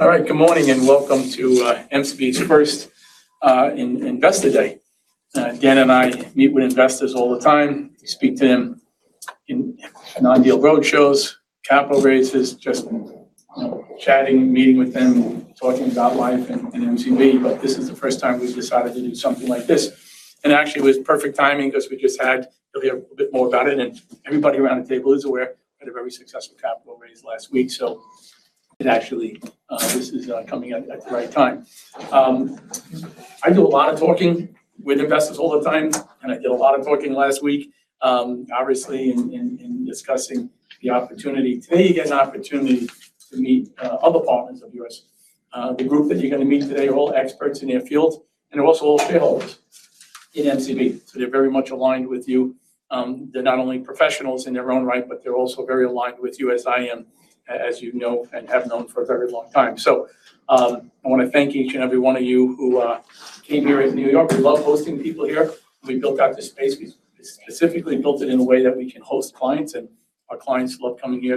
All right, good morning and welcome to MCB's first Investor Day. Dan and I meet with investors all the time. We speak to them in non-deal roadshows, capital raises, just, you know, chatting, meeting with them, talking about life and MCB. This is the first time we've decided to do something like this. Actually it was perfect timing 'cause you'll hear a bit more about it, and everybody around the table is aware, we had a very successful capital raise last week. It actually this is coming at the right time. I do a lot of talking with investors all the time, and I did a lot of talking last week, obviously in discussing the opportunity. Today you get an opportunity to meet other partners of yours. The group that you're gonna meet today are all experts in their field and are also all shareholders in MCB. They're very much aligned with you. They're not only professionals in their own right, but they're also very aligned with you, as I am, as you know, and have known for a very long time. I want to thank each and every one of you who came here in New York. We love hosting people here. We built out this space. We specifically built it in a way that we can host clients, and our clients love coming here.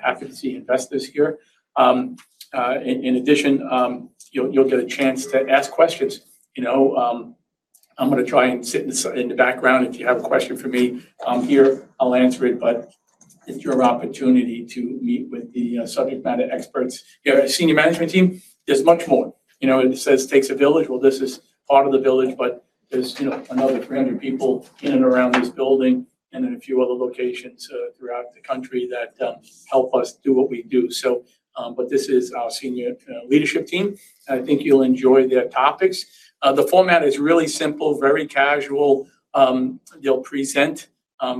Happy to see investors here. In addition, you'll get a chance to ask questions. You know, I'm gonna try and sit in the background. If you have a question for me, I'm here, I'll answer it, but it's your opportunity to meet with the subject matter experts. You have a senior management team. There's much more. You know, it says takes a village, well, this is part of the village, but there's, you know, another 300 people in and around this building and in a few other locations throughout the country that help us do what we do. This is our senior leadership team, and I think you'll enjoy their topics. The format is really simple, very casual. They'll present,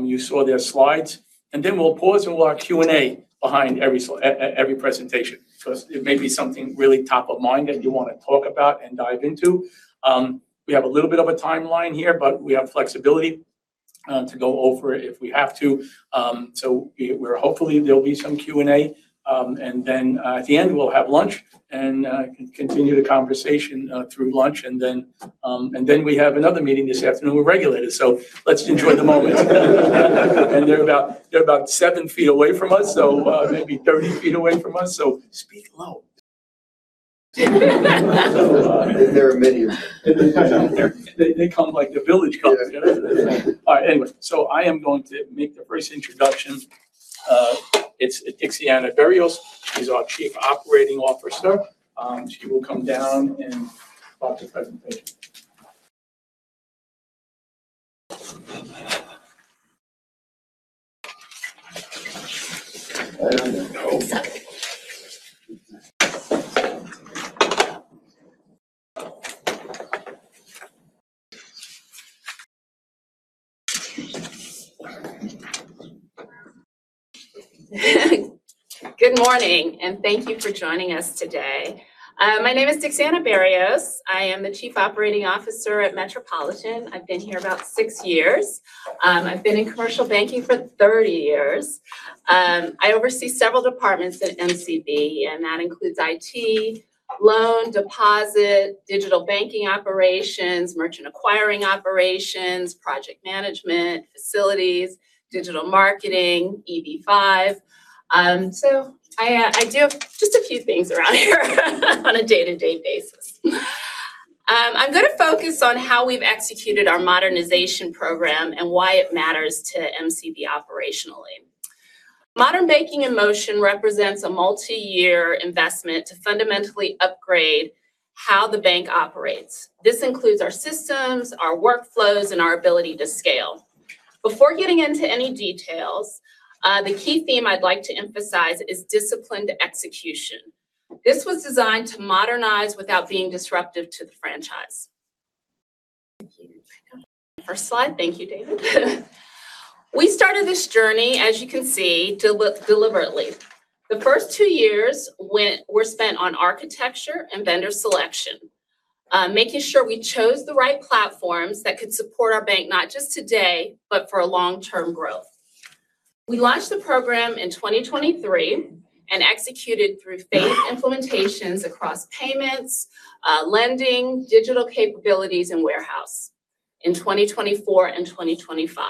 you saw their slides, and then we'll pause and we'll have Q&A behind every presentation. 'Cause it may be something really top of mind that you wanna talk about and dive into. We have a little bit of a timeline here, but we have flexibility to go over if we have to. We're hopefully there'll be some Q&A, and then at the end, we'll have lunch and continue the conversation through lunch. Then we have another meeting this afternoon with regulators. Let's enjoy the moment. They're about 7 ft away from us, so maybe 30 ft away from us, so speak low. There are many of them. They come like the village comes. All right. Anyway, I am going to make the first introduction. It's Dixana Berrios. She's our Chief Operating Officer. She will come down and start the presentation. Good morning, thank you for joining us today. My name is Dixiana M. Berrios. I am the Chief Operating Officer at Metropolitan. I've been here about six years. I've been in commercial banking for 30 years. I oversee several departments at MCB, and that includes IT, loan, deposit, digital banking operations, merchant acquiring operations, project management, facilities, digital marketing, EB-5. I do just a few things around here on a day-to-day basis. I'm gonna focus on how we've executed our modernization program and why it matters to MCB operationally. Modern Banking in Motion represents a multi-year investment to fundamentally upgrade how the bank operates. This includes our systems, our workflows, and our ability to scale. Before getting into any details, the key theme I'd like to emphasize is disciplined execution. This was designed to modernize without being disruptive to the franchise. Thank you. First slide. Thank you, David. We started this journey, as you can see, deliberately. The first two years were spent on architecture and vendor selection, making sure we chose the right platforms that could support our bank, not just today, but for a long-term growth. We launched the program in 2023 and executed through phased implementations across payments, lending, digital capabilities, and warehouse in 2024 and 2025.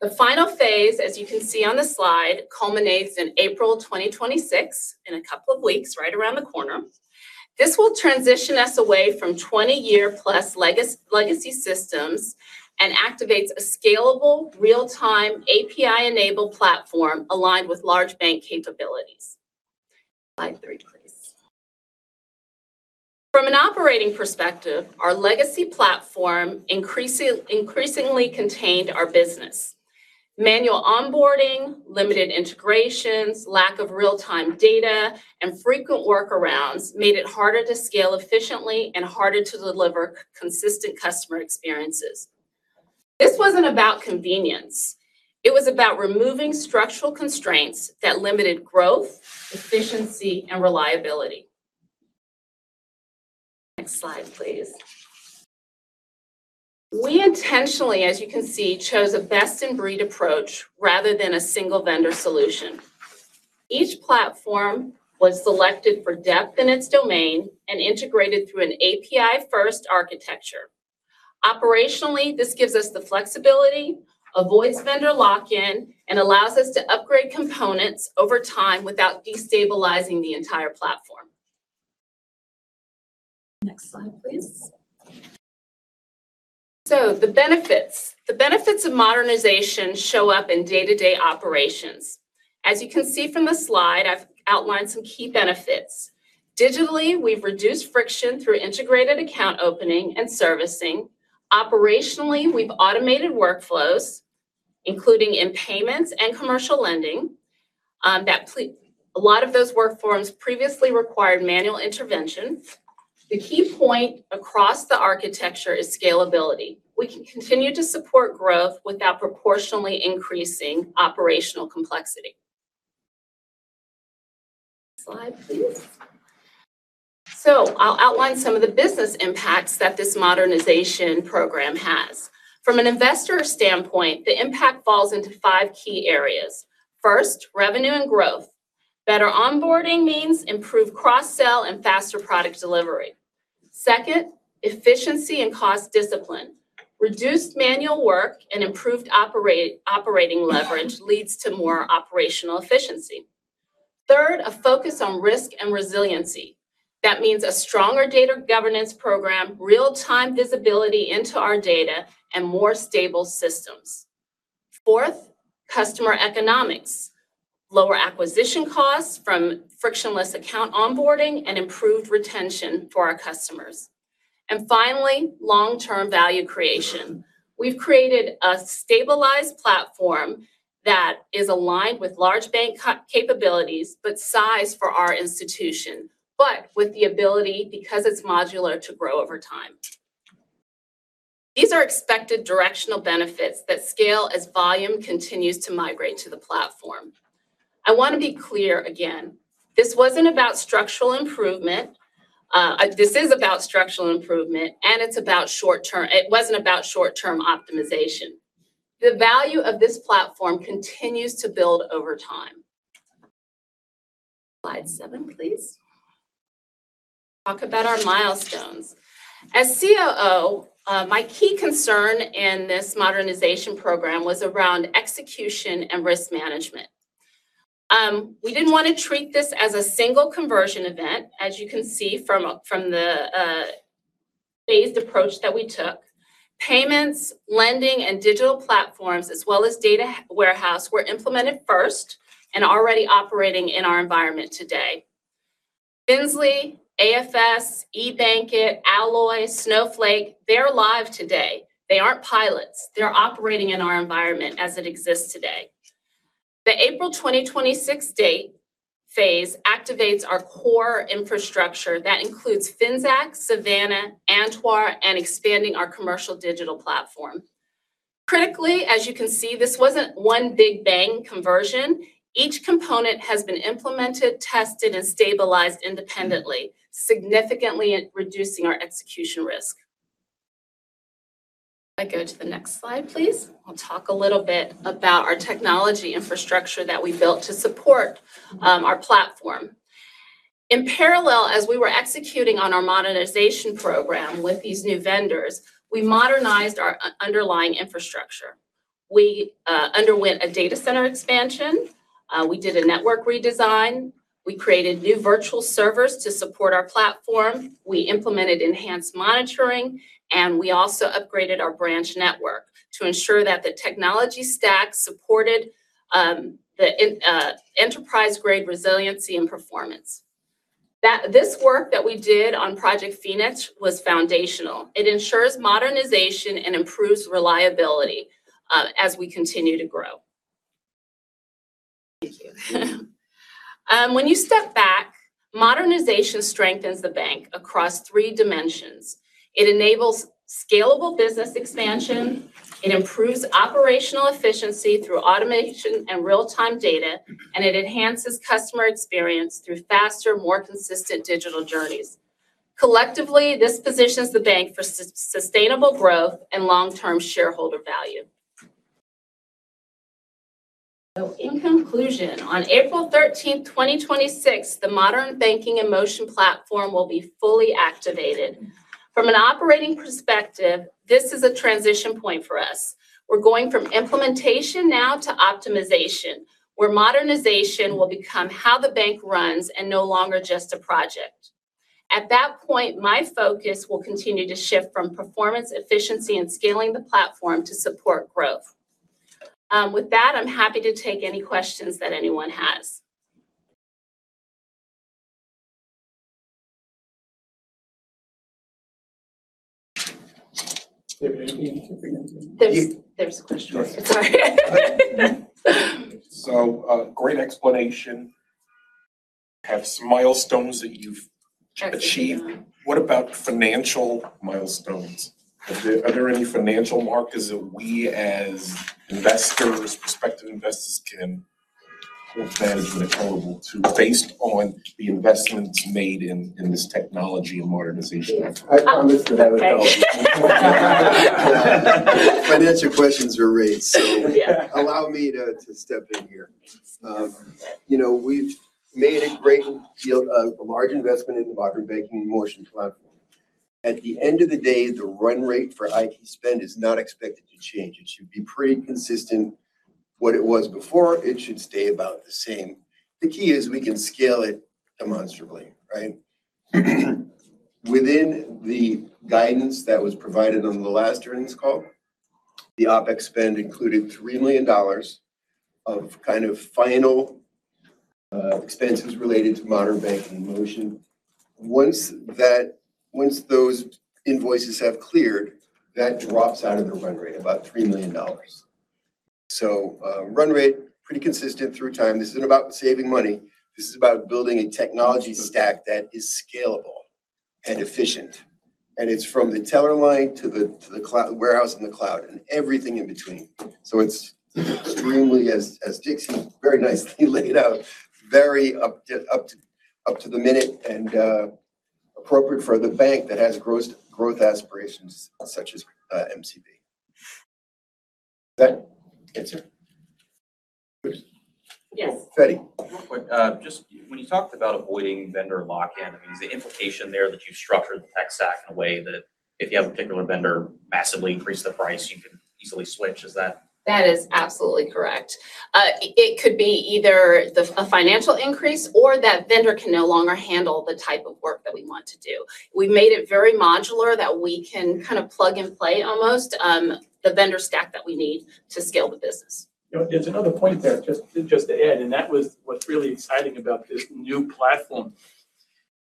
The final phase, as you can see on the slide, culminates in April 2026, in a couple of weeks, right around the corner. This will transition us away from 20-year-plus legacy systems and activates a scalable, real-time, API-enabled platform aligned with large bank capabilities. Slide 3, please. From an operating perspective, our legacy platform increasingly contained our business. Manual onboarding, limited integrations, lack of real-time data, and frequent workarounds made it harder to scale efficiently and harder to deliver consistent customer experiences. This wasn't about convenience. It was about removing structural constraints that limited growth, efficiency, and reliability. Next slide, please. We intentionally, as you can see, chose a best-in-breed approach rather than a single vendor solution. Each platform was selected for depth in its domain and integrated through an API-first architecture. Operationally, this gives us the flexibility, avoids vendor lock-in, and allows us to upgrade components over time without destabilizing the entire platform. Next slide, please. The benefits. The benefits of modernization show up in day-to-day operations. As you can see from the slide, I've outlined some key benefits. Digitally, we've reduced friction through integrated account opening and servicing. Operationally, we've automated workflows, including in payments and commercial lending, that a lot of those work forms previously required manual intervention. The key point across the architecture is scalability. We can continue to support growth without proportionally increasing operational complexity. Slide, please. I'll outline some of the business impacts that this modernization program has. From an investor standpoint, the impact falls into five key areas. First, revenue and growth. Better onboarding means improved cross-sell and faster product delivery. Second, efficiency and cost discipline. Reduced manual work and improved operating leverage leads to more operational efficiency. Third, a focus on risk and resiliency. That means a stronger data governance program, real-time visibility into our data, and more stable systems. Fourth, customer economics. Lower acquisition costs from frictionless account onboarding and improved retention for our customers. Finally, long-term value creation. We've created a stabilized platform that is aligned with large bank c-capabilities but sized for our institution, but with the ability, because it's modular, to grow over time. These are expected directional benefits that scale as volume continues to migrate to the platform. I want to be clear again. This wasn't about structural improvement. This is about structural improvement, and it wasn't about short-term optimization. The value of this platform continues to build over time. Slide 7, please. Talk about our milestones. As COO, my key concern in this modernization program was around execution and risk management. We didn't want to treat this as a single conversion event. As you can see from the phased approach that we took, payments, lending, and digital platforms, as well as data warehouse, were implemented first and already operating in our environment today. Finzly, AFS, eBankIT, Alloy, Snowflake, they're live today. They aren't pilots. They're operating in our environment as it exists today. The April 2026 date phase activates our core infrastructure. That includes Finxact, Savana, Antoine, and expanding our commercial digital platform. Critically, as you can see, this wasn't one big bang conversion. Each component has been implemented, tested, and stabilized independently, significantly reducing our execution risk. I go to the next slide, please. I'll talk a little bit about our technology infrastructure that we built to support our platform. In parallel, as we were executing on our modernization program with these new vendors, we modernized our underlying infrastructure. We underwent a data center expansion. We did a network redesign. We created new virtual servers to support our platform. We implemented enhanced monitoring, and we also upgraded our branch network to ensure that the technology stack supported, enterprise-grade resiliency and performance. This work that we did on Project Phoenix was foundational. It ensures modernization and improves reliability, as we continue to grow. Thank you. When you step back, modernization strengthens the bank across three dimensions. It enables scalable business expansion, it improves operational efficiency through automation and real-time data, and it enhances customer experience through faster, more consistent digital journeys. Collectively, this positions the bank for sustainable growth and long-term shareholder value. In conclusion, on April 13th, 2026, the Modern Banking in Motion platform will be fully activated. From an operating perspective, this is a transition point for us. We're going from implementation now to optimization, where modernization will become how the bank runs and no longer just a project. At that point, my focus will continue to shift from performance, efficiency, and scaling the platform to support growth. With that, I'm happy to take any questions that anyone has. There's a question. Sorry. Great explanation. Have some milestones that you've achieved. What about financial milestones? Are there any financial markers that we as investors, prospective investors can hold management accountable to based on the investments made in this technology and modernization efforts? Okay. Financial questions are great. Yeah. allow me to step in here. You know, we've made a large investment in the Modern Banking in Motion platform. At the end of the day, the run rate for IT spend is not expected to change. It should be pretty consistent what it was before. It should stay about the same. The key is we can scale it demonstrably, right? Within the guidance that was provided on the last earnings call, the OpEx spend included $3 million of kind of final expenses related to Modern Banking in Motion. Once those invoices have cleared, that drops out of the run rate, about $3 million. Run rate, pretty consistent through time. This isn't about saving money. This is about building a technology stack that is scalable and efficient. It's from the teller line to the warehouse in the cloud, and everything in between. It's extremely as Dixie very nicely laid out, very up to the minute and appropriate for the bank that has gross growth aspirations such as MCB. Does that answer? Yes. Betty. One quick. Just when you talked about avoiding vendor lock-in, I mean, is the implication there that you've structured the tech stack in a way that if you have a particular vendor massively increase the price, you can easily switch? That is absolutely correct. It could be either a financial increase or that vendor can no longer handle the type of work that we want to do. We've made it very modular that we can kind of plug and play almost, the vendor stack that we need to scale the business. You know, it's another point there just to add. That was what's really exciting about this new platform.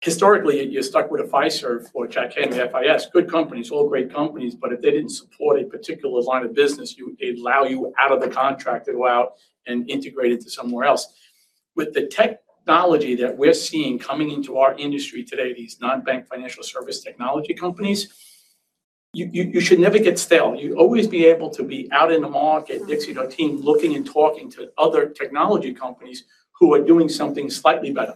Historically, you're stuck with a Fiserv or Jack Henry FIS, good companies, all great companies, but if they didn't support a particular line of business, they'd allow you out of the contract to go out and integrate into somewhere else. With the technology that we're seeing coming into our industry today, these non-bank financial service technology companies, you should never get stale. You'd always be able to be out in the market, Dixie and our team, looking and talking to other technology companies who are doing something slightly better.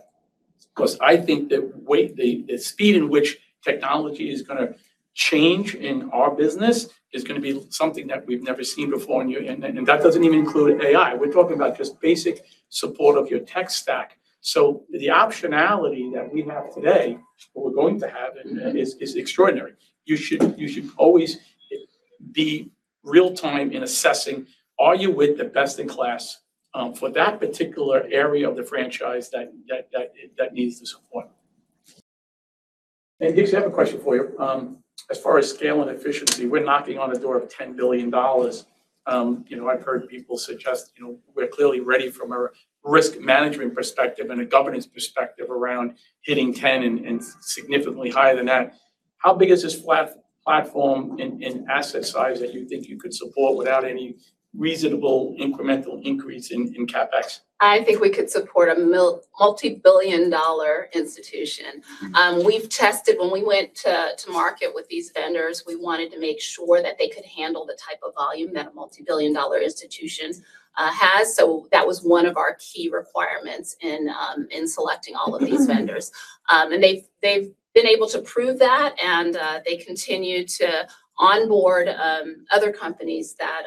I think the way the speed in which technology is gonna change in our business is gonna be something that we've never seen before, and that doesn't even include AI. We're talking about just basic support of your tech stack. The optionality that we have today, what we're going to have is extraordinary. You should always be real-time in assessing are you with the best-in-class for that particular area of the franchise that needs the support. Dixie, I have a question for you. As far as scale and efficiency, we're knocking on the door of $10 billion. You know, I've heard people suggest, you know, we're clearly ready from a risk management perspective and a governance perspective around hitting 10 and significantly higher than that. How big is this platform and asset size that you think you could support without any reasonable incremental increase in CapEx? I think we could support a multi-billion dollar institution. We've tested when we went to market with these vendors, we wanted to make sure that they could handle the type of volume that a multi-billion dollar institution has. That was one of our key requirements in selecting all of these vendors. They've been able to prove that, they continue to onboard other companies that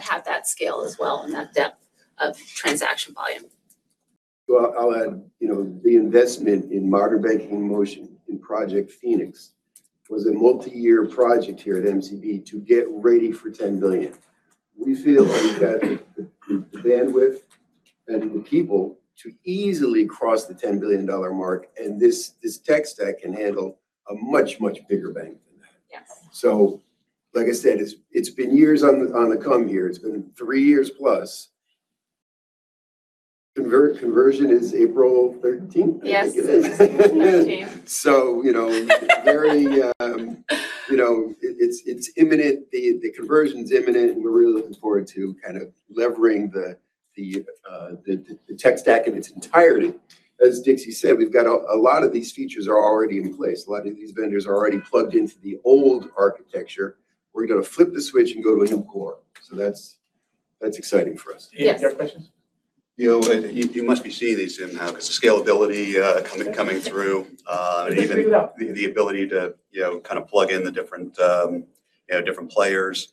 have that scale as well and that depth of transaction volume. Well, I'll add, you know, the investment in Modern Banking in Motion in Project Phoenix was a multiyear project here at MCB to get ready for $10 billion. We feel that we've had the bandwidth and the people to easily cross the $10 billion mark, this tech stack can handle a much, much bigger bank than that. Yes. Like I said, it's been years on the come here. It's been 3 years plus. Conversion is April thirteenth. Yes. I think it is. 13th. You know, very, you know, it's imminent. The conversion's imminent, and we're really looking forward to kind of levering the tech stack in its entirety. As Dixie said, we've got a lot of these features are already in place. A lot of these vendors are already plugged into the old architecture. We're gonna flip the switch and go to a new core. That's exciting for us. Yes. Any other questions? You know, you must be seeing these in now 'cause the scalability, coming through. Absolutely. Even the ability to, you know, kind of plug in the different, you know, different players.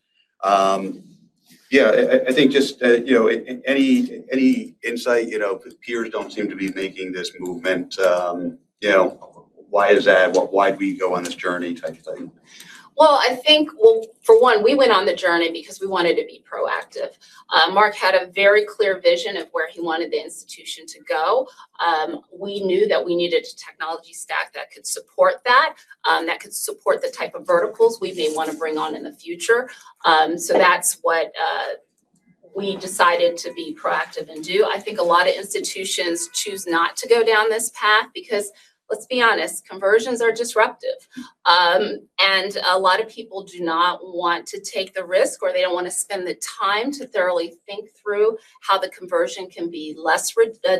Yeah, I think just, you know, any insight, you know, 'cause peers don't seem to be making this movement. You know, why is that? Why'd we go on this journey type of thing? I think, for one, we went on the journey because we wanted to be proactive. Mark had a very clear vision of where he wanted the institution to go. We knew that we needed a technology stack that could support that could support the type of verticals we may wanna bring on in the future. That's what we decided to be proactive and do. I think a lot of institutions choose not to go down this path because, let's be honest, conversions are disruptive. A lot of people do not want to take the risk, or they don't wanna spend the time to thoroughly think through how the conversion can be less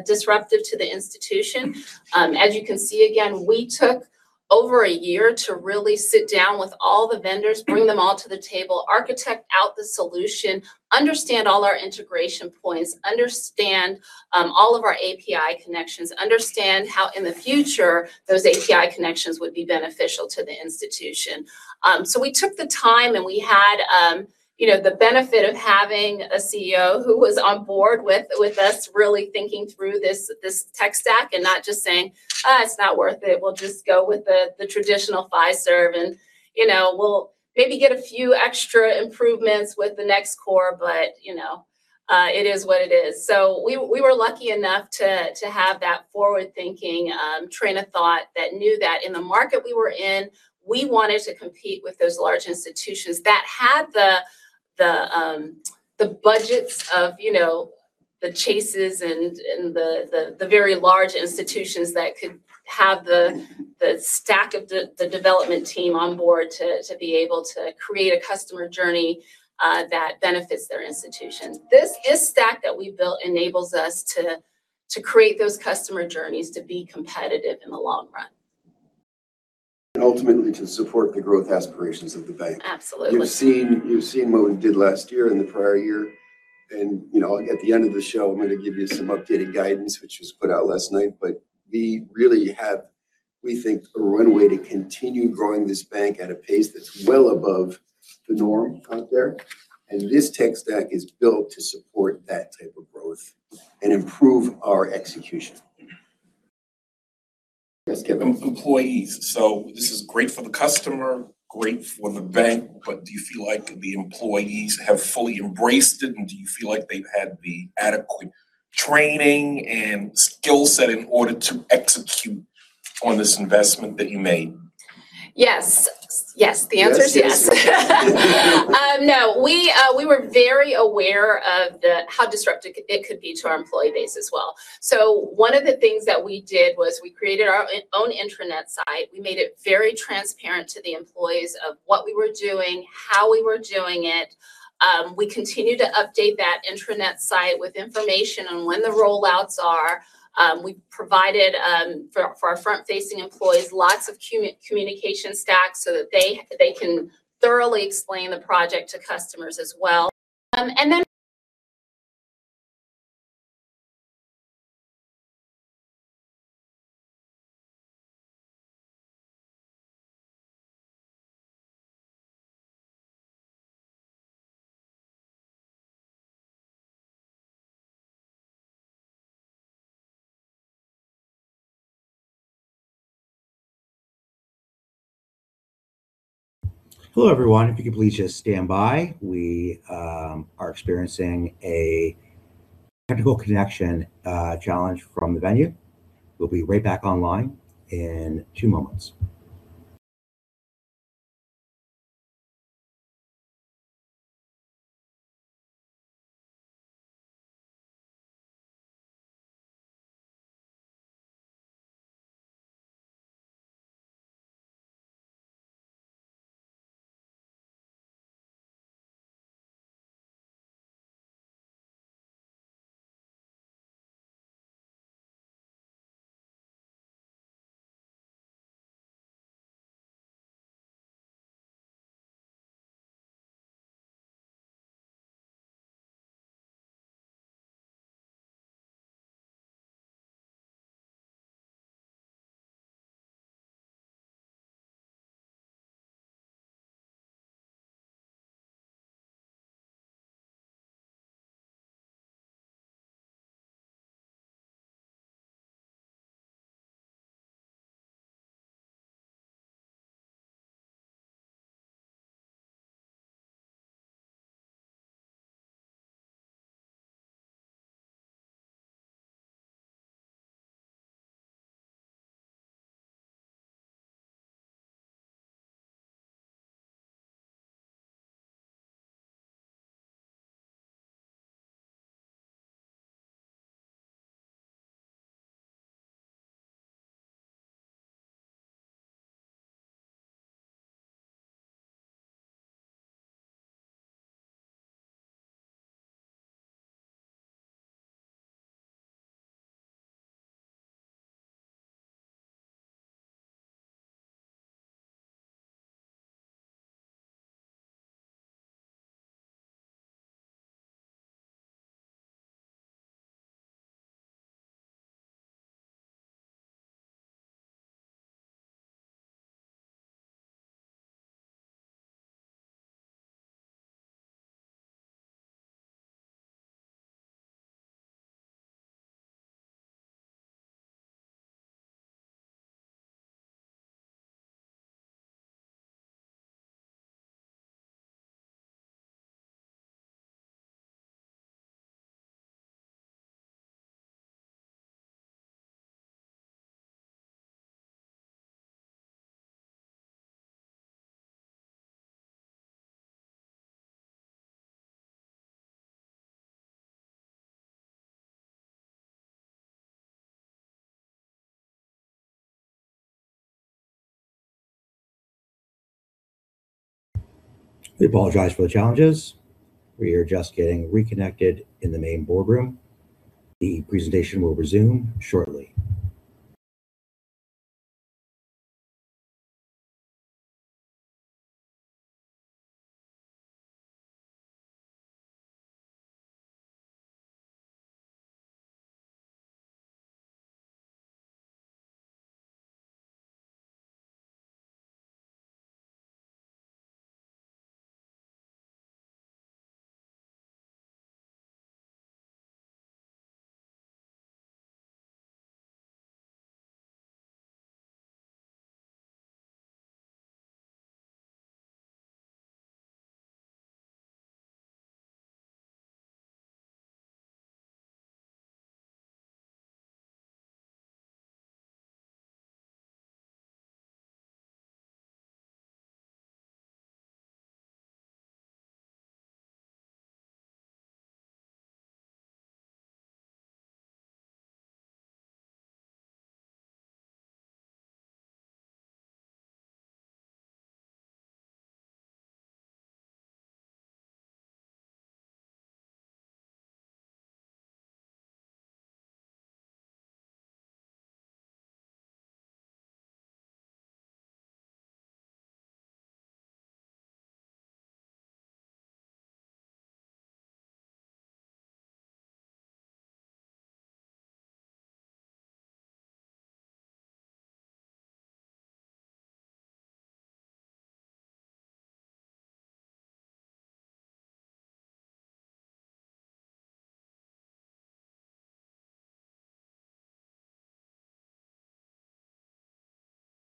disruptive to the institution. As you can see, again, we took over a year to really sit down with all the vendors, bring them all to the table, architect out the solution, understand all our integration points, understand all of our API connections, understand how in the future those API connections would be beneficial to the institution. We took the time, and we had, you know, the benefit of having a CEO who was on board with us really thinking through this tech stack and not just saying, "It's not worth it. We'll just go with the traditional Fiserv, and, you know, we'll maybe get a few extra improvements with the next core," but, you know. It is what it is. We were lucky enough to have that forward-thinking train of thought that knew that in the market we were in, we wanted to compete with those large institutions that had the budgets of the Chases and the very large institutions that could have the stack of the development team on board to be able to create a customer journey that benefits their institutions. This stack that we built enables us to create those customer journeys to be competitive in the long run. Ultimately to support the growth aspirations of the bank. Absolutely. You've seen what we did last year and the prior year. At the end of the show, I'm going to give you some updated guidance, which was put out last night. We really have, we think, a runway to continue growing this bank at a pace that's well above the norm out there. This tech stack is built to support that type of growth and improve our execution. Yes, Kevin. Employees. This is great for the customer, great for the bank, but do you feel like the employees have fully embraced it? Do you feel like they've had the adequate training and skill set in order to execute on this investment that you made? Yes. Yes. The answer is yes. No, we were very aware of how disruptive it could be to our employee base as well. One of the things that we did was we created our own intranet site. We made it very transparent to the employees of what we were doing, how we were doing it. We continue to update that intranet site with information on when the rollouts are. We provided for our front-facing employees lots of communication stacks so that they can thoroughly explain the project to customers as well. Hello, everyone. If you could please just stand by, we are experiencing a technical connection challenge from the venue. We'll be right back online in two moments.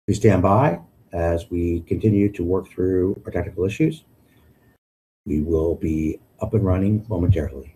Please stand by as we continue to work through our technical issues. We will be up and running momentarily.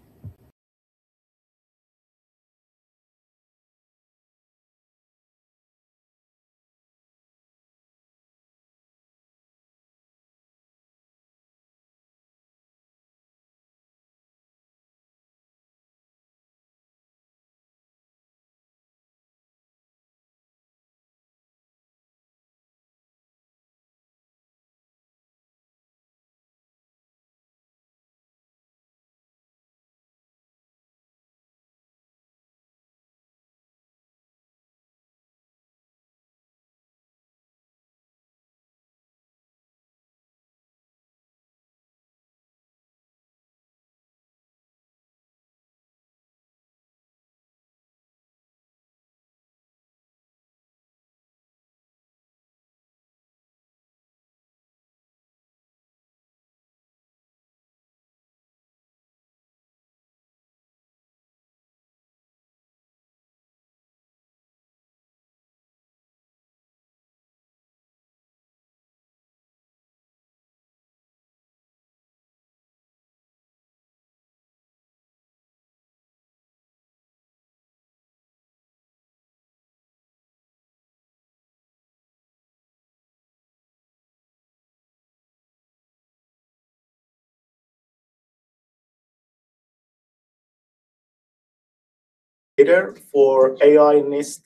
Leader for AI NIST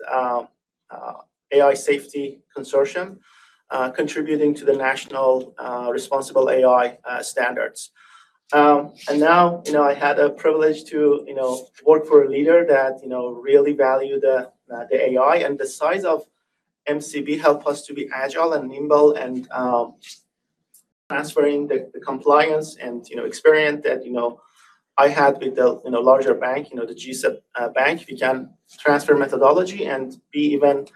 AI safety consortium contributing to the national responsible AI standards. Now, you know, I had a privilege to, you know, work for a leader that, you know, really value the AI, and the size of MCB help us to be agile and nimble and transferring the compliance and, you know, experience that, you know, I had with the, you know, larger bank, you know, the G-SIB bank. We can transfer methodology and be even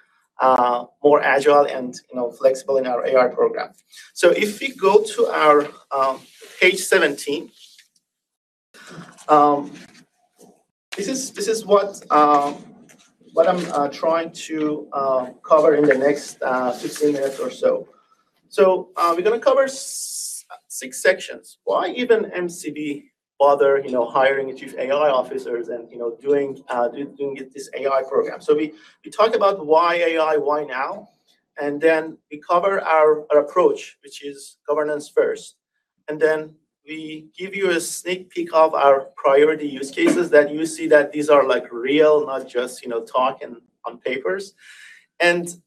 more agile and, you know, flexible in our AI program. If we go to our page 17. This is, this is what I'm trying to cover in the next 16 minutes or so. we're gonna cover six sections. Why even MCB bother, you know, hiring a chief AI officers and, you know, doing this AI program? we talk about why AI, why now, we cover our approach, which is governance first. we give you a sneak peek of our priority use cases that you see that these are like real, not just, you know, talk and on papers.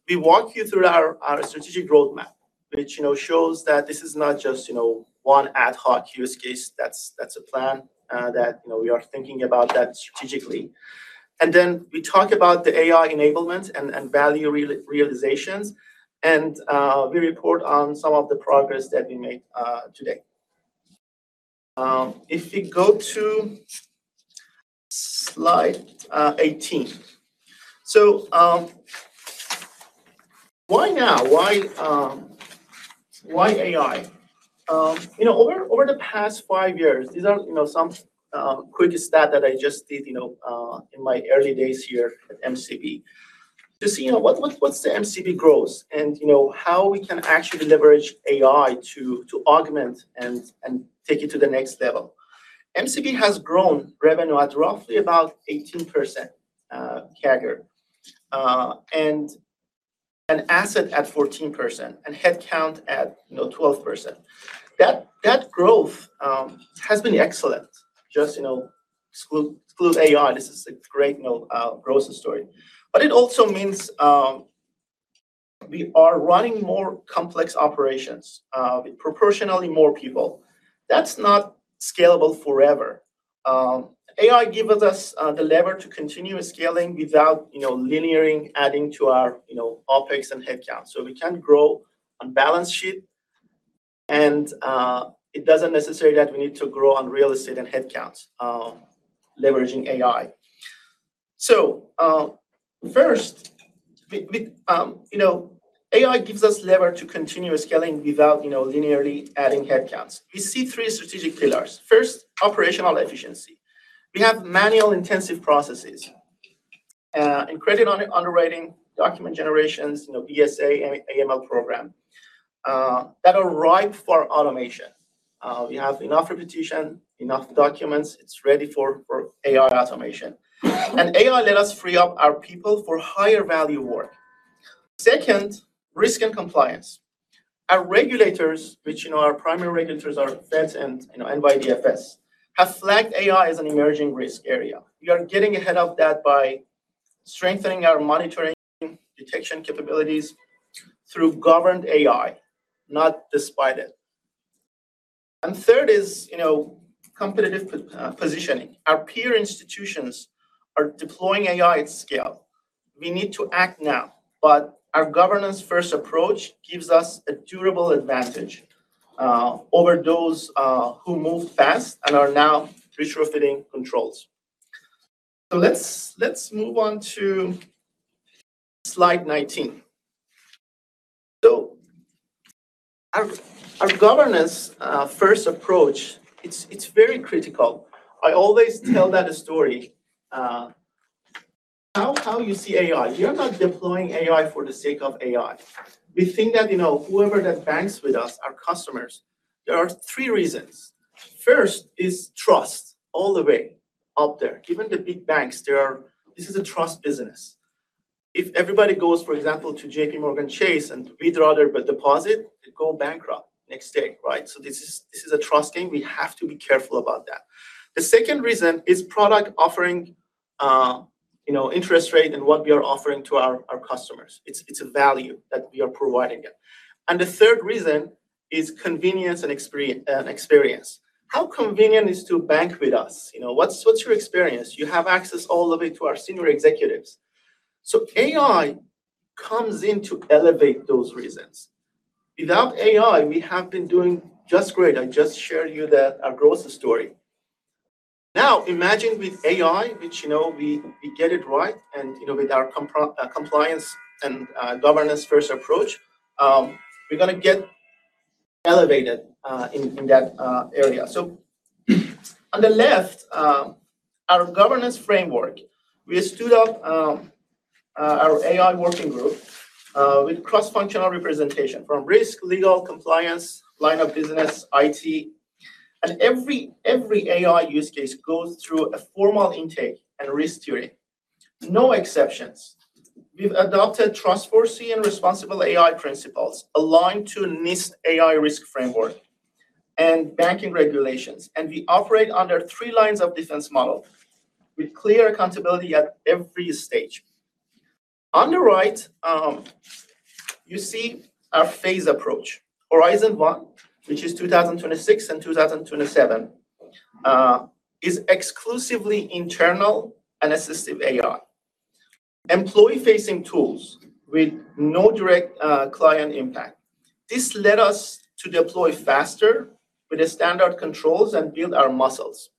we walk you through our strategic roadmap, which, you know, shows that this is not just, you know, one ad hoc use case that's a plan that, you know, we are thinking about that strategically. we talk about the AI enablement and value realizations, and we report on some of the progress that we made today. If you go to slide 18. Why now? Why, why AI? You know, over the past five years, these are, you know, some quick stat that I just did, you know, in my early days here at MCB to see, you know, what's the MCB growth and, you know, how we can actually leverage AI to augment and take it to the next level. MCB has grown revenue at roughly about 18% CAGR, and an asset at 14% and headcount at, you know, 12%. That growth has been excellent. Just, you know, exclude AI, this is a great, you know, growth story. It also means, we are running more complex operations, with proportionally more people. That's not scalable forever. AI gives us the lever to continue scaling without, you know, linearly adding to our, you know, OpEx and headcount. We can grow on balance sheet and it doesn't necessary that we need to grow on real estate and headcounts, leveraging AI. First, we, you know, AI gives us lever to continue scaling without, you know, linearly adding headcounts. We see three strategic pillars. First, operational efficiency. We have manual intensive processes. In credit underwriting, document generations, you know, BSA and AML program, that are ripe for automation. We have enough repetition, enough documents. It's ready for AI automation. AI let us free up our people for higher value work. Second, risk and compliance. Our regulators, which, you know, our primary regulators are Fed and, you know, NYDFS, have flagged AI as an emerging risk area. We are getting ahead of that by strengthening our monitoring, detection capabilities through governed AI, not despite it. Third is, you know, competitive positioning. Our peer institutions are deploying AI at scale. We need to act now, but our governance-first approach gives us a durable advantage over those who moved fast and are now retrofitting controls. Let's move on to slide 19. Our governance first approach, it's very critical. I always tell that story. How you see AI. You're not deploying AI for the sake of AI. We think that, you know, whoever that banks with us, our customers, there are 3 reasons. First is trust all the way up there. Even the big banks, this is a trust business. If everybody goes, for example, to JPMorgan Chase and withdraw their deposit, they go bankrupt next day, right? This is a trust thing. We have to be careful about that. The second reason is product offering. You know, interest rate and what we are offering to our customers. It's a value that we are providing it. The third reason is convenience and experience. How convenient is to bank with us? You know, what's your experience? You have access all the way to our senior executives. AI comes in to elevate those reasons. Without AI, we have been doing just great. I just shared you our growth story. Now, imagine with AI, which, we get it right and, with our compliance and governance-first approach, we're gonna get elevated in that area. On the left, our governance framework. We stood up our AI working group with cross-functional representation from risk, legal, compliance, line of business, IT. Every AI use case goes through a formal intake and risk tutoring. No exceptions. We've adopted Trustworthy and Responsible AI Principles aligned to NIST's AI Risk Framework and banking regulations, and we operate under three lines of defense model with clear accountability at every stage. On the right, you see our phase approach. Horizon 1, which is 2026 and 2027, is exclusively internal and assistive AI. Employee-facing tools with no direct client impact. This led us to deploy faster with the standard controls and build our muscles.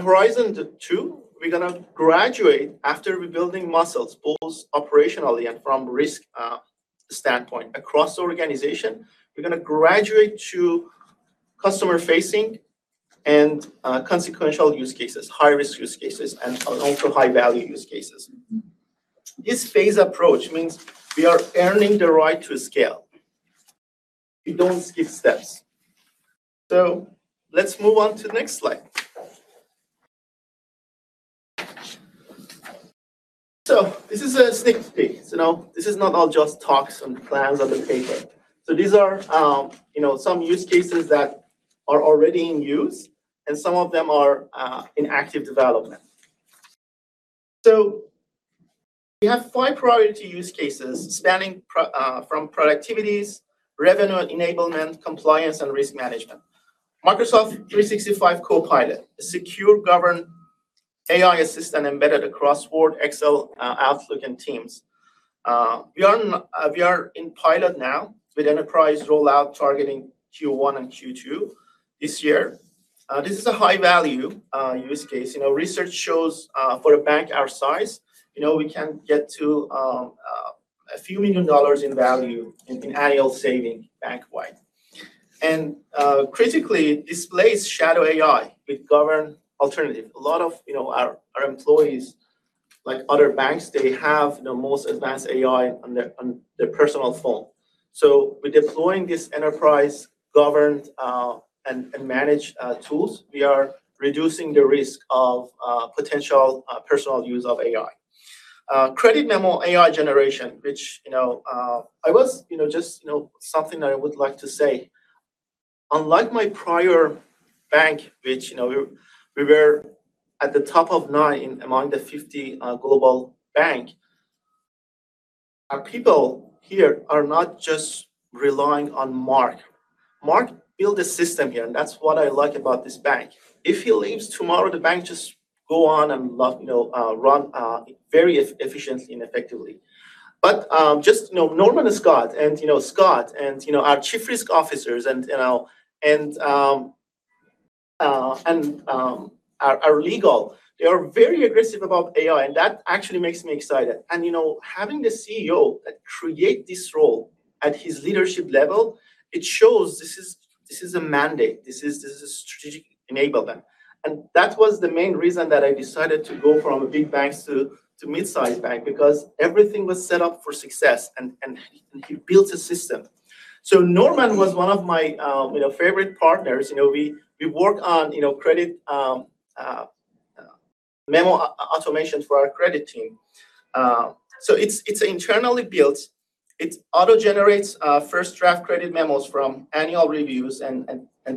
Horizon 2, we're going to graduate after rebuilding muscles, both operationally and from risk standpoint. Across the organization, we're going to graduate to customer-facing and consequential use cases, high-risk use cases, and also high-value use cases. This phase approach means we are earning the right to scale. We don't skip steps. Let's move on to the next slide. This is a sneak peek. You know, this is not all just talks and plans on the paper. These are, you know, some use cases that are already in use, and some of them are in active development. We have five priority use cases spanning from productivities, revenue enablement, compliance, and risk management. Microsoft 365 Copilot, a secure governed AI assistant embedded across Word, Excel, Outlook, and Teams. We are in pilot now with enterprise rollout targeting Q1 and Q2 this year. This is a high-value use case. You know, research shows, for a bank our size, you know, we can get to a few million dollars in value in annual saving bank-wide. Critically, it displays shadow AI with governed alternative. A lot of, you know, our employees, like other banks, they have the most advanced AI on their personal phone. With deploying these enterprise-governed, and managed tools, we are reducing the risk of potential personal use of AI. Credit memo AI generation, which I was just something that I would like to say. Unlike my prior bank, which we were at the top of 9 among the 50 global bank, our people here are not just relying on Mark. Mark built a system here, that's what I like about this bank. If he leaves tomorrow, the bank just go on and run very efficiently and effectively. Just Norman and Scott and our Chief Risk Officers and our legal, they are very aggressive about AI, that actually makes me excited. Having the CEO create this role at his leadership level, it shows this is a mandate. This is a strategic enablement. That was the main reason that I decided to go from big banks to mid-size bank because everything was set up for success and he built a system. Norman was one of my, you know, favorite partners. You know, we work on, you know, credit memo automation for our credit team. It's internally built. It auto-generates first draft credit memos from annual reviews and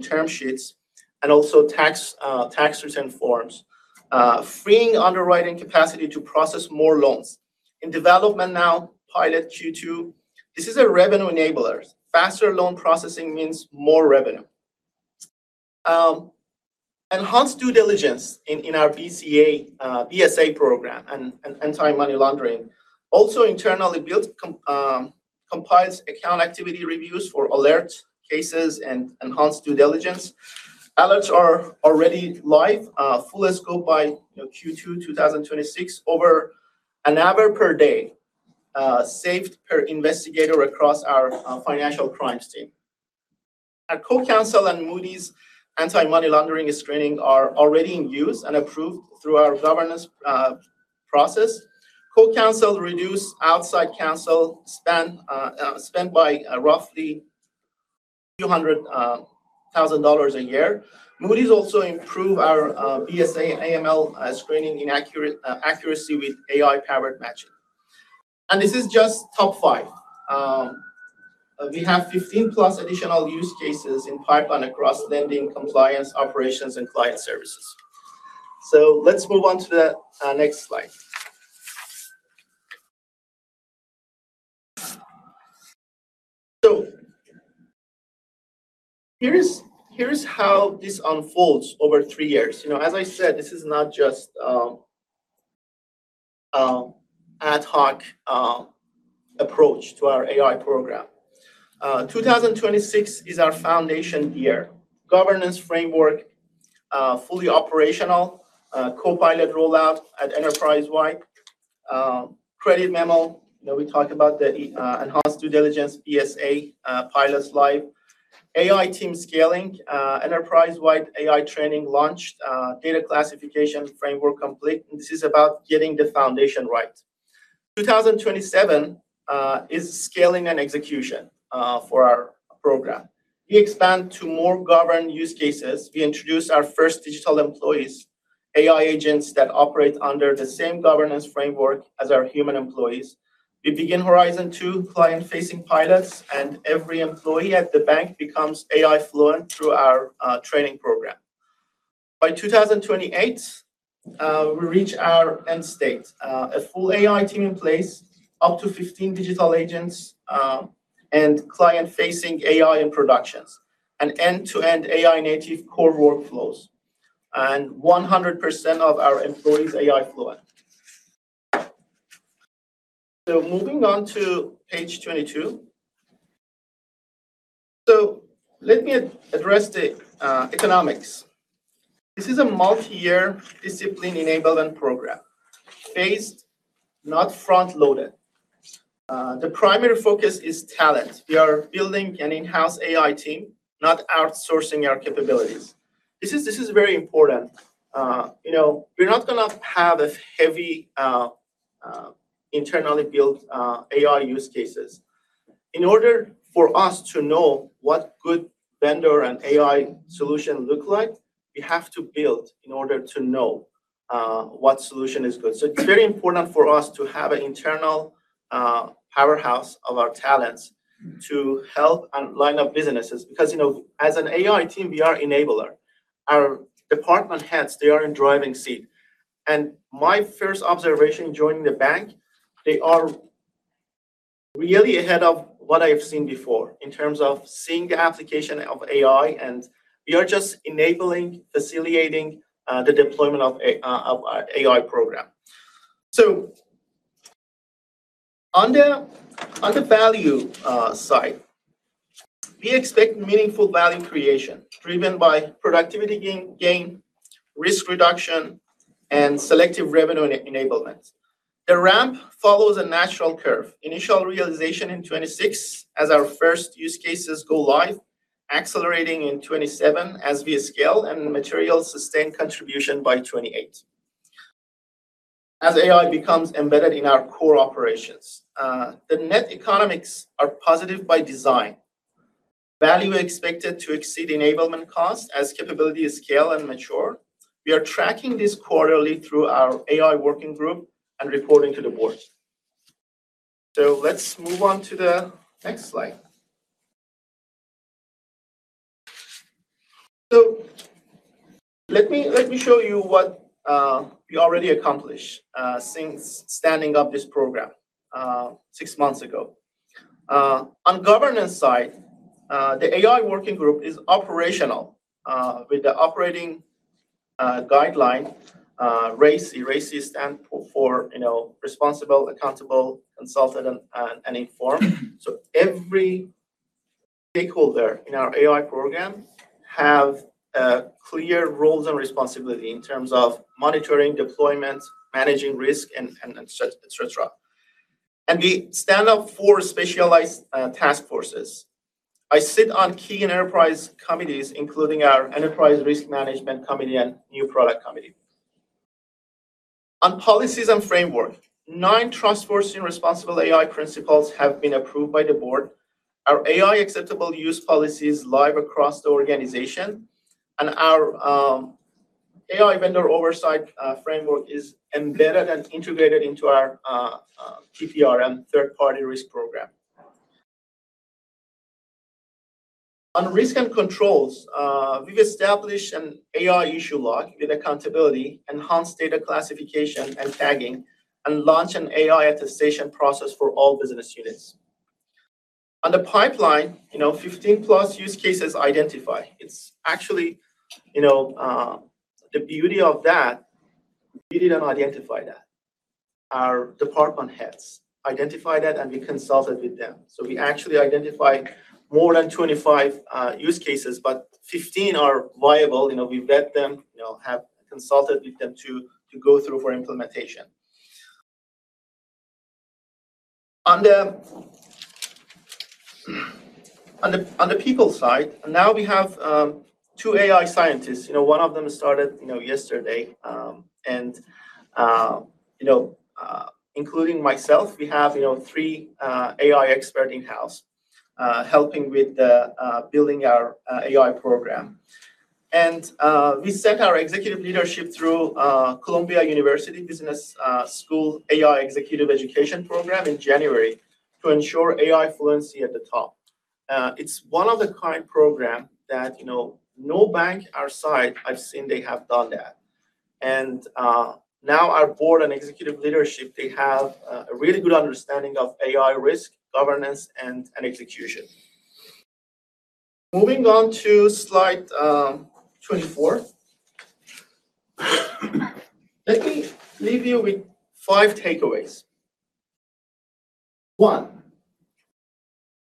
term sheets, and also tax return forms, freeing underwriting capacity to process more loans. In development now, pilot Q2. This is a revenue enabler. Faster loan processing means more revenue. Enhanced due diligence in our BCA, BSA program and anti-money laundering. Also internally built compiles account activity reviews for alert cases and enhanced due diligence. Alerts are already live, full scope by, you know, Q2 2026. Over an hour per day saved per investigator across our financial crimes team. Our CoCounsel and Moody's anti-money laundering screening are already in use and approved through our governance process. CoCounsel reduce outside counsel spend by roughly $200,000 a year. Moody's also improve our BSA/AML screening inaccurate accuracy with AI-powered matching. This is just top five. We have 15+ additional use cases in pipeline across lending, compliance, operations, and client services. Let's move on to the next slide. Here's how this unfolds over three years. You know, as I said, this is not just ad hoc approach to our AI program. 2026 is our foundation year. Governance framework fully operational. Copilot rollout at enterprise-wide. Credit memo. You know, we talked about the enhanced due diligence BSA pilots live. AI team scaling. Enterprise-wide AI training launched. Data classification framework complete. This is about getting the foundation right. 2027 is scaling and execution for our program. We expand to more governed use cases. We introduce our first digital employees, AI agents that operate under the same governance framework as our human employees. We begin Horizon Two client-facing pilots, every employee at the bank becomes AI fluent through our training program. By 2028, we reach our end state. A full AI team in place, up to 15 digital agents, client-facing AI in productions, end-to-end AI-native core workflows, 100% of our employees AI fluent. Moving on to page 22. Let me address the economics. This is a multi-year discipline enablement program, phased, not front-loaded. The primary focus is talent. We are building an in-house AI team, not outsourcing our capabilities. This is very important. You know, we're not gonna have a heavy, internally built, AI use cases. In order for us to know what good vendor and AI solution look like, we have to build in order to know what solution is good. It's very important for us to have an internal powerhouse of our talents to help and line up businesses because, you know, as an AI team, we are enabler. Our department heads, they are in driving seat. My first observation joining the bank, they are really ahead of what I've seen before in terms of seeing the application of AI, and we are just enabling, facilitating, the deployment of AI program. On the, on the value side, we expect meaningful value creation driven by productivity gain, risk reduction, and selective revenue enablement. The ramp follows a natural curve. Initial realization in 2026 as our first use cases go live, accelerating in 2027 as we scale, and material sustained contribution by 2028 as AI becomes embedded in our core operations. The net economics are positive by design. Value expected to exceed enablement costs as capabilities scale and mature. We are tracking this quarterly through our AI working group and reporting to the board. Let's move on to the next slide. Let me show you what we already accomplished since standing up this program 6 months ago. On governance side, the AI working group is operational with the operating guideline RACI. RACI stand for, you know, responsible, accountable, consulted, and informed. Every stakeholder in our AI program have clear roles and responsibility in terms of monitoring deployments, managing risk, and et cetera. We stand up 4 specialized task forces. I sit on key enterprise committees, including our enterprise risk management committee and new product committee. On policies and framework, 9 trust-worthy and responsible AI principles have been approved by the board. Our AI acceptable use policy is live across the organization, and our AI vendor oversight framework is embedded and integrated into our TPRM third-party risk program. On risk and controls, we've established an AI issue log with accountability, enhanced data classification and tagging, and launched an AI attestation process for all business units. On the pipeline, you know, 15+ use cases identified. It's actually, you know, the beauty of that, we didn't identify that. Our department heads identified that, and we consulted with them. We actually identified more than 25 use cases, but 15 are viable. You know, we vet them, you know, have consulted with them to go through for implementation. On the people side, now we have two AI scientists. You know, one of them started, you know, yesterday. Including myself, we have, you know, three AI expert in-house, helping with the building our AI program. We sent our executive leadership through Columbia Business School AI Executive Education Program in January to ensure AI fluency at the top. It's one-of-a-kind program that, you know, no bank our side I've seen they have done that. Now our board and executive leadership, they have a really good understanding of AI risk, governance, and execution. Moving on to slide 24. Let me leave you with five takeaways. One,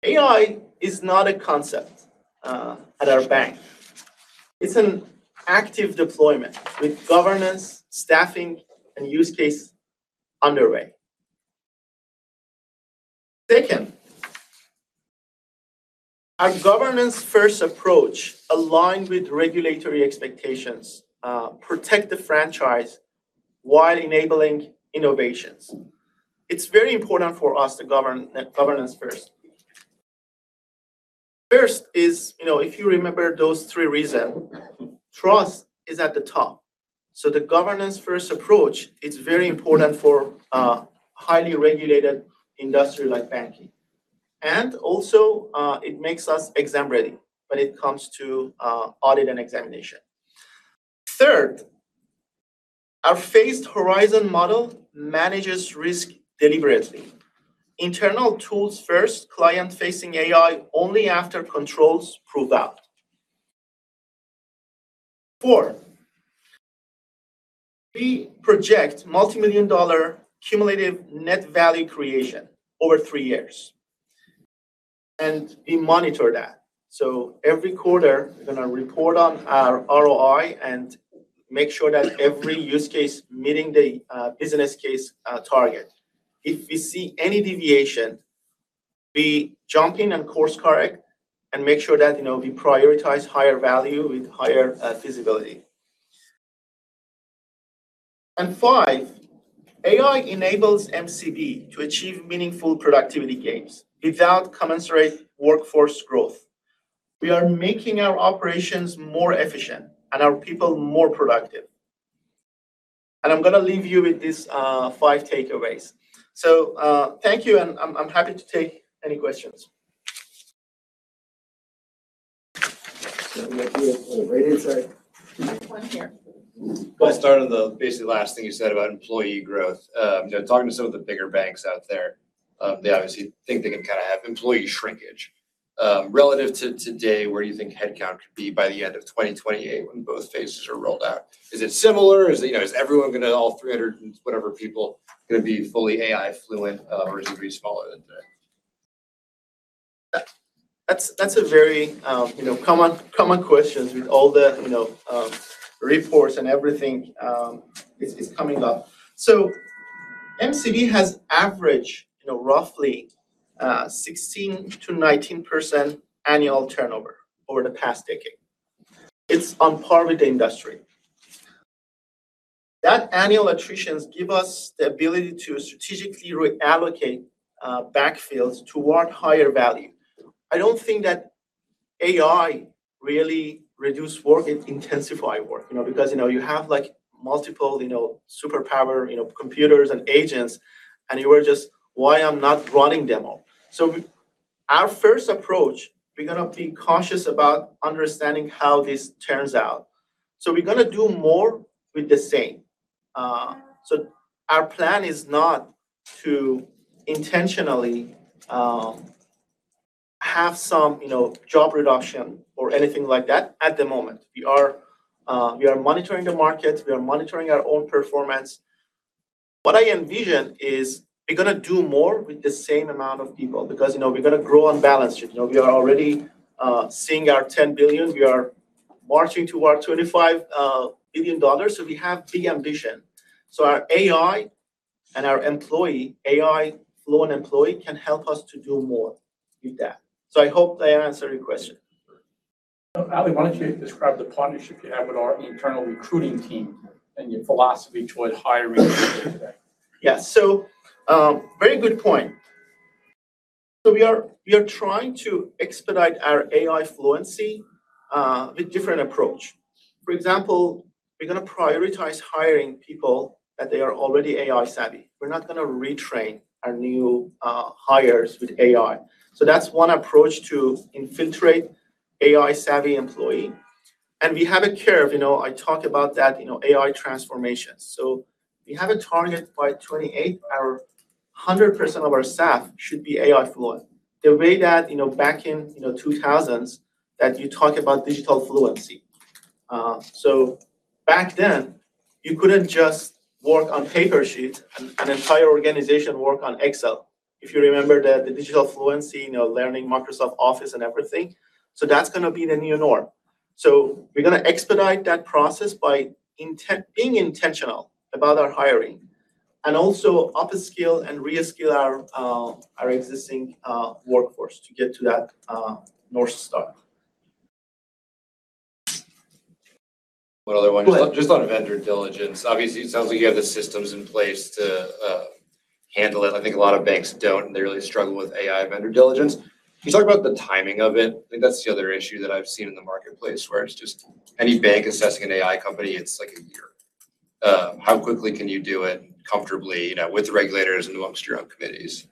AI is not a concept at our bank. It's an active deployment with governance, staffing, and use case underway. Two, our governance-first approach aligned with regulatory expectations, protect the franchise while enabling innovations. It's very important for us to governance first. First is, you know, if you remember those three reason, trust is at the top. The governance-first approach is very important for a highly regulated industry like banking. Also, it makes us exam ready when it comes to audit and examination. Third, our phased horizon model manages risk deliberately. Internal tools first, client-facing AI only after controls proved out. Four, we project multimillion-dollar cumulative net value creation over three years, and we monitor that. Every quarter, we're gonna report on our ROI and make sure that every use case meeting the business case target. If we see any deviation, we jump in and course-correct and make sure that, you know, we prioritize higher value with higher feasibility. Five, AI enables MCB to achieve meaningful productivity gains without commensurate workforce growth. We are making our operations more efficient and our people more productive. I'm gonna leave you with these five takeaways. Thank you, and I'm happy to take any questions. Right here. Sorry. One here. I'll start on the basically last thing you said about employee growth. You know, talking to some of the bigger banks out there, they obviously think they can kinda have employee shrinkage. Relative to today, where you think headcount could be by the end of 2028 when both phases are rolled out. Is it similar? Is it, you know, is everyone gonna, all 300 and whatever people, gonna be fully AI fluent, or is it gonna be smaller than today? That's a very, you know, common questions with all the, you know, reports and everything, is coming up. MCB has averaged, you know, roughly, 16%-19% annual turnover over the past decade. It's on par with the industry. That annual attritions give us the ability to strategically reallocate backfills toward higher value. I don't think that AI really reduce work, it intensify work, you know. You know, you have, like, multiple, you know, superpower, you know, computers and agents, and you were just, "Why I'm not running them all?" Our first approach, we're gonna be cautious about understanding how this turns out. We're gonna do more with the same. Our plan is not to intentionally have some, you know, job reduction or anything like that at the moment. We are, we are monitoring the market. We are monitoring our own performance. What I envision is we're gonna do more with the same amount of people because, you know, we're gonna grow on balance sheet. You know, we are already, seeing our $10 billion. Marching toward $25 billion. We have big ambition. Our AI and our employee, AI fluent employee can help us to do more with that. I hope that answered your question. Ali, why don't you describe the partnership you have with our internal recruiting team and your philosophy toward hiring today? Yes. Very good point. We are trying to expedite our AI fluency with different approach. For example, we're gonna prioritize hiring people that they are already AI savvy. We're not gonna retrain our new hires with AI. That's one approach to infiltrate AI savvy employee. And we have a curve, you know, I talked about that, you know, AI transformation. We have a target by 2028, our 100% of our staff should be AI fluent. The way that, you know, back in, you know, 2000s that you talk about digital fluency. Back then, you couldn't just work on paper sheet, an entire organization work on Excel. If you remember that the digital fluency, you know, learning Microsoft Office and everything. That's gonna be the new norm. We're gonna expedite that process by being intentional about our hiring. Also up-skill and re-skill our existing workforce to get to that North Star. One other one. Go ahead. Just on vendor diligence. Obviously, it sounds like you have the systems in place to handle it. I think a lot of banks don't, and they really struggle with AI vendor diligence. Can you talk about the timing of it? I think that's the other issue that I've seen in the marketplace, where it's just any bank assessing an AI company, it's like a year. How quickly can you do it comfortably, you know, with regulators and amongst your own committees?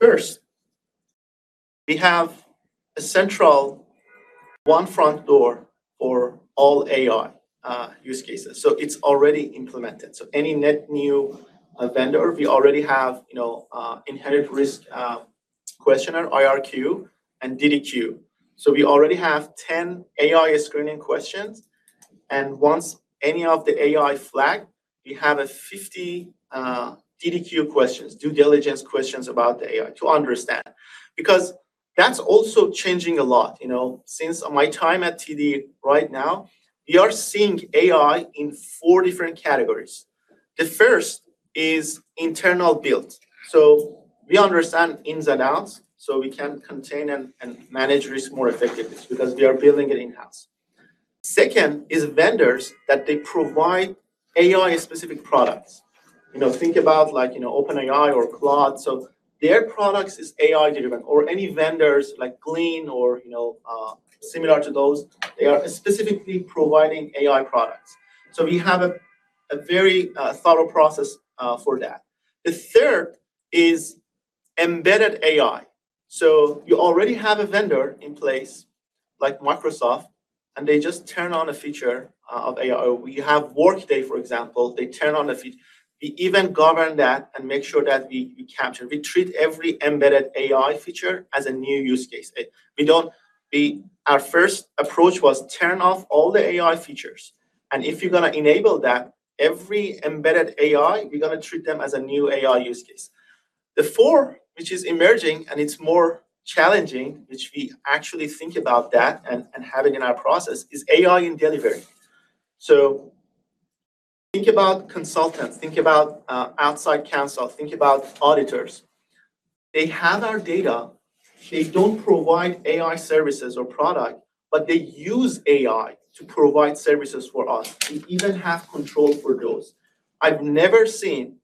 First, we have a central one front door for all AI use cases. It's already implemented. Any net new vendor, we already have, you know, inherent risk questionnaire, IRQ and DDQ. We already have 10 AI screening questions. And once any of the AI flag, we have 50 DDQ questions, due diligence questions about the AI to understand. That's also changing a lot. You know, since my time at TD right now, we are seeing AI in four different categories. The first is internal build. We understand ins and outs, so we can contain and manage risk more effectively because we are building it in-house. Second is vendors that they provide AI-specific products. You know, think about like, you know, OpenAI or Claude. Their products is AI-driven or any vendors like Glean or, you know, similar to those, they are specifically providing AI products. We have a very thorough process for that. The third is embedded AI. You already have a vendor in place like Microsoft, and they just turn on a feature of AI. We have Workday, for example. They turn on a fea-. We even govern that and make sure that we capture. We treat every embedded AI feature as a new use case. Our first approach was turn off all the AI features. If you're gonna enable that, every embedded AI, we're gonna treat them as a new AI use case. The fourth, which is emerging, and it's more challenging, which we actually think about that and have it in our process, is AI in delivery. Think about consultants, think about outside counsel, think about auditors. They have our data. They don't provide AI services or product, but they use AI to provide services for us. We even have control for those. I've never seen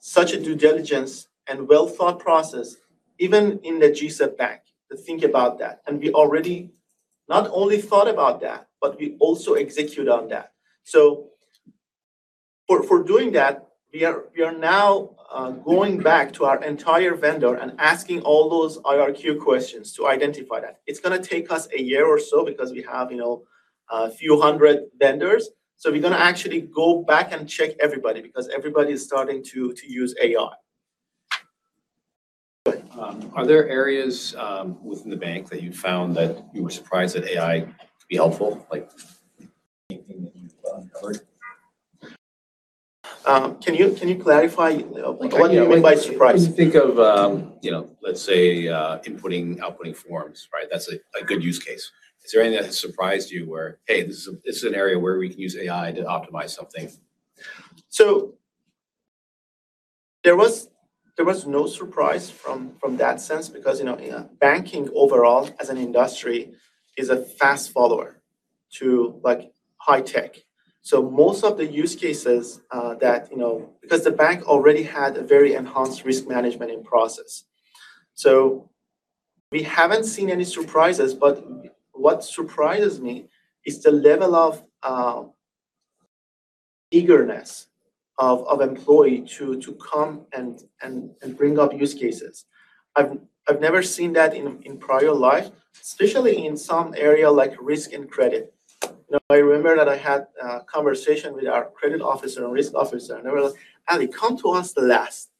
such a due diligence and well-thought process, even in the GCEP bank, to think about that. We already not only thought about that, but we also execute on that. For doing that, we are now going back to our entire vendor and asking all those IRQ questions to identify that. It's gonna take us a year or so because we have, you know, a few hundred vendors. We're gonna actually go back and check everybody because everybody is starting to use AI. Are there areas within the bank that you found that you were surprised that AI could be helpful? Like anything that you've uncovered? Can you clarify? What do you mean by surprise? Think of, you know, let's say, inputting, outputting forms, right? That's a good use case. Is there anything that surprised you where, hey, this is an area where we can use AI to optimize something? There was no surprise from that sense because, you know, banking overall as an industry is a fast follower to like high tech. Most of the use cases that, you know, because the bank already had a very enhanced risk management in process. We haven't seen any surprises, but what surprises me is the level of eagerness of employee to come and bring up use cases. I've never seen that in prior life, especially in some area like risk and credit. You know, I remember that I had a conversation with our credit officer and risk officer, and they were like, "Ali, come to us last."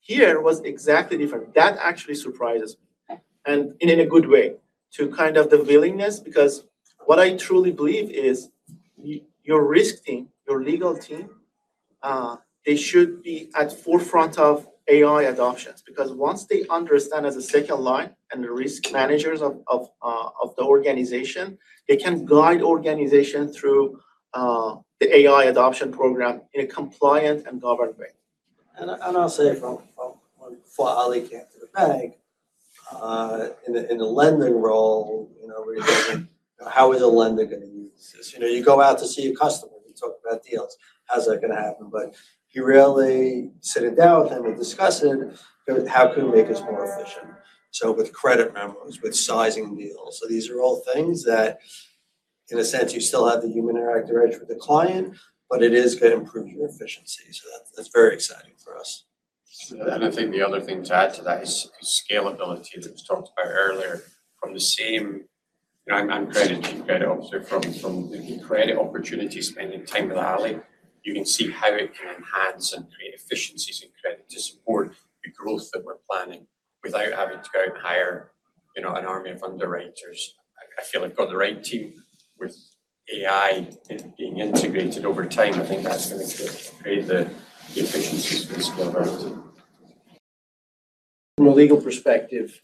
Here was exactly different. That actually surprises me, in a good way, to kind of the willingness because what I truly believe is your risk team, your legal team, they should be at the forefront of AI adoptions. Once they understand as a second line and the risk managers of the organization, they can guide organization through the AI adoption program in a compliant and governed way. I'll say from when Ali came to the bank, in the lending role, you know, we were going, you know, how is a lender gonna use this? You know, you go out to see a customer, you talk about deals, how's that gonna happen? You really sitting down with him and discuss it, you know, how can we make this more efficient? With credit memos, with sizing deals. These are all things that in a sense you still have the human interaction with the client, but it is gonna improve your efficiency. That's very exciting for us. I think the other thing to add to that is scalability that was talked about earlier. From the same, you know, I'm credit, chief credit officer. From the credit opportunity spending time with Ali, you can see how it can enhance and create efficiencies in credit to support the growth that we're planning without having to go out and hire, you know, an army of underwriters. I feel I've got the right team. With AI being integrated over time, I think that's gonna create the efficiencies we spoke about. From a legal perspective,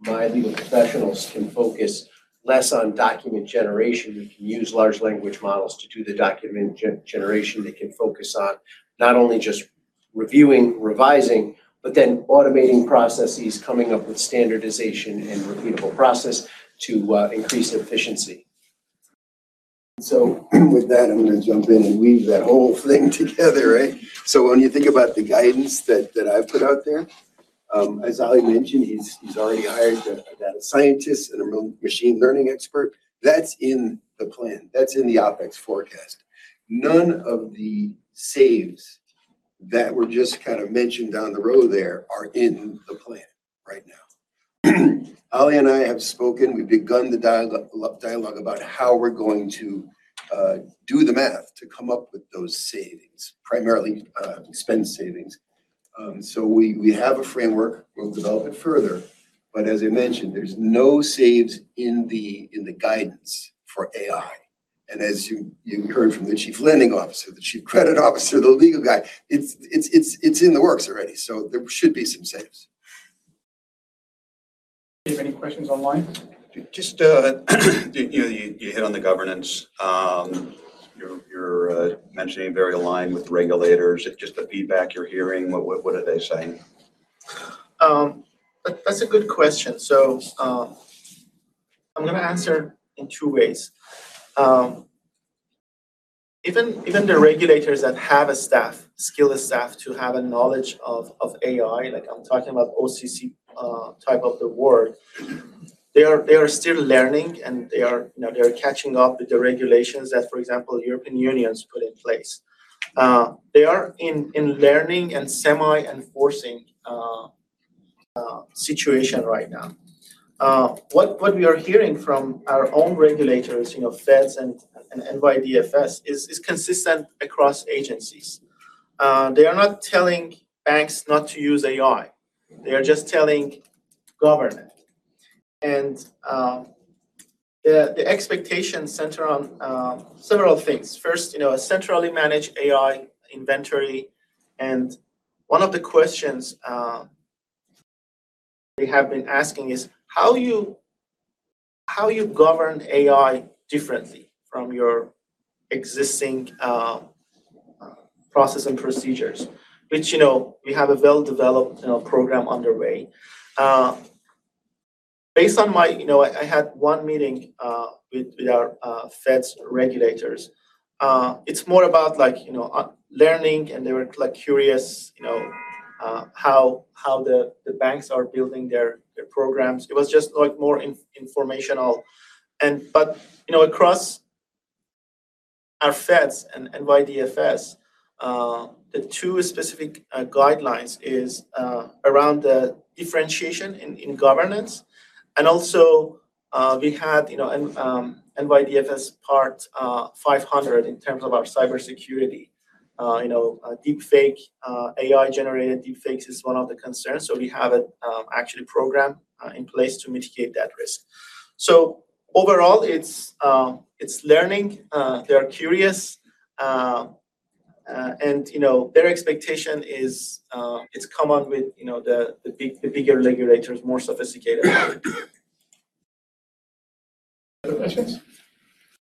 my legal professionals can focus less on document generation. We can use large language models to do the document generation. They can focus on not only just reviewing, revising, but then automating processes, coming up with standardization and repeatable process to increase efficiency. With that, I'm gonna jump in and weave that whole thing together, right? When you think about the guidance that I've put out there, as Ali mentioned, he's already hired a data scientist and a machine learning expert. That's in the plan. That's in the OpEx forecast. None of the saves that were just kind of mentioned down the row there are in the plan right now. Ali and I have spoken. We've begun the dialogue about how we're going to do the math to come up with those savings, primarily spend savings. We have a framework. We'll develop it further, but as I mentioned, there's no saves in the guidance for AI. As you heard from the chief lending officer, the chief credit officer, the legal guy, it's in the works already, there should be some saves. Do you have any questions online? Just, you know, you hit on the governance. You're mentioning very aligned with regulators. Just the feedback you're hearing, what are they saying? That's a good question. I'm gonna answer in two ways. Even the regulators that have a staff, skilled staff to have a knowledge of AI, like I'm talking about OCC, type of the work, they are still learning, and they are, you know, they are catching up with the regulations that, for example, European Union's put in place. They are in learning and semi-enforcing situation right now. What we are hearing from our own regulators, you know, Feds and NYDFS is consistent across agencies. They are not telling banks not to use AI. They are just telling govern it. The expectations center on several things. First, you know, a centrally managed AI inventory. One of the questions, they have been asking is, how you govern AI differently from your existing process and procedures, which, you know, we have a well-developed, you know, program underway. You know, I had one meeting with our Fed regulators. It's more about like, you know, learning, and they were like curious, you know, how the banks are building their programs. It was just like more informational. You know, across our Feds and NYDFS, the two specific guidelines is around the differentiation in governance. Also, we had, you know, NYDFS Part 500 in terms of our cybersecurity. You know, deepfake, AI-generated deepfakes is one of the concerns. We have a actually program in place to mitigate that risk. Overall it's learning. They are curious. You know, their expectation is it's come up with, you know, the big, the bigger regulators, more sophisticated. Other questions?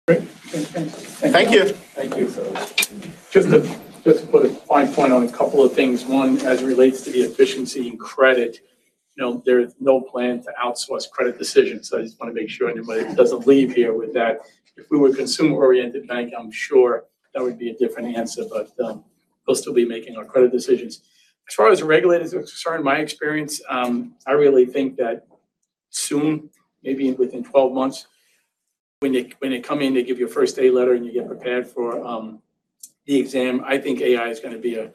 Great. Thank you. Thank you. Thank you. Just to put a fine point on a couple of things. One, as it relates to the efficiency in credit, you know, there's no plan to outsource credit decisions. I just wanna make sure anybody doesn't leave here with that. If we were a consumer-oriented bank, I'm sure that would be a different answer. We'll still be making our credit decisions. As far as the regulators are concerned, my experience, I really think that soon, maybe within 12 months, when they, when they come in, they give you a first-day letter, and you get prepared for the exam. I think AI is gonna be a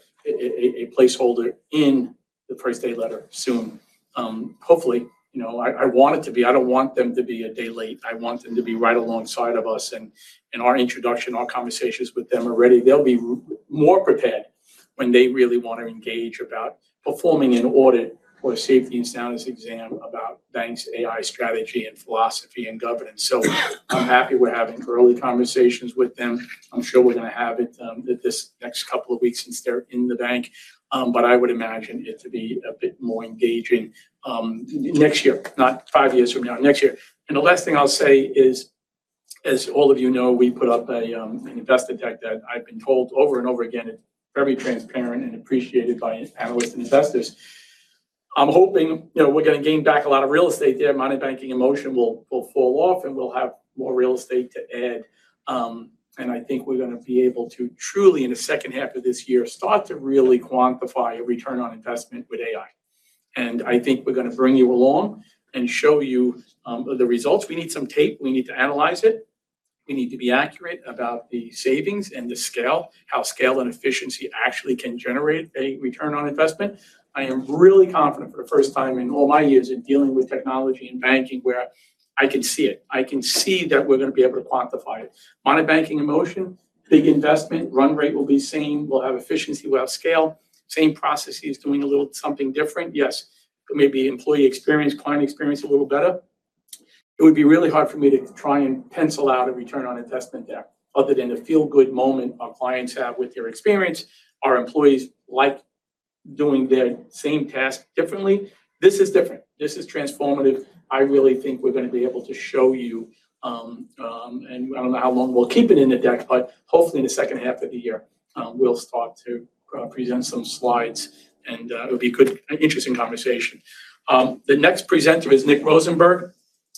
placeholder in the first-day letter soon. Hopefully, you know, I want it to be. I don't want them to be a day late. I want them to be right alongside of us, and in our introduction, our conversations with them already, they'll be more prepared. When they really want to engage about performing an audit or a safety and soundness exam about banks, AI strategy and philosophy and governance. I'm happy we're having early conversations with them. I'm sure we're gonna have it this next couple of weeks since they're in the bank. I would imagine it to be a bit more engaging next year, not 5 years from now, next year. The last thing I'll say is, as all of you know, we put up an investor deck that I've been told over and over again, it's very transparent and appreciated by analysts and investors. I'm hoping, you know, we're gonna gain back a lot of real estate there. Money, banking, in motion will fall off, and we'll have more real estate to add. I think we're gonna be able to truly, in the second half of this year, start to really quantify a return on investment with AI. I think we're gonna bring you along and show you the results. We need some tape. We need to analyze it. We need to be accurate about the savings and the scale, how scale and efficiency actually can generate a return on investment. I am really confident for the first time in all my years in dealing with technology and banking where I can see it, I can see that we're gonna be able to quantify it. Money, banking in motion, big investment, run rate will be same. We'll have efficiency, we'll have scale. Same processes doing a little something different. Yes, maybe employee experience, client experience a little better. It would be really hard for me to try and pencil out a return on investment there other than the feel-good moment our clients have with their experience. Our employees like doing their same task differently. This is different. This is transformative. I really think we're gonna be able to show you, and I don't know how long we'll keep it in the deck, but hopefully in the second half of the year, we'll start to present some slides and it'll be good, an interesting conversation. The next presenter is Nick Rosenberg.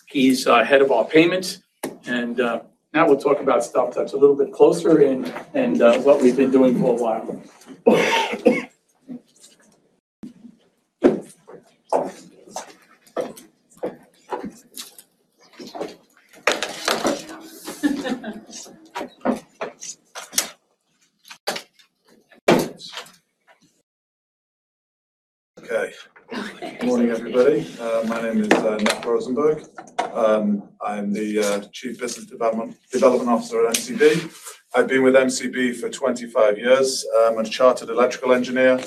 He's head of our payments and now we'll talk about stuff that's a little bit closer and what we've been doing for a while. Okay. Good morning, everybody. My name is Nick Rosenberg. I'm the Chief Business Development Officer at MCB. I've been with MCB for 25 years. I'm a chartered electrical engineer.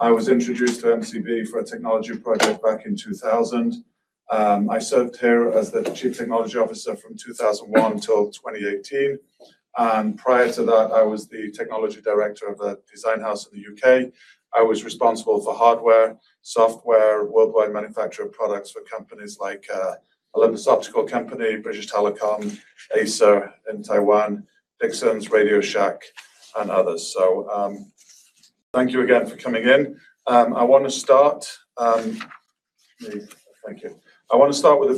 I was introduced to MCB for a technology project back in 2000. I served here as the Chief Technology Officer from 2001 till 2018. Prior to that, I was the technology director of a design house in the U.K. I was responsible for hardware, software, worldwide manufacture of products for companies like Olympus Optical Company, British Telecom, Acer in Taiwan, Dixon's RadioShack, and others. Thank you again for coming in. I wanna start. Thank you. I wanna start with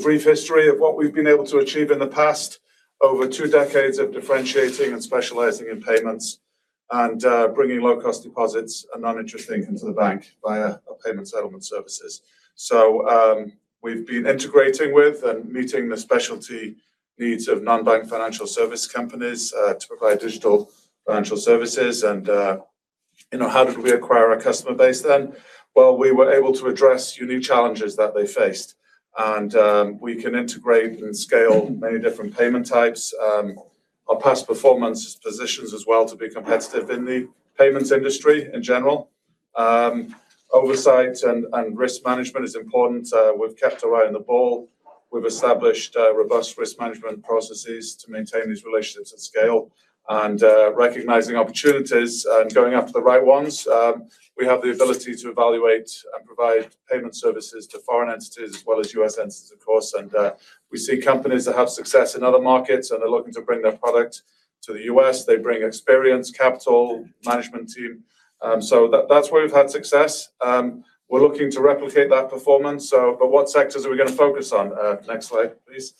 a brief history of what we've been able to achieve in the past over two decades of differentiating and specializing in payments and bringing low-cost deposits and non-interest income to the bank via our payment settlement services. We've been integrating with and meeting the specialty needs of non-bank financial service companies to provide digital financial services. You know, how did we acquire our customer base then? Well, we were able to address unique challenges that they faced, and we can integrate and scale many different payment types. Our past performance positions as well to be competitive in the payments industry in general. Oversight and risk management is important. We've kept our eye on the ball. We've established robust risk management processes to maintain these relationships at scale and recognizing opportunities and going after the right ones. We have the ability to evaluate and provide payment services to foreign entities as well as U.S. entities, of course. We see companies that have success in other markets, and they're looking to bring their product to the U.S. They bring experience, capital, management team, so that's where we've had success. We're looking to replicate that performance. What sectors are we going to focus on? Next slide, please.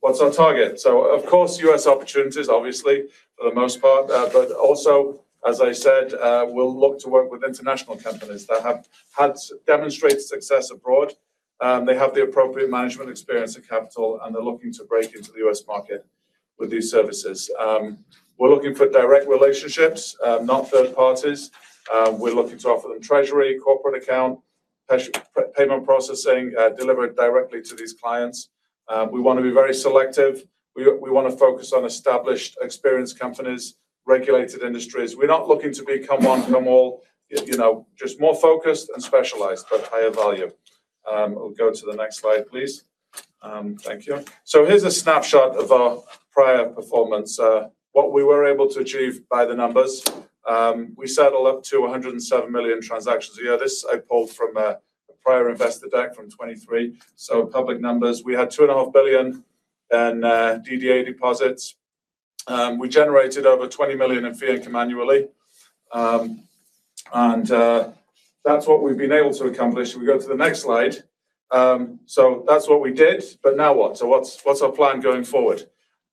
What's our target? Of course, U.S. opportunities, obviously for the most part. Also, as I said, we'll look to work with international companies that have had demonstrated success abroad. They have the appropriate management experience and capital. They're looking to break into the U.S. market with these services. We're looking for direct relationships, not third parties. We're looking to offer them treasury, corporate account, payment processing, delivered directly to these clients. We wanna be very selective. We wanna focus on established, experienced companies, regulated industries. We're not looking to become one, come all, you know, just more focused and specialized, but higher volume. We'll go to the next slide, please. Thank you. Here's a snapshot of our prior performance, what we were able to achieve by the numbers. We settle up to 107 million transactions a year. This I pulled from a prior investor deck from 2023, so public numbers. We had $2.5 billion in DDA deposits. We generated over $20 million in fee income annually. That's what we've been able to accomplish. We go to the next slide. That's what we did, but now what? What's, what's our plan going forward?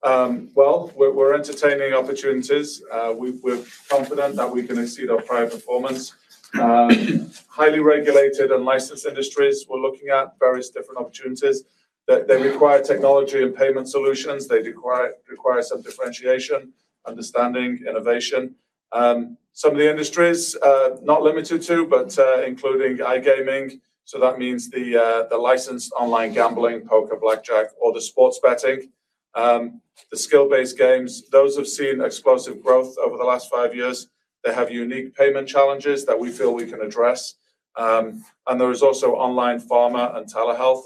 Well, we're entertaining opportunities. We're confident that we can exceed our prior performance. Highly regulated and licensed industries, we're looking at various different opportunities that they require technology and payment solutions. They require some differentiation, understanding, innovation. Some of the industries, not limited to, but including iGaming, so that means the licensed online gambling, poker, blackjack, or the sports betting. The skill-based games, those have seen explosive growth over the last five years. They have unique payment challenges that we feel we can address. There is also online pharma and telehealth.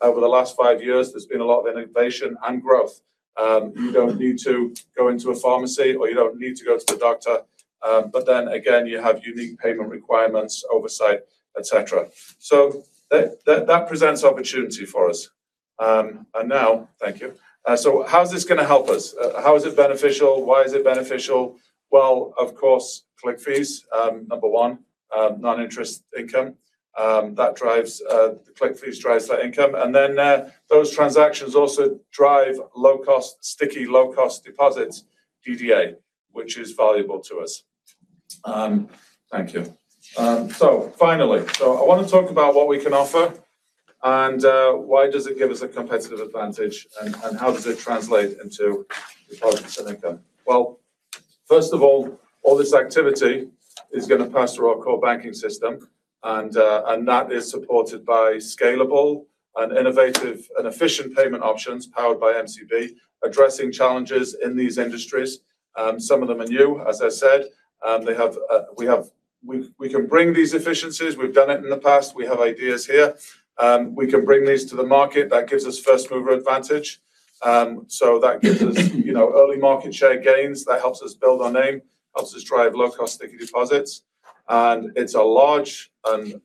Over the last five years, there's been a lot of innovation and growth. You don't need to go into a pharmacy, you don't need to go to the doctor. You have unique payment requirements, oversight, etc. That presents opportunity for us. Thank you. How is this gonna help us? How is it beneficial? Why is it beneficial? Well, of course, click fees, number one, non-interest income. That drives, the click fees drives that income. Those transactions also drive low-cost, sticky low-cost deposits, GDA, which is valuable to us. Thank you. Finally, I want to talk about what we can offer, why does it give us a competitive advantage and how does it translate into deposits and income? First of all this activity is going to pass through our core banking system, that is supported by scalable and innovative and efficient payment options powered by MCB, addressing challenges in these industries. Some of them are new, as I said. They have, we can bring these efficiencies. We've done it in the past. We have ideas here. We can bring these to the market. That gives us first-mover advantage. That gives us, you know, early market share gains. That helps us build our name, helps us drive low-cost sticky deposits. It's a large and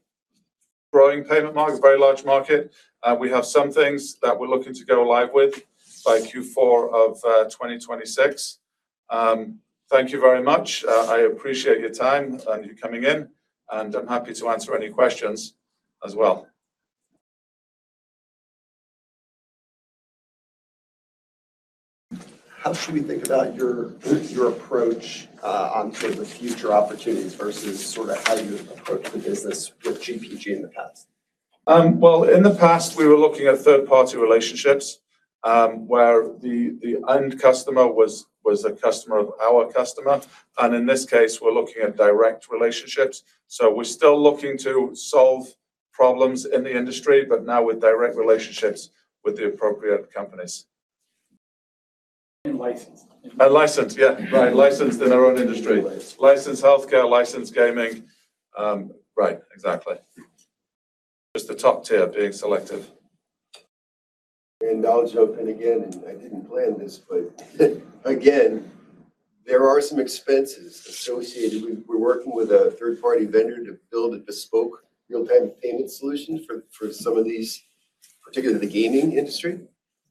growing payment market, very large market. We have some things that we're looking to go live with by Q4 of 2026. Thank you very much. I appreciate your time and you coming in, and I'm happy to answer any questions as well. How should we think about your approach, onto the future opportunities versus sort of how you've approached the business with GPG in the past? Well, in the past, we were looking at third-party relationships, where the end customer was a customer of our customer. In this case, we're looking at direct relationships. We're still looking to solve problems in the industry, but now with direct relationships with the appropriate companies. Licensed. Licensed, yeah. Right. Licensed in our own industry. Licensed. Licensed healthcare, licensed gaming. Right. Exactly. Just the top tier being selective. I'll jump in again, I didn't plan this, but again, there are some expenses associated. We're working with a third-party vendor to build a bespoke real-time payment solution for some of these, particularly the gaming industry.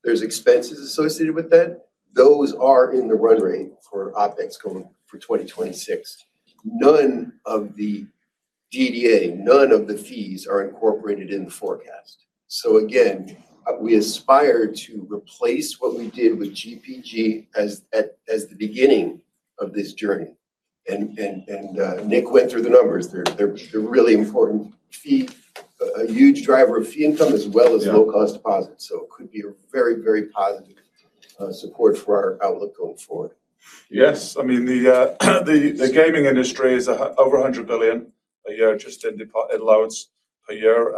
There's expenses associated with that. Those are in the run rate for OpEx going for 2026. None of the GDA, none of the fees are incorporated in the forecast. Again, we aspire to replace what we did with GPG as at, as the beginning of this journey. Nick went through the numbers. They're really important fee, a huge driver of fee income as well as low-cost deposits. It could be a very, very positive support for our outlook going forward. Yes. I mean, the gaming industry is a over $100 billion a year just in loads per year.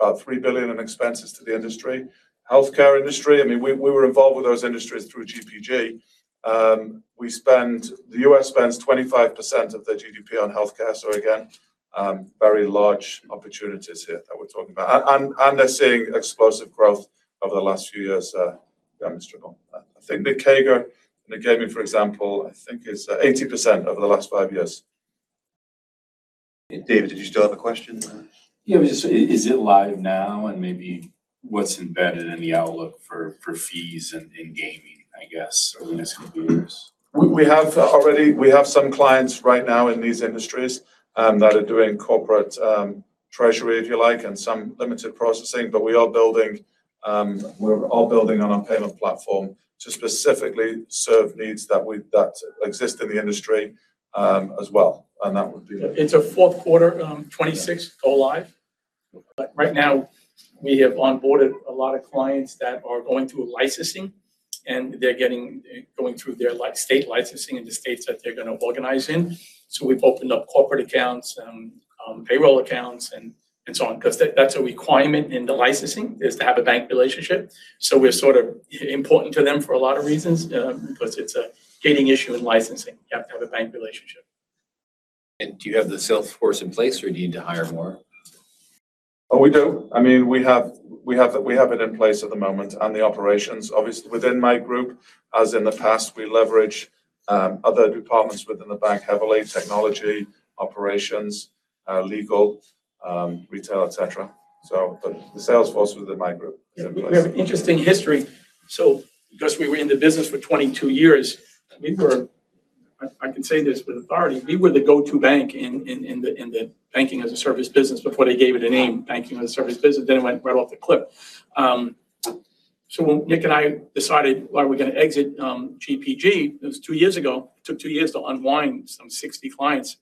There's about $3 billion in expenses to the industry. Healthcare industry, I mean, we were involved with those industries through GPG. The U.S. spends 25% of their GDP on healthcare. Again, very large opportunities here that we're talking about. And they're seeing explosive growth over the last few years, yeah, Mr. Gall. I think the CAGR in the gaming, for example, I think is 80% over the last 5 years. David, did you still have a question? Yeah. Is it live now? Maybe what's embedded in the outlook for fees in gaming, I guess, over this couple years? We have some clients right now in these industries that are doing corporate treasury, if you like, and some limited processing. We are building, we're all building on our payment platform to specifically serve needs that we've, that exist in the industry as well, and that would be-. It's a fourth quarter, 2026 go live. Right now we have onboarded a lot of clients that are going through licensing, and they're getting, going through their state licensing in the states that they're gonna organize in. We've opened up corporate accounts and payroll accounts and so on, 'cause that's a requirement in the licensing is to have a bank relationship. We're sort of important to them for a lot of reasons, 'cause it's a gating issue in licensing. You have to have a bank relationship. Do you have the sales force in place or you need to hire more? Oh, we do. I mean, we have it in place at the moment. The operations obviously within my group, as in the past, we leverage other departments within the bank heavily, technology, operations, legal, retail, etc. The sales force within my group is in place. We have interesting history. Because we were in the business for 22 years, we were, I can say this with authority, we were the go-to bank in the banking-as-a-service business before they gave it a name, banking-as-a-service business. It went right off the cliff. When Nick and I decided that we're gonna exit, GPG, it was 2 years ago. It took 2 years to unwind some 60 clients.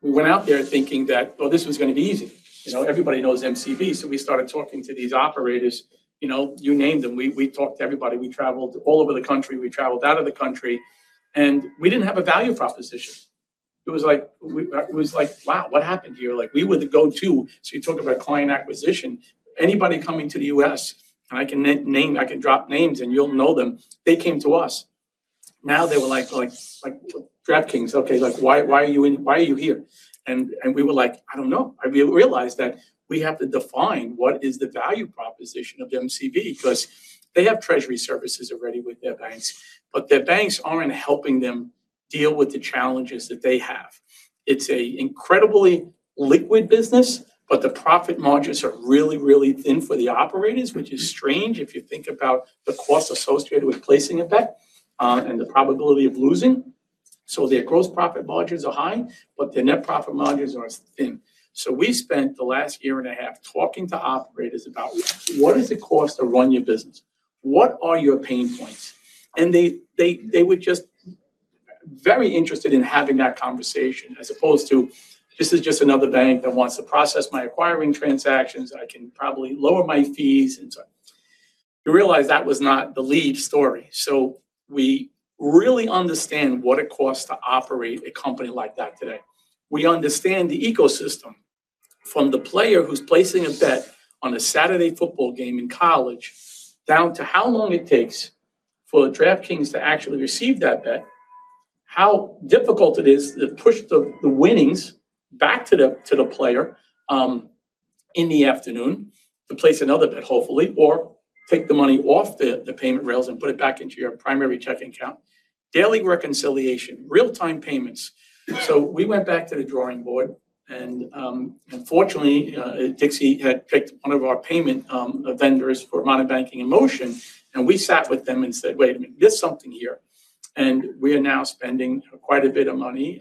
We went out there thinking that, oh, this was gonna be easy. You know, everybody knows MCB, so we started talking to these operators, you know, you name them. We talked to everybody. We traveled all over the country. We traveled out of the country, we didn't have a value proposition. It was like, we, it was like, wow, what happened here? Like, we were the go-to. You talk about client acquisition, anybody coming to the U.S., and I can name, I can drop names, and you'll know them, they came to us. Now they were like, "DraftKings, okay, like why are you here?" We were like: I don't know. We realized that we have to define what is the value proposition of MCB 'cause they have treasury services already with their banks, but their banks aren't helping them deal with the challenges that they have. It's an incredibly liquid business, but the profit margins are really, really thin for the operators, which is strange if you think about the costs associated with placing a bet and the probability of losing. Their gross profit margins are high, but their net profit margins are thin. We spent the last year and a half talking to operators about what does it cost to run your business? What are your pain points? They were just very interested in having that conversation as opposed to, "This is just another bank that wants to process my acquiring transactions, and I can probably lower my fees." We realized that was not the lead story. We really understand what it costs to operate a company like that today. We understand the ecosystem from the player who's placing a bet on a Saturday football game in college down to how long it takes for DraftKings to actually receive that bet, how difficult it is to push the winnings back to the player in the afternoon to place another bet, hopefully, or take the money off the payment rails and put it back into your primary checking account. Daily reconciliation, real-time payments. We went back to the drawing board, and unfortunately, Dixie had picked one of our payment vendors for Modern Banking in Motion, and we sat with them and said, "Wait a minute." There's something here. We are now spending quite a bit of money,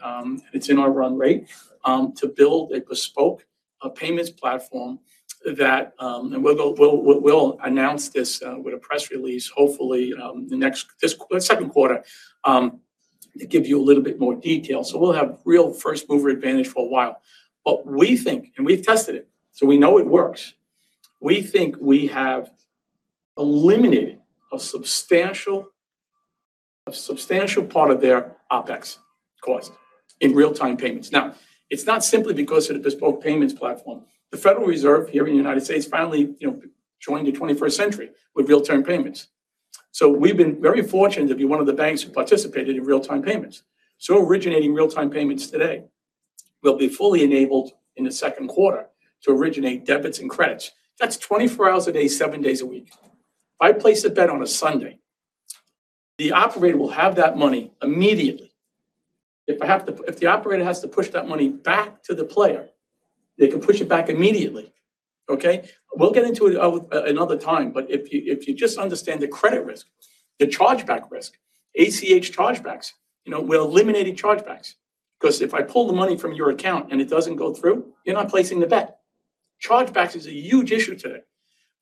it's in our run rate, to build a bespoke payments platform that... We'll announce this with a press release, hopefully, the next second quarter, to give you a little bit more detail. We'll have real first mover advantage for a while. We think, and we've tested it, so we know it works, we think we have eliminated a substantial part of their OpEx cost in real-time payments. Now, it's not simply because of the bespoke payments platform. The Federal Reserve here in the United States finally, you know, joined the twenty-first century with real-time payments. We've been very fortunate to be one of the banks who participated in real-time payments. Originating real-time payments today will be fully enabled in the second quarter to originate debits and credits. That's 24 hours a day, seven days a week. If I place a bet on a Sunday, the operator will have that money immediately. If the operator has to push that money back to the player, they can push it back immediately, okay? We'll get into it another time, but if you, if you just understand the credit risk, the chargeback risk, ACH chargebacks, you know, we're eliminating chargebacks. 'Cause if I pull the money from your account and it doesn't go through, you're not placing the bet. Chargebacks is a huge issue today.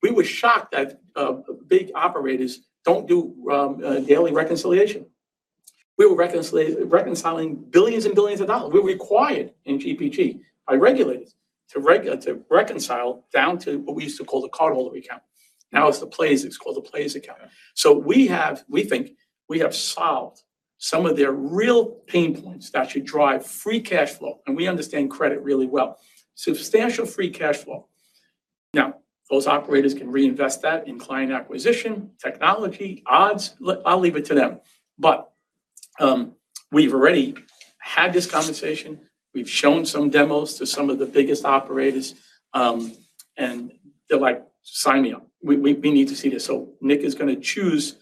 We were shocked that big operators don't do daily reconciliation. We were reconciling $billions and billions. We're required in GPG by regulators to reconcile down to what we used to call the cardholder account. Now it's called the plays account. We have, we think we have solved some of their real pain points that should drive free cash flow, and we understand credit really well. Substantial free cash flow. Those operators can reinvest that in client acquisition, technology, odds. I'll leave it to them. We've already had this conversation. We've shown some demos to some of the biggest operators, and they're like, "Sign me up. We need to see this." Nick is gonna choose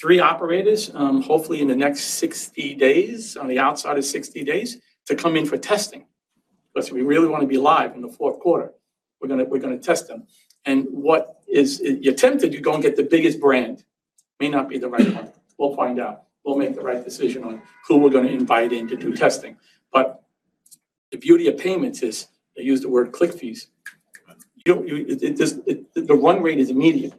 three operators, hopefully in the next 60 days, on the outside of 60 days, to come in for testing. 'Cause we really wanna be live in the fourth quarter. We're gonna test them. You're tempted to go and get the biggest brand. May not be the right one. We'll find out. We'll make the right decision on who we're gonna invite in to do testing. The beauty of payments is, they use the word click fees. The run rate is immediate.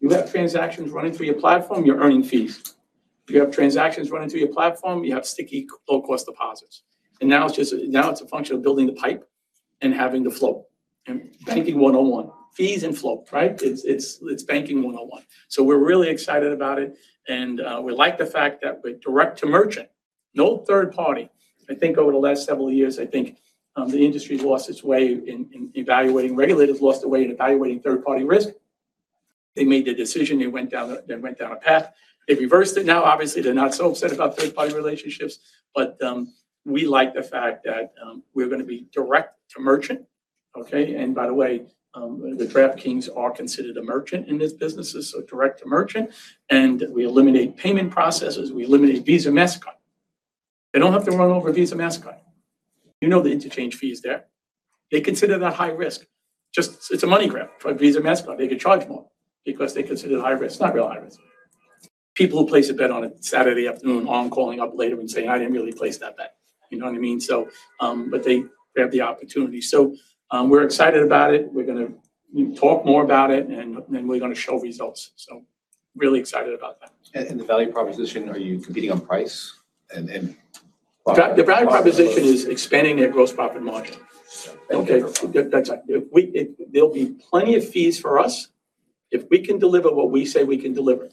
You have transactions running through your platform, you're earning fees. If you have transactions running through your platform, you have sticky low-cost deposits. Now it's just, now it's a function of building the pipe and having the flow. Banking one on one. Fees and flow, right? It's banking one on one. We're really excited about it, and we like the fact that we're direct to merchant, no third party. I think over the last several years, the industry lost its way in evaluating, regulators lost their way in evaluating third-party risk. They made the decision, they went down a path. They've reversed it now. Obviously, they're not so upset about third-party relationships. we like the fact that we're gonna be direct to merchant, okay? by the way, the DraftKings are considered a merchant in this business. This is a direct to merchant. we eliminate payment processors. We eliminate Visa, Mastercard. They don't have to run over Visa, Mastercard. You know the interchange fee is there. They consider that high risk. it's a money grab for Visa, Mastercard. They could charge more because they consider it high risk. Not real high risk. People who place a bet on a Saturday afternoon are calling up later and saying, "I didn't really place that bet." You know what I mean? but they have the opportunity. We're excited about it. We're gonna talk more about it. We're gonna show results. Really excited about that. The value proposition, are you competing on price? The value proposition is expanding their gross profit margin. Okay, that's fine. If we There'll be plenty of fees for us if we can deliver what we say we can deliver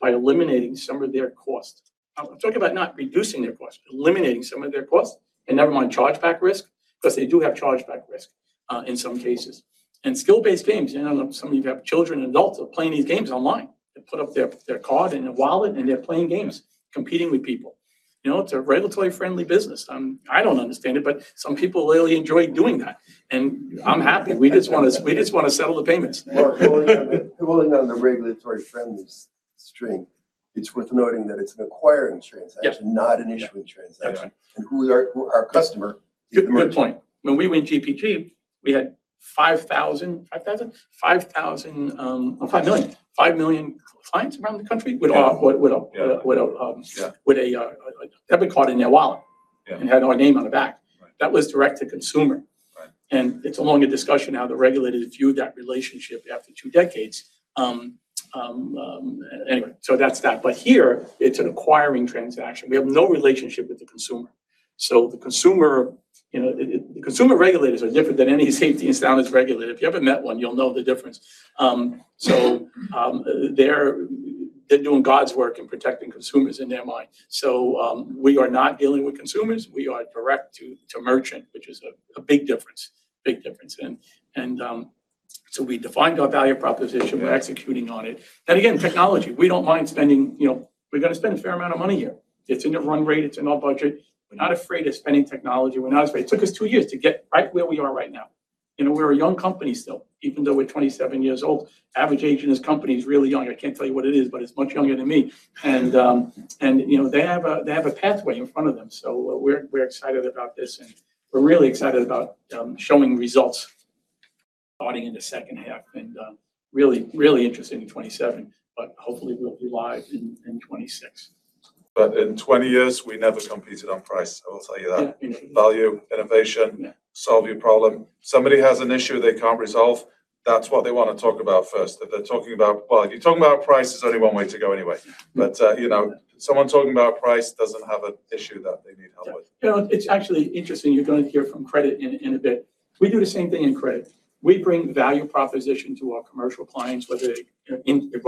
by eliminating some of their costs. I'm talking about not reducing their costs, eliminating some of their costs, and never mind chargeback risk, because they do have chargeback risk in some cases. Skill-based games, you know, some of you have children and adults are playing these games online. They put up their card in a wallet, and they're playing games, competing with people. You know, it's a regulatory-friendly business. I don't understand it, but some people really enjoy doing that, and I'm happy. We just want to settle the payments. Holding on the regulatory-friendly string, it's worth noting that it's an acquiring transaction. Yes not an issuing transaction. Yeah. Right. who's our customer? Good point. When we went GPG, we had 5,000, $5 million.... 5 million clients around the country with a. Yeah... with a debit card in their wallet. Yeah... and had our name on the back. Right. That was direct to consumer. Right. It's a longer discussion how the regulators view that relationship after two decades. Anyway, that's that. Here, it's an acquiring transaction. We have no relationship with the consumer. The consumer regulators are different than any safety and soundness regulator. If you ever met one, you'll know the difference. They're doing God's work in protecting consumers in their mind. We are not dealing with consumers. We are direct to merchant, which is a big difference. We defined our value proposition. We're executing on it. Again, technology, we don't mind spending. You know, we've got to spend a fair amount of money here. It's in the run rate. It's in our budget. We're not afraid of spending technology. We're not afraid. It took us two years to get right where we are right now. You know, we're a young company still, even though we're 27 years old. Average age in this company is really young. I can't tell you what it is, but it's much younger than me. You know, they have a pathway in front of them. We're excited about this, and we're really excited about showing results starting in the second half. Really interested in 2027, but hopefully we'll be live in 2026. In 20 years, we never competed on price. I will tell you that. Yeah. Value, innovation. Yeah... solve your problem. Somebody has an issue they can't resolve, that's what they want to talk about first. Well, if you're talking about price, there's only one way to go anyway. You know, someone talking about price doesn't have an issue that they need help with. You know, it's actually interesting. You're going to hear from credit in a bit. We do the same thing in credit. We bring value proposition to our commercial clients, whether they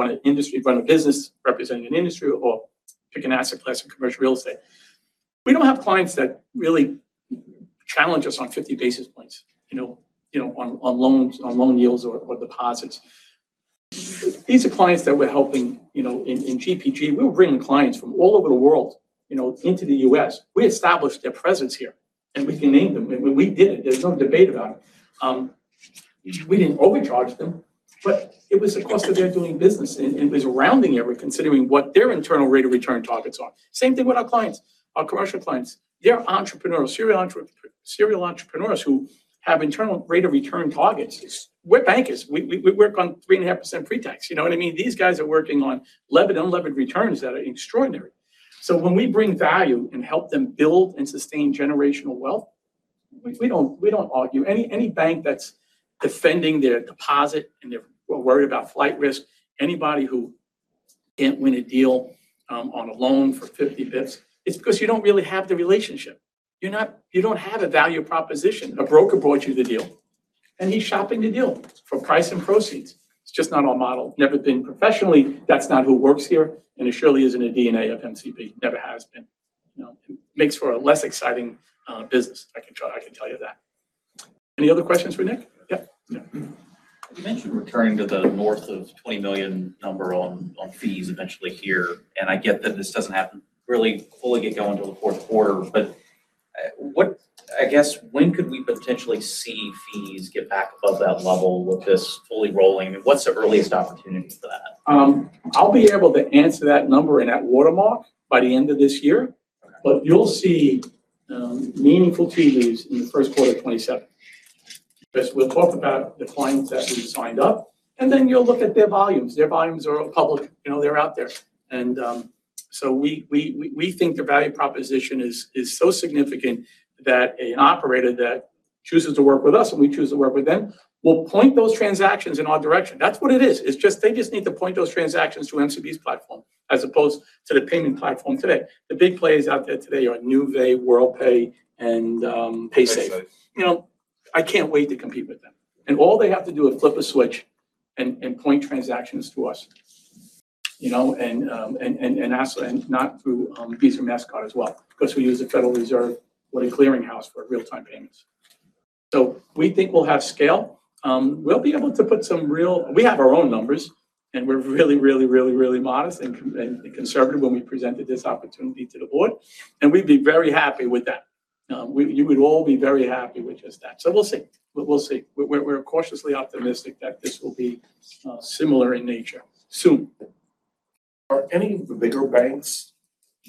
run an industry, run a business, represent an industry, or pick an asset class in commercial real estate. We don't have clients that really challenge us on 50 basis points, you know, on loans, on loan yields or deposits. These are clients that we're helping, you know, in GPG. We were bringing clients from all over the world, you know, into the U.S. We established their presence here, and we can name them. When we did it, there's no debate about it. We didn't overcharge them, but it was the cost of their doing business, and it was rounding error considering what their internal rate of return targets are. Same thing with our clients, our commercial clients. They're entrepreneurs, serial entrepreneurs who have internal rate of return targets. We're bankers. We work on 3.5% pre-tax. You know what I mean? These guys are working on levered, unlevered returns that are extraordinary. So when we bring value and help them build and sustain generational wealth, we don't argue. Any bank that's defending their deposit and they're worried about flight risk, anybody who can't win a deal on a loan for 50 bits, it's because you don't really have the relationship. You don't have a value proposition. A broker brought you the deal, and he's shopping the deal for price and proceeds. It's just not our model. Never been professionally. That's not who works here, and it surely isn't a DNA of NCP. Never has been. You know, it makes for a less exciting business. I can tell you that. Any other questions for Nick? Yeah. You mentioned returning to the north of $20 million number on fees eventually here. I get that this doesn't happen really fully get going until the fourth quarter. I guess when could we potentially see fees get back above that level with this fully rolling? What's the earliest opportunity for that? I'll be able to answer that number and that watermark by the end of this year. Okay. You'll see meaningful fee leaves in the first quarter of 2027. We'll talk about the clients that we've signed up, and then you'll look at their volumes. Their volumes are public. You know, they're out there. We think the value proposition is so significant that an operator that chooses to work with us, and we choose to work with them, will point those transactions in our direction. That's what it is. It's just they just need to point those transactions to NCP's platform as opposed to the payment platform today. The big players out there today are Nuvei, Worldpay and Paysafe. PaySafe. You know, I can't wait to compete with them. All they have to do is flip a switch and point transactions to us, you know, and also, not through Visa and Mastercard as well because we use the Federal Reserve with a clearinghouse for real-time payments. We think we'll have scale. We'll be able to. We have our own numbers, and we're really modest and conservative when we presented this opportunity to the board, and we'd be very happy with that. You would all be very happy with just that. We'll see. We'll see. We're, we're cautiously optimistic that this will be similar in nature soon. Are any of the bigger banks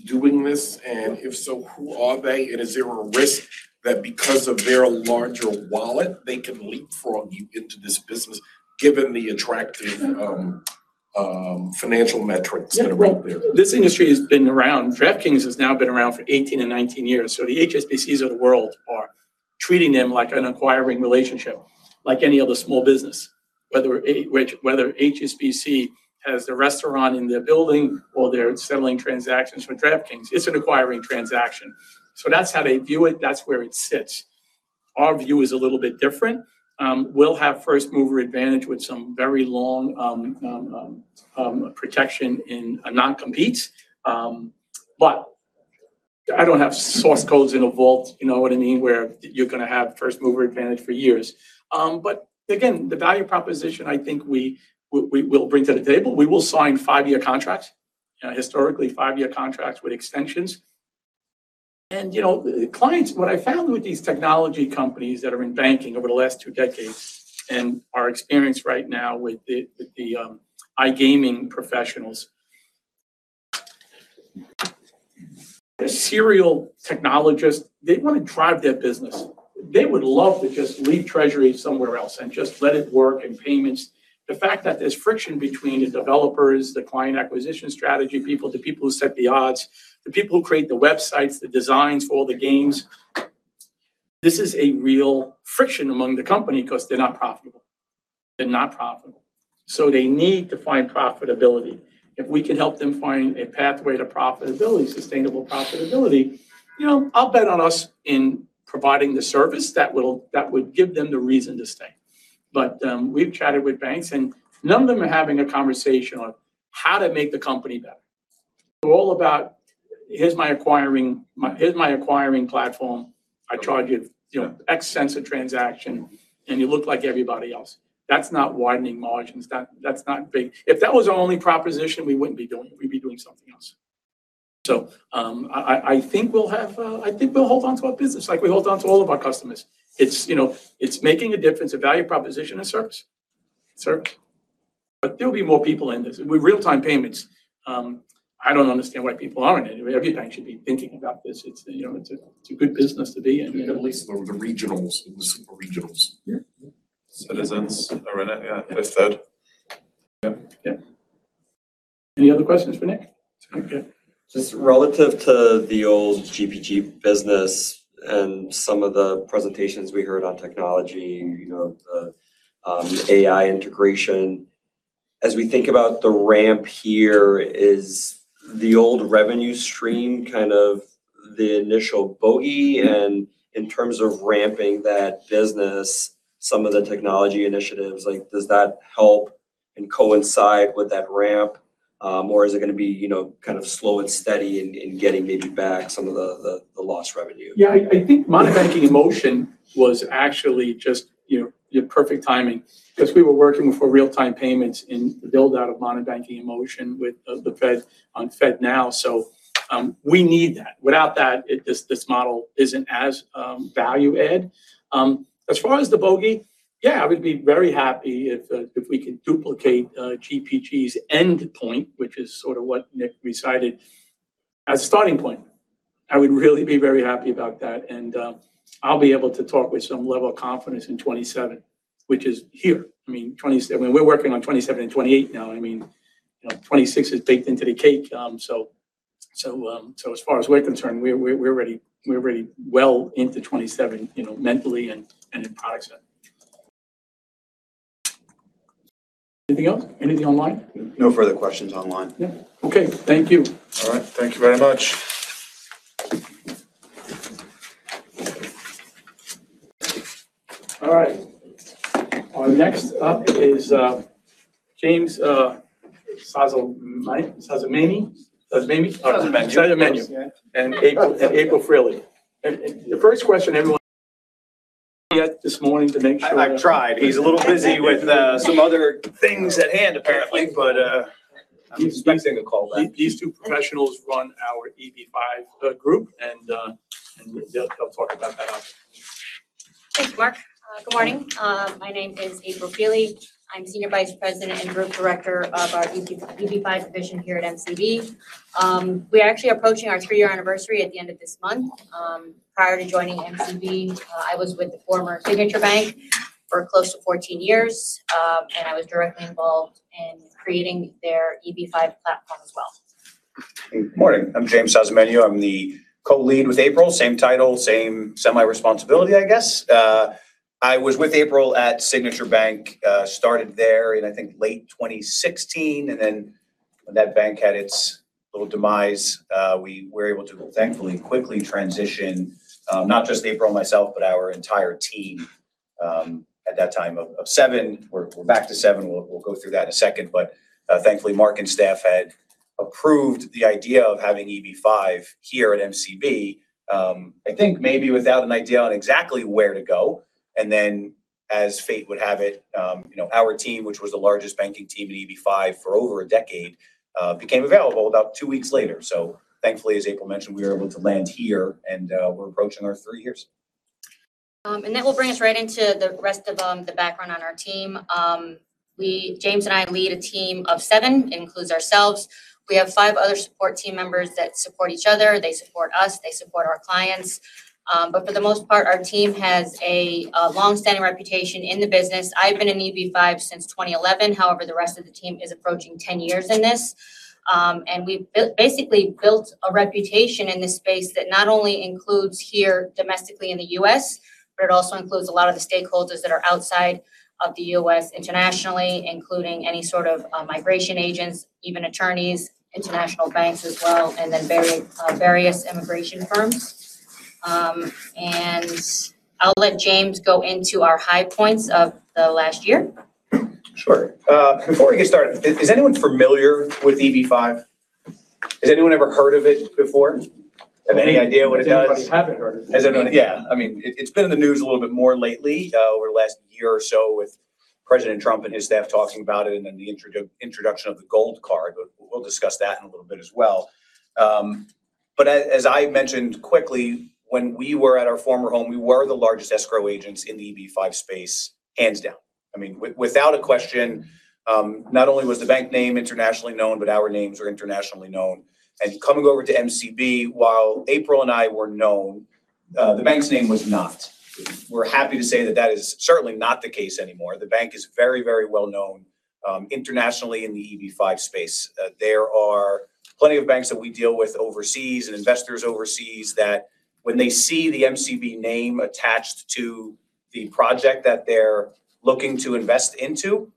doing this? If so, who are they? Is there a risk that because of their larger wallet, they can leapfrog you into this business given the attractive financial metrics that are out there? DraftKings has now been around for 18 and 19 years, the HSBCs of the world are treating them like an acquiring relationship, like any other small business. Whether HSBC has a restaurant in their building or they're settling transactions for DraftKings, it's an acquiring transaction. That's how they view it. That's where it sits. Our view is a little bit different. We'll have first mover advantage with some very long protection in a non-compete. I don't have source codes in a vault, you know what I mean, where you're gonna have first mover advantage for years. Again, the value proposition, I think we will bring to the table. We will sign five-year contracts. You know, historically, five-year contracts with extensions. You know, what I found with these technology companies that are in banking over the last 2 decades, and our experience right now with the iGaming professionals. The serial technologists, they want to drive their business. They would love to just leave treasury somewhere else and just let it work, and payments. The fact that there's friction between the developers, the client acquisition strategy people, the people who set the odds, the people who create the websites, the designs for all the games. This is a real friction among the company because they're not profitable. They're not profitable. They need to find profitability. If we can help them find a pathway to profitability, sustainable profitability, you know, I'll bet on us in providing the service that would give them the reason to stay. We've chatted with banks, and none of them are having a conversation on how to make the company better. They're all about, "Here's my acquiring platform. I charge you know, X cents a transaction, and you look like everybody else." That's not widening margins. That's not big. If that was our only proposition, we wouldn't be doing it. We'd be doing something else. I, I think we'll hold on to our business like we hold on to all of our customers. It's making a difference, a value proposition, a service. Service. There'll be more people in this. With real-time payments, I don't understand why people aren't in it. Every bank should be thinking about this. It's, you know, it's a, it's a good business to be in. At least for the regionals, the super regionals. Yeah. Citizens are in it. Yeah. With Fed. Yeah. Yeah. Any other questions for Nick? Okay. Just relative to the old GPG business and some of the presentations we heard on technology, you know, the AI integration. As we think about the ramp here, is the old revenue stream kind of the initial bogey? In terms of ramping that business, some of the technology initiatives, like, does that help and coincide with that ramp? Or is it gonna be, you know, kind of slow and steady in getting maybe back some of the lost revenue? Yeah, I think Modern Banking in Motion was actually just, you know, you had perfect timing because we were working for real-time payments in the build-out of Modern Banking in Motion with the Fed on FedNow. We need that. Without that, this model isn't as value add. As far as the bogey, yeah, we'd be very happy if we can duplicate GPG's endpoint, which is sort of what Nick recited, as a starting point. I would really be very happy about that. I'll be able to talk with some level of confidence in 2027, which is here. I mean, we're working on 2027 and 2028 now. I mean, you know, 2026 is baked into the cake, so as far as we're concerned, we're already well into 2027, you know, mentally and in product set. Anything else? Anything online? No further questions online. Yeah. Okay. Thank you. All right. Thank you very much. All right. Our next up is James Sozomenou? Sozomenou. Sozomenou. Yeah. April Feely. The first question everyone... Yet this morning to make sure. I've tried. He's a little busy with some other things at hand, apparently, but I'm expecting a call back. These two professionals run our EB-5 group, and they'll talk about that option. Thanks, Mark. Good morning. My name is April Feely. I'm Senior Vice President and Group Director of our EB-5 division here at MCB. We're actually approaching our three-year anniversary at the end of this month. Prior to joining MCB, I was with the former Signature Bank for close to 14 years, and I was directly involved in creating their EB-5 platform as well. Good morning. I'm James Sozomenou. I'm the co-lead with April Feely. Same title, same semi-responsibility, I guess. I was with April Feely at Signature Bank, started there in I think late 2016. When that bank had its little demise, we were able to thankfully quickly transition, not just April Feely and myself, but our entire team, at that time of seven. We're back to seven. We'll go through that in a second. Thankfully, Mark and staff had approved the idea of having EB-5 here at MCB, I think maybe without an idea on exactly where to go. As fate would have it, you know, our team, which was the largest banking team at EB-5 for over a decade, became available about two weeks later. thankfully, as April mentioned, we were able to land here and, we're approaching our 3 years. That will bring us right into the rest of the background on our team. James and I lead a team of seven, includes ourselves. We have five other support team members that support each other. They support us. They support our clients. For the most part, our team has a long-standing reputation in the business. I've been in EB-5 since 2011. However, the rest of the team is approaching 10 years in this. We've basically built a reputation in this space that not only includes here domestically in the U.S. It also includes a lot of the stakeholders that are outside of the U.S. internationally, including any sort of migration agents, even attorneys, international banks as well, and then very various immigration firms. I'll let James go into our high points of the last year. Sure. Before we get started, is anyone familiar with EB-5? Has anyone ever heard of it before? Have any idea what it does? Everybody's heard of it. Yeah. I mean, it's been in the news a little bit more lately, over the last year or so with President Trump and his staff talking about it, the introduction of the gold card. We'll discuss that in a little bit as well. As I mentioned quickly, when we were at our former home, we were the largest escrow agents in the EB-5 space, hands down. I mean, without a question, not only was the bank name internationally known, but our names are internationally known. Coming over to MCB, while April and I were known, the bank's name was not. We're happy to say that is certainly not the case anymore. The bank is very well known internationally in the EB-5 space. There are plenty of banks that we deal with overseas and investors overseas that when they see the MCB name attached to the project that they're looking to invest into,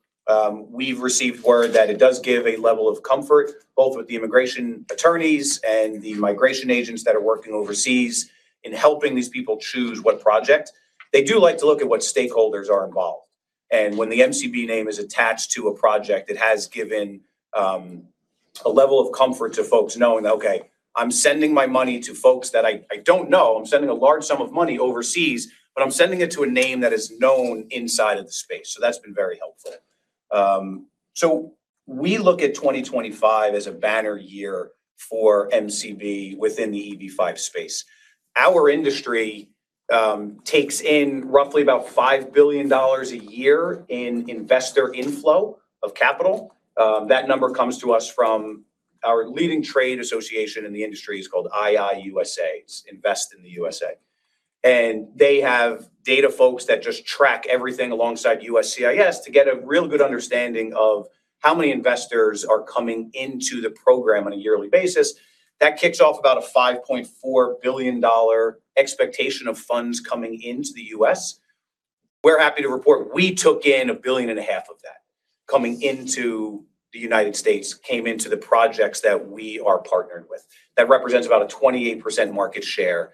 we've received word that it does give a level of comfort, both with the immigration attorneys and the migration agents that are working overseas in helping these people choose what project. They do like to look at what stakeholders are involved. When the MCB name is attached to a project, it has given a level of comfort to folks knowing that, "Okay, I'm sending my money to folks that I don't know. I'm sending a large sum of money overseas, but I'm sending it to a name that is known inside of the space." That's been very helpful. We look at 2025 as a banner year for MCB within the EB-5 space. Our industry takes in roughly about $5 billion a year in investor inflow of capital. That number comes to us from our leading trade association in the industry. It's called IIUSA. It's Invest in the USA. They have data folks that just track everything alongside USCIS to get a real good understanding of how many investors are coming into the program on a yearly basis. That kicks off about a $5.4 billion expectation of funds coming into the US. We're happy to report we took in $1.5 billion of that coming into the United States, came into the projects that we are partnered with. That represents about a 28% market share,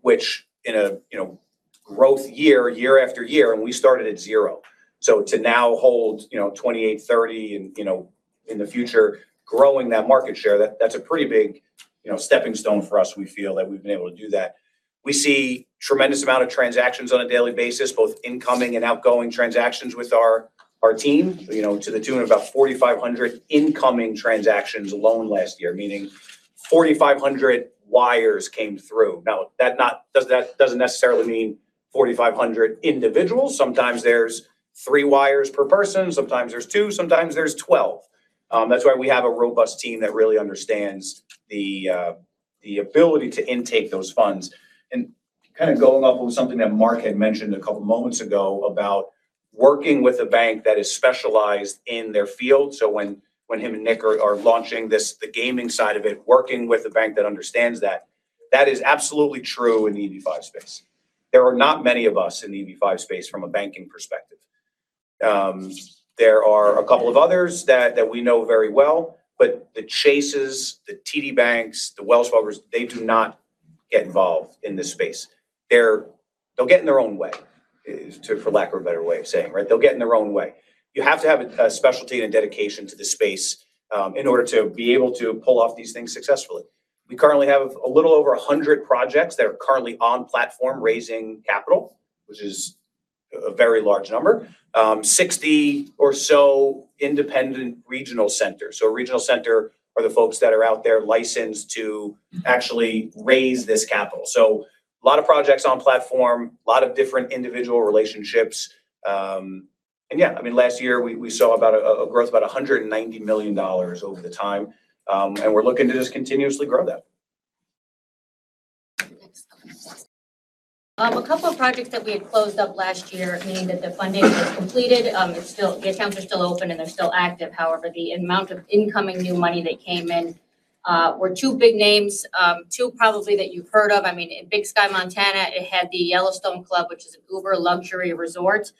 which in a, you know, growth year after year. We started at zero. To now hold, you know, 28, 30, and, you know, in the future, growing that market share, that's a pretty big, you know, stepping stone for us. We feel that we've been able to do that. We see tremendous amount of transactions on a daily basis, both incoming and outgoing transactions with our team, you know, to the tune of about $4,500 incoming transactions alone last year, meaning $4,500 wires came through. That doesn't necessarily mean 4,500 individuals. Sometimes there's three wires per person, sometimes there's two, sometimes there's 12. That's why we have a robust team that really understands the ability to intake those funds. Kind of going off of something that Mark had mentioned a couple moments ago about working with a bank that is specialized in their field. When him and Nick are launching this, the gaming side of it, working with a bank that understands that is absolutely true in the EB-5 space. There are a couple of others that we know very well, but the Chases, the TD Banks, the Wells Fargos, they do not get involved in this space. They'll get in their own way, to, for lack of a better way of saying, right? They'll get in their own way. You have to have a specialty and a dedication to the space in order to be able to pull off these things successfully. We currently have a little over 100 projects that are currently on platform raising capital, which is a very large number. 60 or so independent regional centers. Regional center are the folks that are out there licensed to actually raise this capital. A lot of projects on platform, a lot of different individual relationships. Yeah, I mean, last year we saw about a growth about $190 million over the time. We're looking to just continuously grow that. Next. A couple of projects that we had closed up last year, meaning that the funding was completed, the accounts are still open, and they're still active. However, the amount of incoming new money that came in, were two big names, two probably that you've heard of. I mean, in Big Sky, Montana, it had the Yellowstone Club, which is an uber-luxury resort.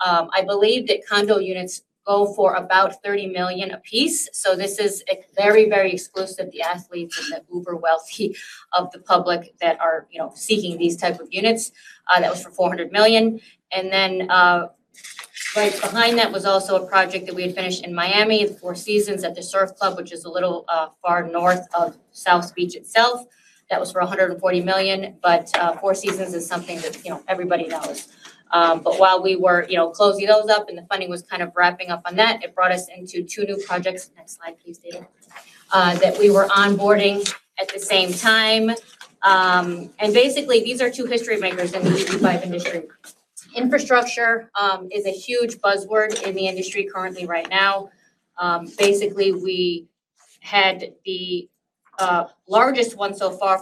I believe that condo units go for about $30 million apiece, so this is a very, very exclusive, the athletes and the uber-wealthy of the public that are, you know, seeking these type of units. That was for $400 million. Right behind that was also a project that we had finished in Miami, The Four Seasons at The Surf Club, which is a little far north of South Beach itself. That was for $140 million. Four Seasons is something that, you know, everybody knows. While we were, you know, closing those up and the funding was kind of wrapping up on that, it brought us into two new projects. Next slide, please, David. That we were onboarding at the same time. Basically, these are two history makers in the EB-5 industry. Infrastructure is a huge buzzword in the industry currently right now. Basically we had the largest one so far,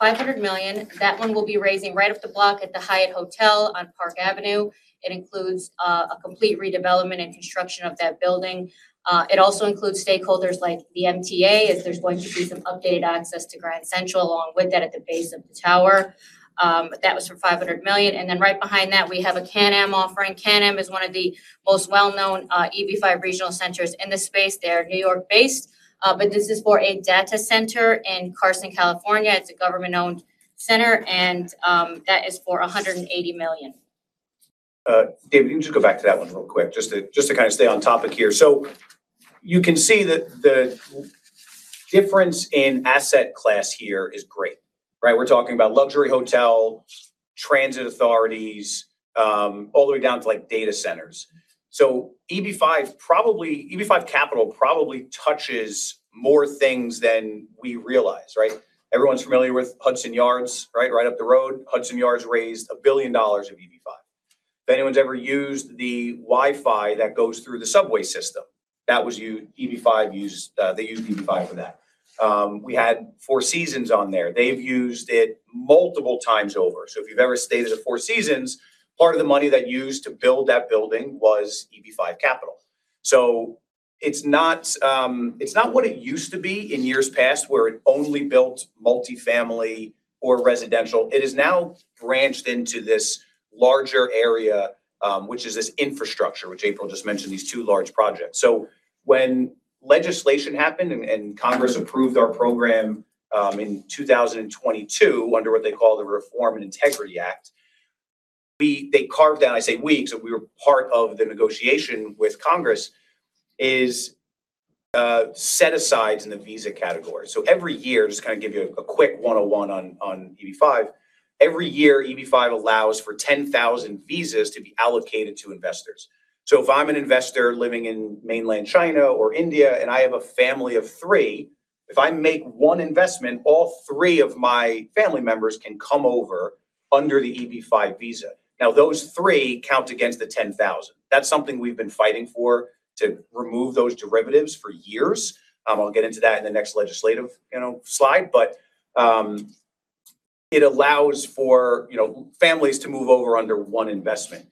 $500 million. That one we'll be raising right up the block at the Hyatt Hotel on Park Avenue. It includes a complete redevelopment and construction of that building. It also includes stakeholders like the MTA, as there's going to be some updated access to Grand Central along with that at the base of the tower. That was for $500 million. Right behind that, we have a CanAm offering. CanAm is one of the most well-known EB-5 regional centers in the space. They are New York-based. This is for a data center in Carson, California. It's a government-owned center. That is for $180 million. Dave, you can just go back to that one real quick, just to, just to kinda stay on topic here. You can see that the difference in asset class here is great, right? We're talking about luxury hotel, transit authorities, all the way down to, like, data centers. EB-5 capital probably touches more things than we realize, right? Everyone's familiar with Hudson Yards, right? Right up the road. Hudson Yards raised $1 billion of EB-5. If anyone's ever used the Wi-Fi that goes through the subway system, that was EB-5 use, they used EB-5 for that. We had Four Seasons on there. They've used it multiple times over. If you've ever stayed at a Four Seasons, part of the money they used to build that building was EB-5 capital. It's not what it used to be in years past, where it only built multifamily or residential. It has now branched into this larger area, which is this infrastructure, which April just mentioned, these two large projects. When legislation happened and Congress approved our program in 2022, under what they call the Reform and Integrity Act, they carved out, I say we, 'cause we were part of the negotiation with Congress, set-asides in the visa category. Every year, just to kinda give you a quick one-on-one on EB-5, every year, EB-5 allows for 10,000 visas to be allocated to investors. If I'm an investor living in mainland China or India, and I have a family of three, if I make one investment, all three of my family members can come over under the EB-5 visa. Those three count against the 10,000. That's something we've been fighting for, to remove those derivatives for years. I'll get into that in the next legislative, you know, slide. It allows for, you know, families to move over under one investment.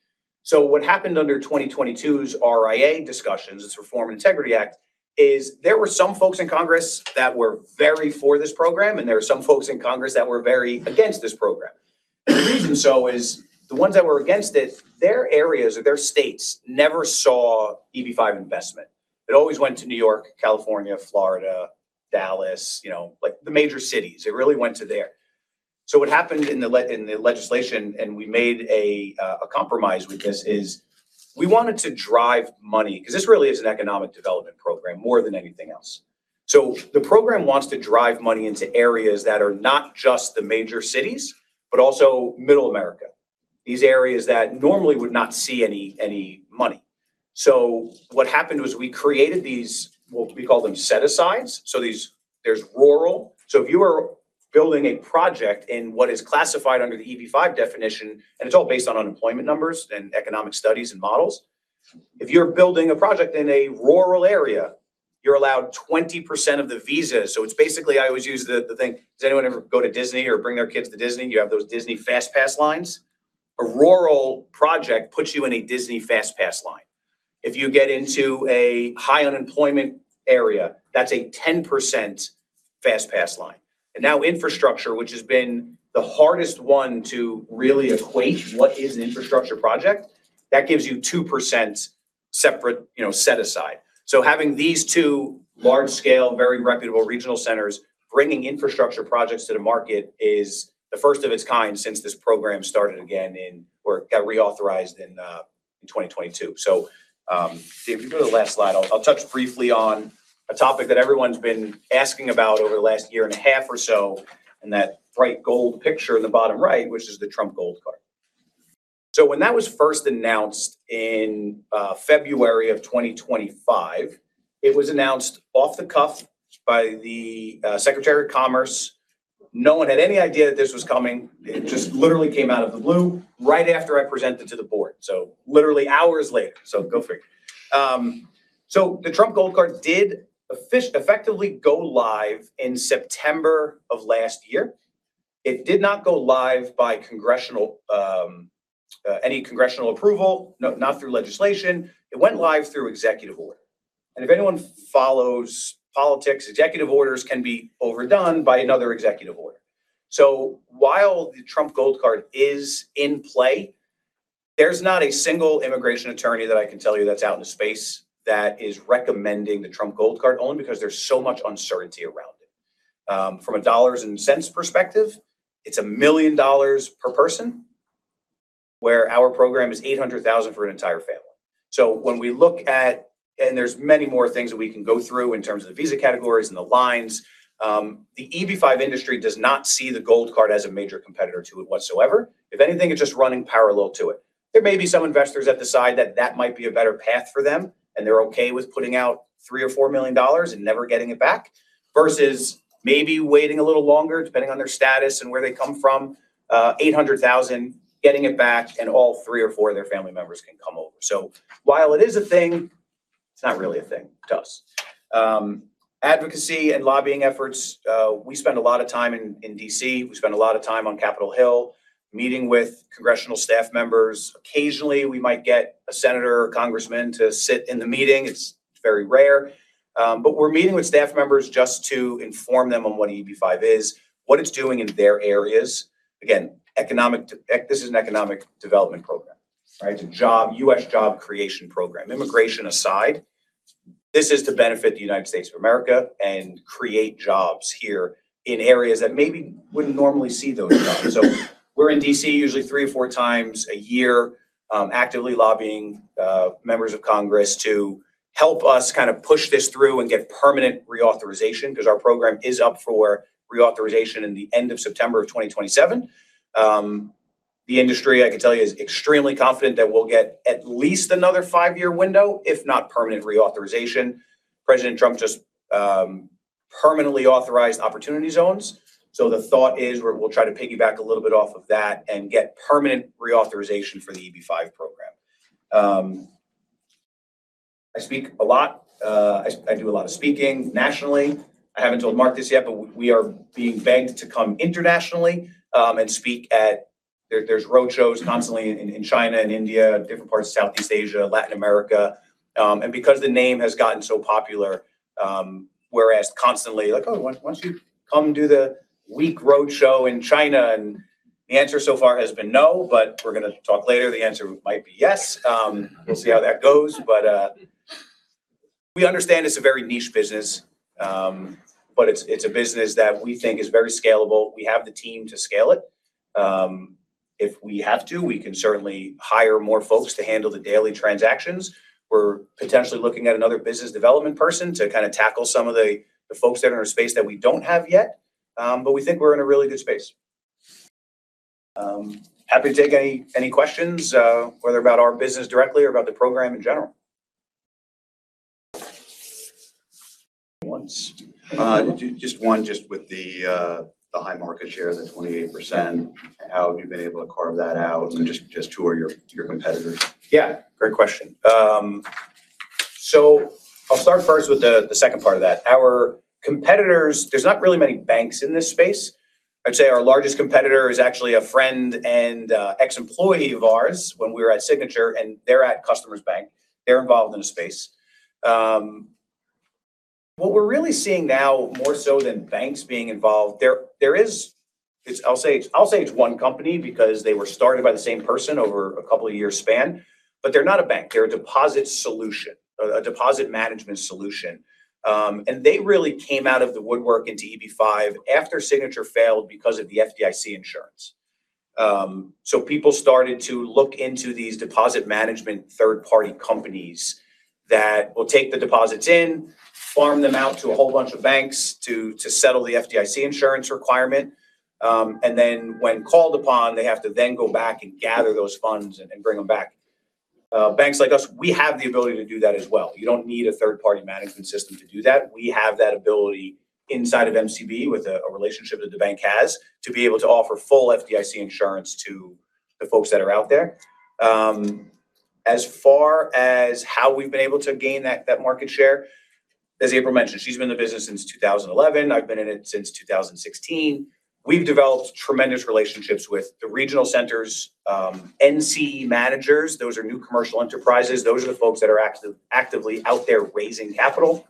What happened under 2022's RIA discussions, this Reform Integrity Act, is there were some folks in Congress that were very for this program, and there were some folks in Congress that were very against this program. The reason so is the ones that were against it, their areas or their states never saw EB-5 investment. It always went to New York, California, Florida, Dallas, you know, like, the major cities. It really went to there. What happened in the legislation, and we made a compromise with this, is we wanted to drive money, 'cause this really is an economic development program more than anything else. The program wants to drive money into areas that are not just the major cities, but also Middle America, these areas that normally would not see any money. What happened was we created these, well, we call them set-asides. These, there's rural. If you are building a project in what is classified under the EB-5 definition, and it's all based on unemployment numbers and economic studies and models, if you're building a project in a rural area, you're allowed 20% of the visas. It's basically, I always use the thing, does anyone ever go to Disney or bring their kids to Disney? You have those Disney FastPass lines. A rural project puts you in a Disney FastPass line. If you get into a high-unemployment area, that's a 10% FastPass line. Now infrastructure, which has been the hardest one to really equate what is an infrastructure project, that gives you 2% separate, you know, set aside. Having these two large-scale, very reputable regional centers bringing infrastructure projects to the market is the first of its kind since this program started again, or it got reauthorized in 2022. Dave, if you go to the last slide, I'll touch briefly on a topic that everyone's been asking about over the last year and a half or so, and that bright gold picture in the bottom right, which is the Trump Gold Card. When that was first announced in February of 2025, it was announced off the cuff by the Secretary of Commerce. No one had any idea that this was coming. It just literally came out of the blue right after I presented to the board, literally hours later, go figure. The Trump Gold Card did effectively go live in September of last year. It did not go live by congressional, any congressional approval, not through legislation. It went live through executive order. If anyone follows politics, executive orders can be overdone by another executive order. While the Trump Gold Card is in play, there's not a single immigration attorney that I can tell you that's out in the space that is recommending the Trump Gold Card, only because there's so much uncertainty around it. From a dollars and cents perspective, it's $1 million per person, where our program is $800,000 for an entire family. When we look at. There's many more things that we can go through in terms of the visa categories and the lines. The EB-5 industry does not see the gold card as a major competitor to it whatsoever. If anything, it's just running parallel to it. There may be some investors that decide that that might be a better path for them, and they're okay with putting out $3 million or $4 million and never getting it back. Versus maybe waiting a little longer depending on their status and where they come from, $800,000, getting it back, and all three or four of their family members can come over. While it is a thing, it's not really a thing to us. Advocacy and lobbying efforts, we spend a lot of time in D.C. We spend a lot of time on Capitol Hill meeting with congressional staff members. Occasionally, we might get a senator or congressman to sit in the meeting. It's very rare. We're meeting with staff members just to inform them on what EB-5 is, what it's doing in their areas. Again, this is an economic development program, right? It's a job, U.S. job creation program. Immigration aside, this is to benefit the United States of America and create jobs here in areas that maybe wouldn't normally see those jobs. We're in D.C. usually 3 or 4 times a year, actively lobbying members of Congress to help us kind of push this through and get permanent reauthorization because our program is up for reauthorization in the end of September of 2027. The industry, I can tell you, is extremely confident that we'll get at least another 5-year window, if not permanent reauthorization. President Trump just permanently authorized Opportunity Zones. The thought is we'll try to piggyback a little bit off of that and get permanent reauthorization for the EB-5 program. I speak a lot. I do a lot of speaking nationally. I haven't told Mark this yet, but we are being begged to come internationally and speak at. There's road shows constantly in China and India, different parts of Southeast Asia, Latin America. Because the name has gotten so popular, we're asked constantly like, "Oh, why don't you come do the week roadshow in China?" The answer so far has been no, but we're gonna talk later. The answer might be yes. We'll see how that goes. We understand it's a very niche business. It's a business that we think is very scalable. We have the team to scale it. If we have to, we can certainly hire more folks to handle the daily transactions. We're potentially looking at another business development person to kind of tackle some of the folks that are in our space that we don't have yet. We think we're in a really good space. Happy to take any questions, whether about our business directly or about the program in general. Once. just one with the high market share, the 28%. How have you been able to carve that out, and just who are your competitors? Great question. I'll start first with the second part of that. Our competitors, there's not really many banks in this space. I'd say our largest competitor is actually a friend and ex-employee of ours when we were at Signature Bank, and they're at Customers Bank. They're involved in the space. What we're really seeing now more so than banks being involved, there is, I'll say it's one company because they were started by the same person over a couple of years span, but they're not a bank. They're a deposit solution, a deposit management solution. They really came out of the woodwork into EB-5 after Signature Bank failed because of the FDIC insurance. People started to look into these deposit management third-party companies that will take the deposits in, farm them out to a whole bunch of banks to settle the FDIC insurance requirement. When called upon, they have to then go back and gather those funds and bring them back. Banks like us, we have the ability to do that as well. You don't need a third-party management system to do that. We have that ability inside of MCB with a relationship that the bank has to be able to offer full FDIC insurance to the folks that are out there. As far as how we've been able to gain that market share, as April mentioned, she's been in the business since 2011. I've been in it since 2016. We've developed tremendous relationships with the regional centers, NC managers. Those are new commercial enterprises. Those are the folks that are actively out there raising capital.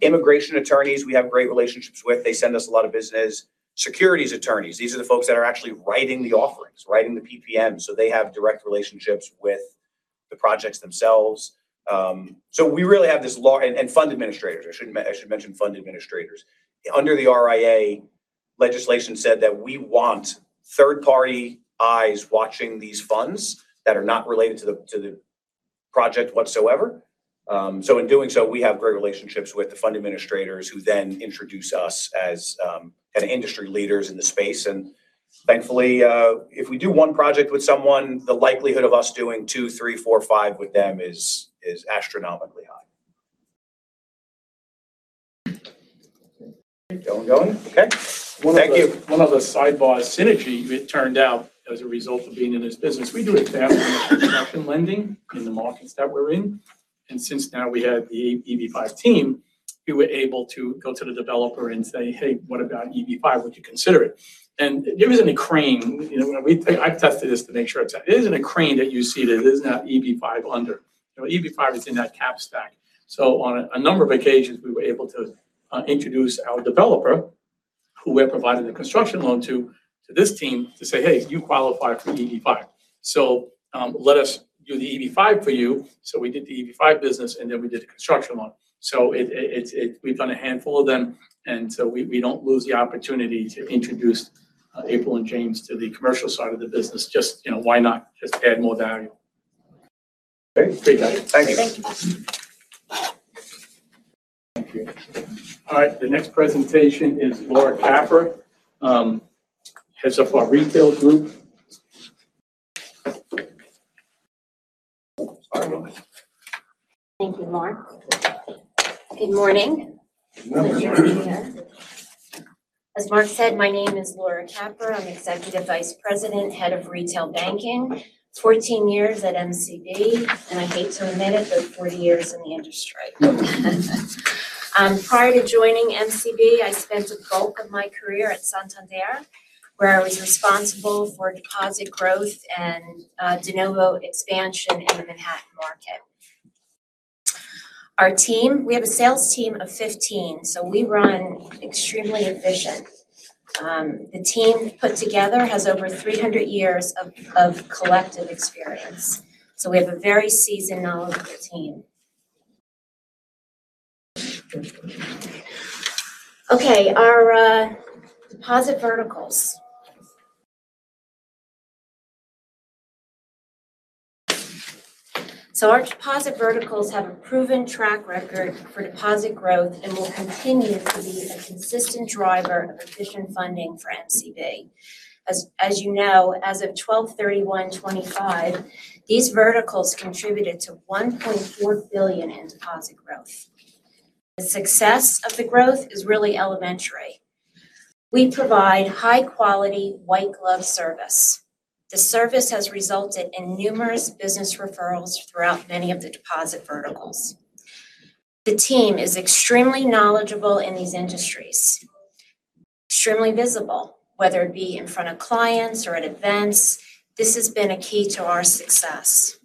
Immigration attorneys, we have great relationships with. They send us a lot of business. Securities attorneys, these are the folks that are actually writing the offerings, writing the PPMs, so they have direct relationships with the projects themselves. We really have this law... Fund administrators. I should mention fund administrators. Under the RIA, legislation said that we want third-party eyes watching these funds that are not related to the project whatsoever. In doing so, we have great relationships with the fund administrators who then introduce us as kind of industry leaders in the space. Thankfully, if we do 1 project with someone, the likelihood of us doing 2, 3, 4, 5 with them is astronomically high. Keep on going. Okay. Thank you. One of the sidebar synergy it turned out as a result of being in this business, we do a fair amount of construction lending in the markets that we're in. Since now we have the EB-5 team, we were able to go to the developer and say, "Hey, what about EB-5? Would you consider it?" There isn't a crane, you know, when I've tested this to make sure it's accurate. There isn't a crane that you see that does not have EB-5 under. You know, EB-5 is in that cap stack. On a number of occasions, we were able to introduce our developer, who we're providing the construction loan to this team to say, "Hey, you qualify for EB-5. Let us do the EB-5 for you. We did the EB-5 business, and then we did the construction loan. We've done a handful of them, and so we don't lose the opportunity to introduce April and James to the commercial side of the business. You know, why not just add more value? Great. Great job. Thank you. Thank you. All right, the next presentation is Laura Capra, Head of our Retail group. Thank you, Mark. Good morning. Good morning. As Mark said, my name is Laura Capra. I'm Executive Vice President, Head of Retail Banking. 14 years at MCB, I hate to admit it, but 40 years in the industry. Prior to joining MCB, I spent the bulk of my career at Santander, where I was responsible for deposit growth and de novo expansion in the Manhattan market. We have a sales team of 15, we run extremely efficient. The team put together has over 300 years of collective experience, we have a very seasoned, knowledgeable team. Our deposit verticals. Our deposit verticals have a proven track record for deposit growth and will continue to be a consistent driver of efficient funding for MCB. As you know, as of 12/31/2025, these verticals contributed to $1.4 billion in deposit growth. The success of the growth is really elementary. We provide high-quality, white-glove service. The service has resulted in numerous business referrals throughout many of the deposit verticals. The team is extremely knowledgeable in these industries, extremely visible, whether it be in front of clients or at events. This has been a key to our success.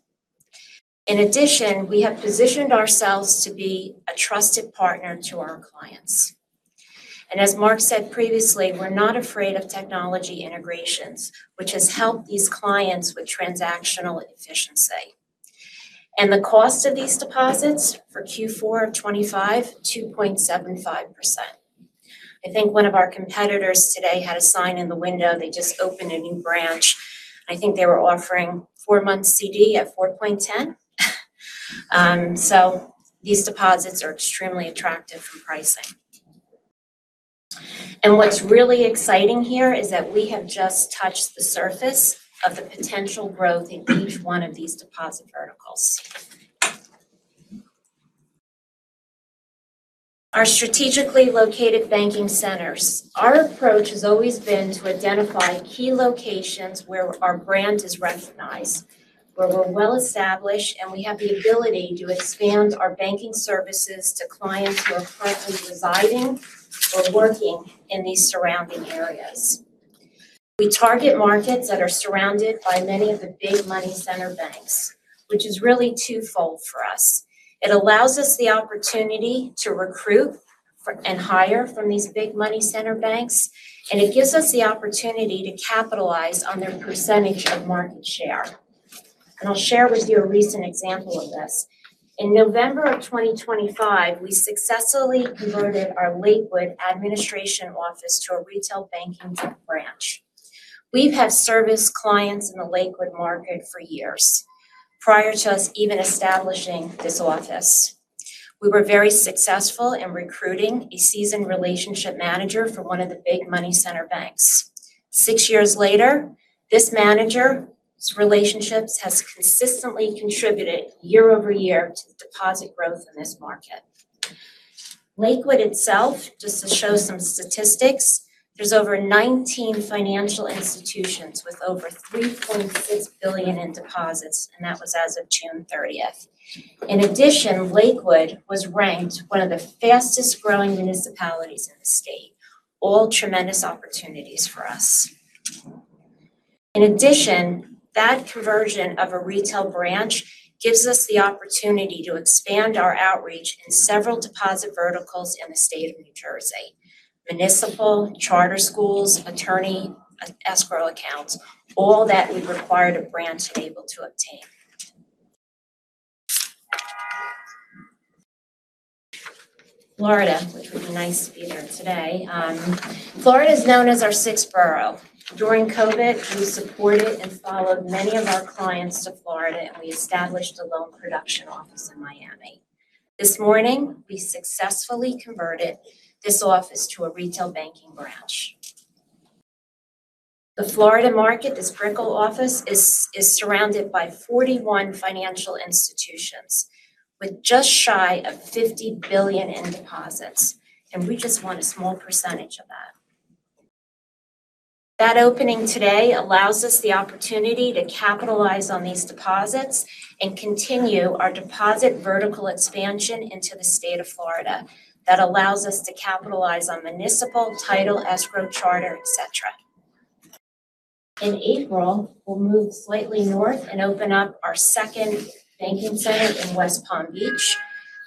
In addition, we have positioned ourselves to be a trusted partner to our clients. As Mark said previously, we're not afraid of technology integrations, which has helped these clients with transactional efficiency. The cost of these deposits for Q4 of 2025, 2.75%. I think one of our competitors today had a sign in the window. They just opened a new branch. I think they were offering 4-month CD at 4.10%. These deposits are extremely attractive from pricing. What's really exciting here is that we have just touched the surface of the potential growth in each one of these deposit verticals. Our strategically located banking centers. Our approach has always been to identify key locations where our brand is recognized, where we're well-established, and we have the ability to expand our banking services to clients who are currently residing or working in these surrounding areas. We target markets that are surrounded by many of the big money center banks, which is really twofold for us. It allows us the opportunity to recruit and hire from these big money center banks, and it gives us the opportunity to capitalize on their percentage of market share. I'll share with you a recent example of this. In November of 2025, we successfully converted our Lakewood administration office to a retail banking branch. We've had service clients in the Lakewood market for years prior to us even establishing this office. We were very successful in recruiting a seasoned relationship manager from 1 of the big money center banks. 6 years later, this manager's relationships has consistently contributed year-over-year to deposit growth in this market. Lakewood itself, just to show some statistics, there's over 19 financial institutions with over $3.6 billion in deposits, and that was as of June 30th. Lakewood was ranked 1 of the fastest-growing municipalities in the state. All tremendous opportunities for us. That conversion of a retail branch gives us the opportunity to expand our outreach in several deposit verticals in the state of New Jersey. Municipal, charter schools, attorney, escrow accounts, all that would require the branch to be able to obtain. Florida, which would be nice to be there today. Florida is known as our sixth borough. During COVID, we supported and followed many of our clients to Florida, and we established a loan production office in Miami. This morning, we successfully converted this office to a retail banking branch. The Florida market, this Brickell office, is surrounded by 41 financial institutions with just shy of $50 billion in deposits, and we just want a small percentage of that. That opening today allows us the opportunity to capitalize on these deposits and continue our deposit vertical expansion into the state of Florida. That allows us to capitalize on municipal, title, escrow, charter, et cetera. In April, we'll move slightly north and open up our second banking center in West Palm Beach.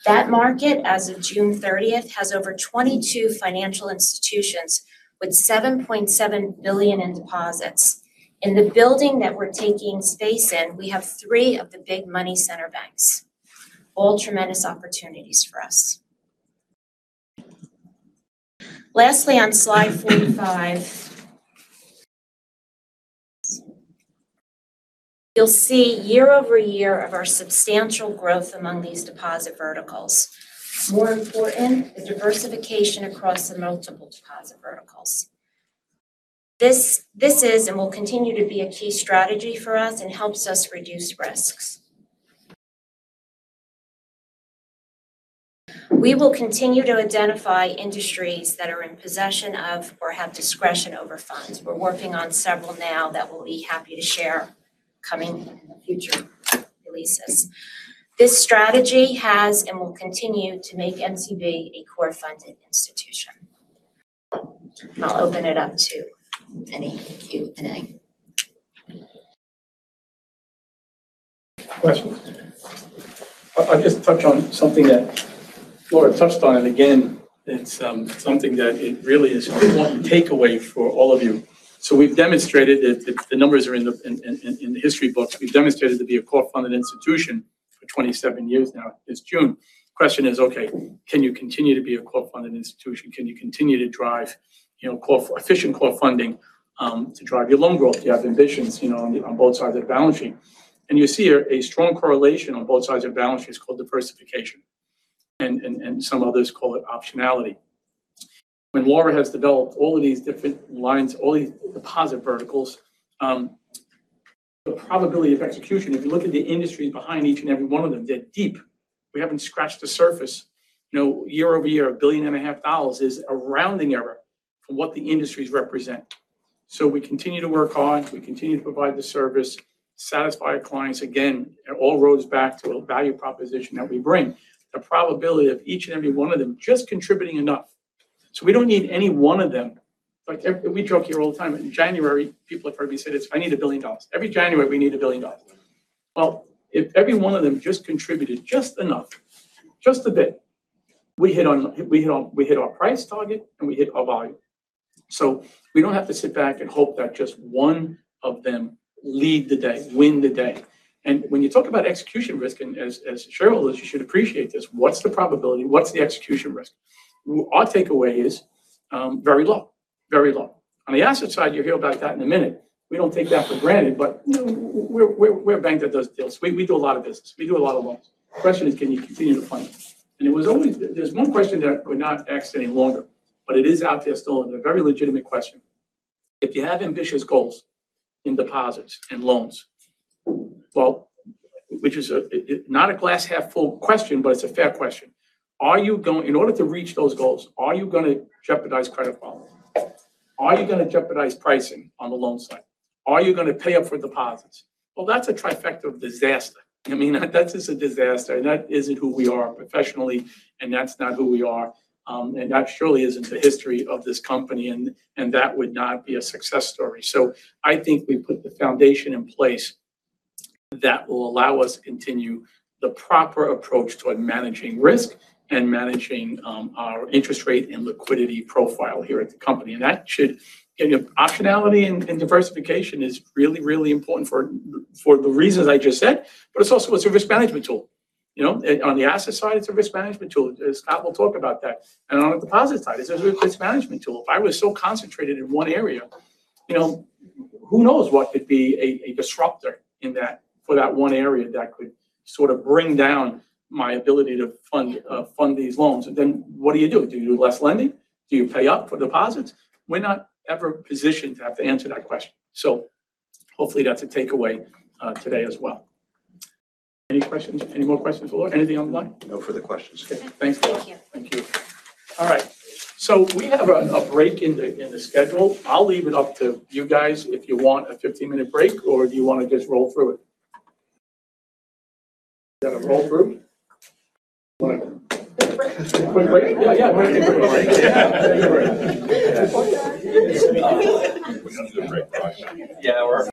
That market, as of June 30th, has over 22 financial institutions with $7.7 billion in deposits. In the building that we're taking space in, we have three of the big money center banks. All tremendous opportunities for us. Lastly, on slide 45, you'll see year-over-year of our substantial growth among these deposit verticals. More important is diversification across the multiple deposit verticals. This is and will continue to be a key strategy for us and helps us reduce risks. We will continue to identify industries that are in possession of or have discretion over funds. We're working on several now that we'll be happy to share coming in the future releases. This strategy has and will continue to make MCB a core funded institution. I'll open it up to any of you. Questions. I'll just touch on something that Laura touched on, and again, it's something that it really is one takeaway for all of you. We've demonstrated it, the numbers are in the history books. We've demonstrated to be a core funded institution for 27 years now this June. Question is, okay, can you continue to be a core funded institution? Can you continue to drive, you know, core efficient core funding to drive your loan growth? Do you have ambitions, you know, on both sides of the balance sheet? You see a strong correlation on both sides of balance sheet. It's called diversification, and some others call it optionality. When Laura has developed all of these different lines, all these deposit verticals, the probability of execution, if you look at the industries behind each and every one of them, they're deep. We haven't scratched the surface. You know year-over-year, $1.5 billion is a rounding error for what the industries represent. We continue to work on, we continue to provide the service, satisfy our clients. Again, it all rolls back to a value proposition that we bring. The probability of each and every one of them just contributing enough. We don't need any one of them. Like we joke here all the time. In January, people have heard me say this, "I need $1 billion." Every January, we need $1 billion. Well, if every one of them just contributed just enough, just a bit, we hit our price target, and we hit our value. We don't have to sit back and hope that just one of them lead the day, win the day. When you talk about execution risk, as shareholders, you should appreciate this. What's the probability? What's the execution risk? Our takeaway is very low, very low. On the asset side, you'll hear about that in a minute. We don't take that for granted, but, you know, we're a bank that does deals. We do a lot of business. We do a lot of loans. The question is, can you continue to fund them? It was always there's one question that we're not asked any longer, but it is out there still, and a very legitimate question. If you have ambitious goals in deposits and loans, well, which is a not a glass half full question, but it's a fair question. Are you going in order to reach those goals, are you gonna jeopardize credit quality? Are you gonna jeopardize pricing on the loan side? Are you gonna pay up for deposits? Well, that's a trifecta of disaster. I mean, that's just a disaster, and that isn't who we are professionally, and that's not who we are. That surely isn't the history of this company, and that would not be a success story. I think we put the foundation in place that will allow us to continue the proper approach toward managing risk and managing our interest rate and liquidity profile here at the company, and that should give you optionality and diversification is really important for the reasons I just said. It's also a service management tool. You know, on the asset side, it's a risk management tool. Scott will talk about that. On the deposit side, it's a risk management tool. If I was so concentrated in one area, you know, who knows what could be a disruptor in that for that one area that could sort of bring down my ability to fund these loans? Then what do you do? Do you do less lending? Do you pay up for deposits? We're not ever positioned to have to answer that question. Hopefully that's a takeaway, today as well. Any questions? Any more questions? Laura, anything online? No further questions. Okay. Thanks, Laura. Thank you. Thank you. All right. We have a break in the schedule. I'll leave it up to you guys if you want a 15-minute break, or do you wanna just roll through it? Gonna roll through? Whatever. Take a break. Quick break? Yeah, yeah. We can do a break. Yeah, we're-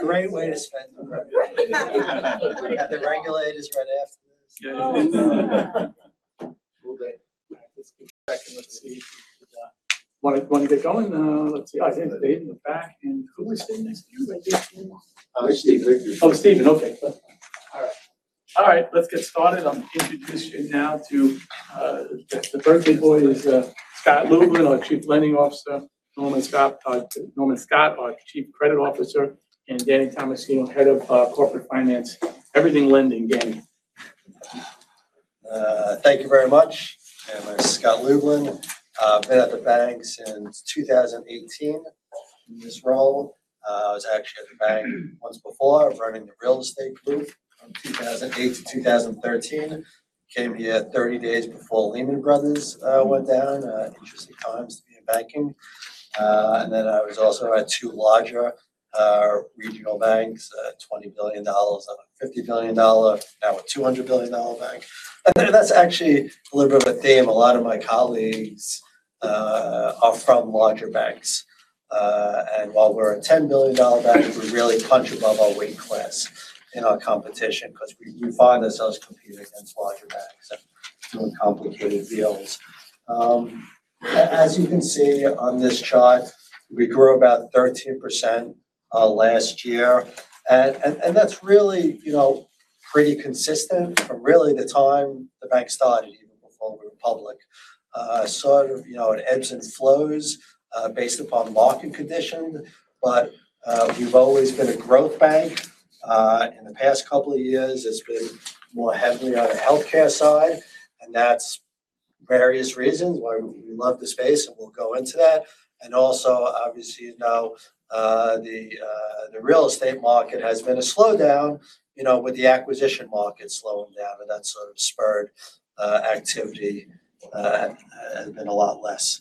Great way to spend. We have the regulators right after this. All day. Let's get cracking. Let's see. Wanna get going? Let's see. I think Dave in the back, and who was sitting next to you? I think it was. It was Steven. Steven. Okay. All right. All right, let's get started. I'll introduce you now to the birthday boy, Scott Lublin, our Chief Lending Officer, Norman Scott, our Chief Credit Officer, and Danny Tomasino, Head of Corporate Finance. Everything lending gang. Thank you very much. My name's Scott Lublin. I've been at the bank since 2018 in this role. I was actually at the bank once before running the real estate group from 2008 to 2013. Came here 30 days before Lehman Brothers went down, interesting times to be in banking. I was also at 2 larger regional banks, $20 billion, a $50 billion, now a $200 billion bank. That's actually a little bit of a theme. A lot of my colleagues are from larger banks. While we're a $10 million bank, we really punch above our weight class in our competition 'cause we find ourselves competing against larger banks on complicated deals. As you can see on this chart, we grew about 13% last year. That's really, you know, pretty consistent from really the time the bank started, even before we went public. Sort of, you know, it ebbs and flows based upon market condition. We've always been a growth bank. In the past couple of years, it's been more heavily on the healthcare side, and that's various reasons why we love the space, and we'll go into that. Also, obviously, you know, the real estate market has been a slowdown, you know, with the acquisition market slowing down, and that sort of spurred activity been a lot less.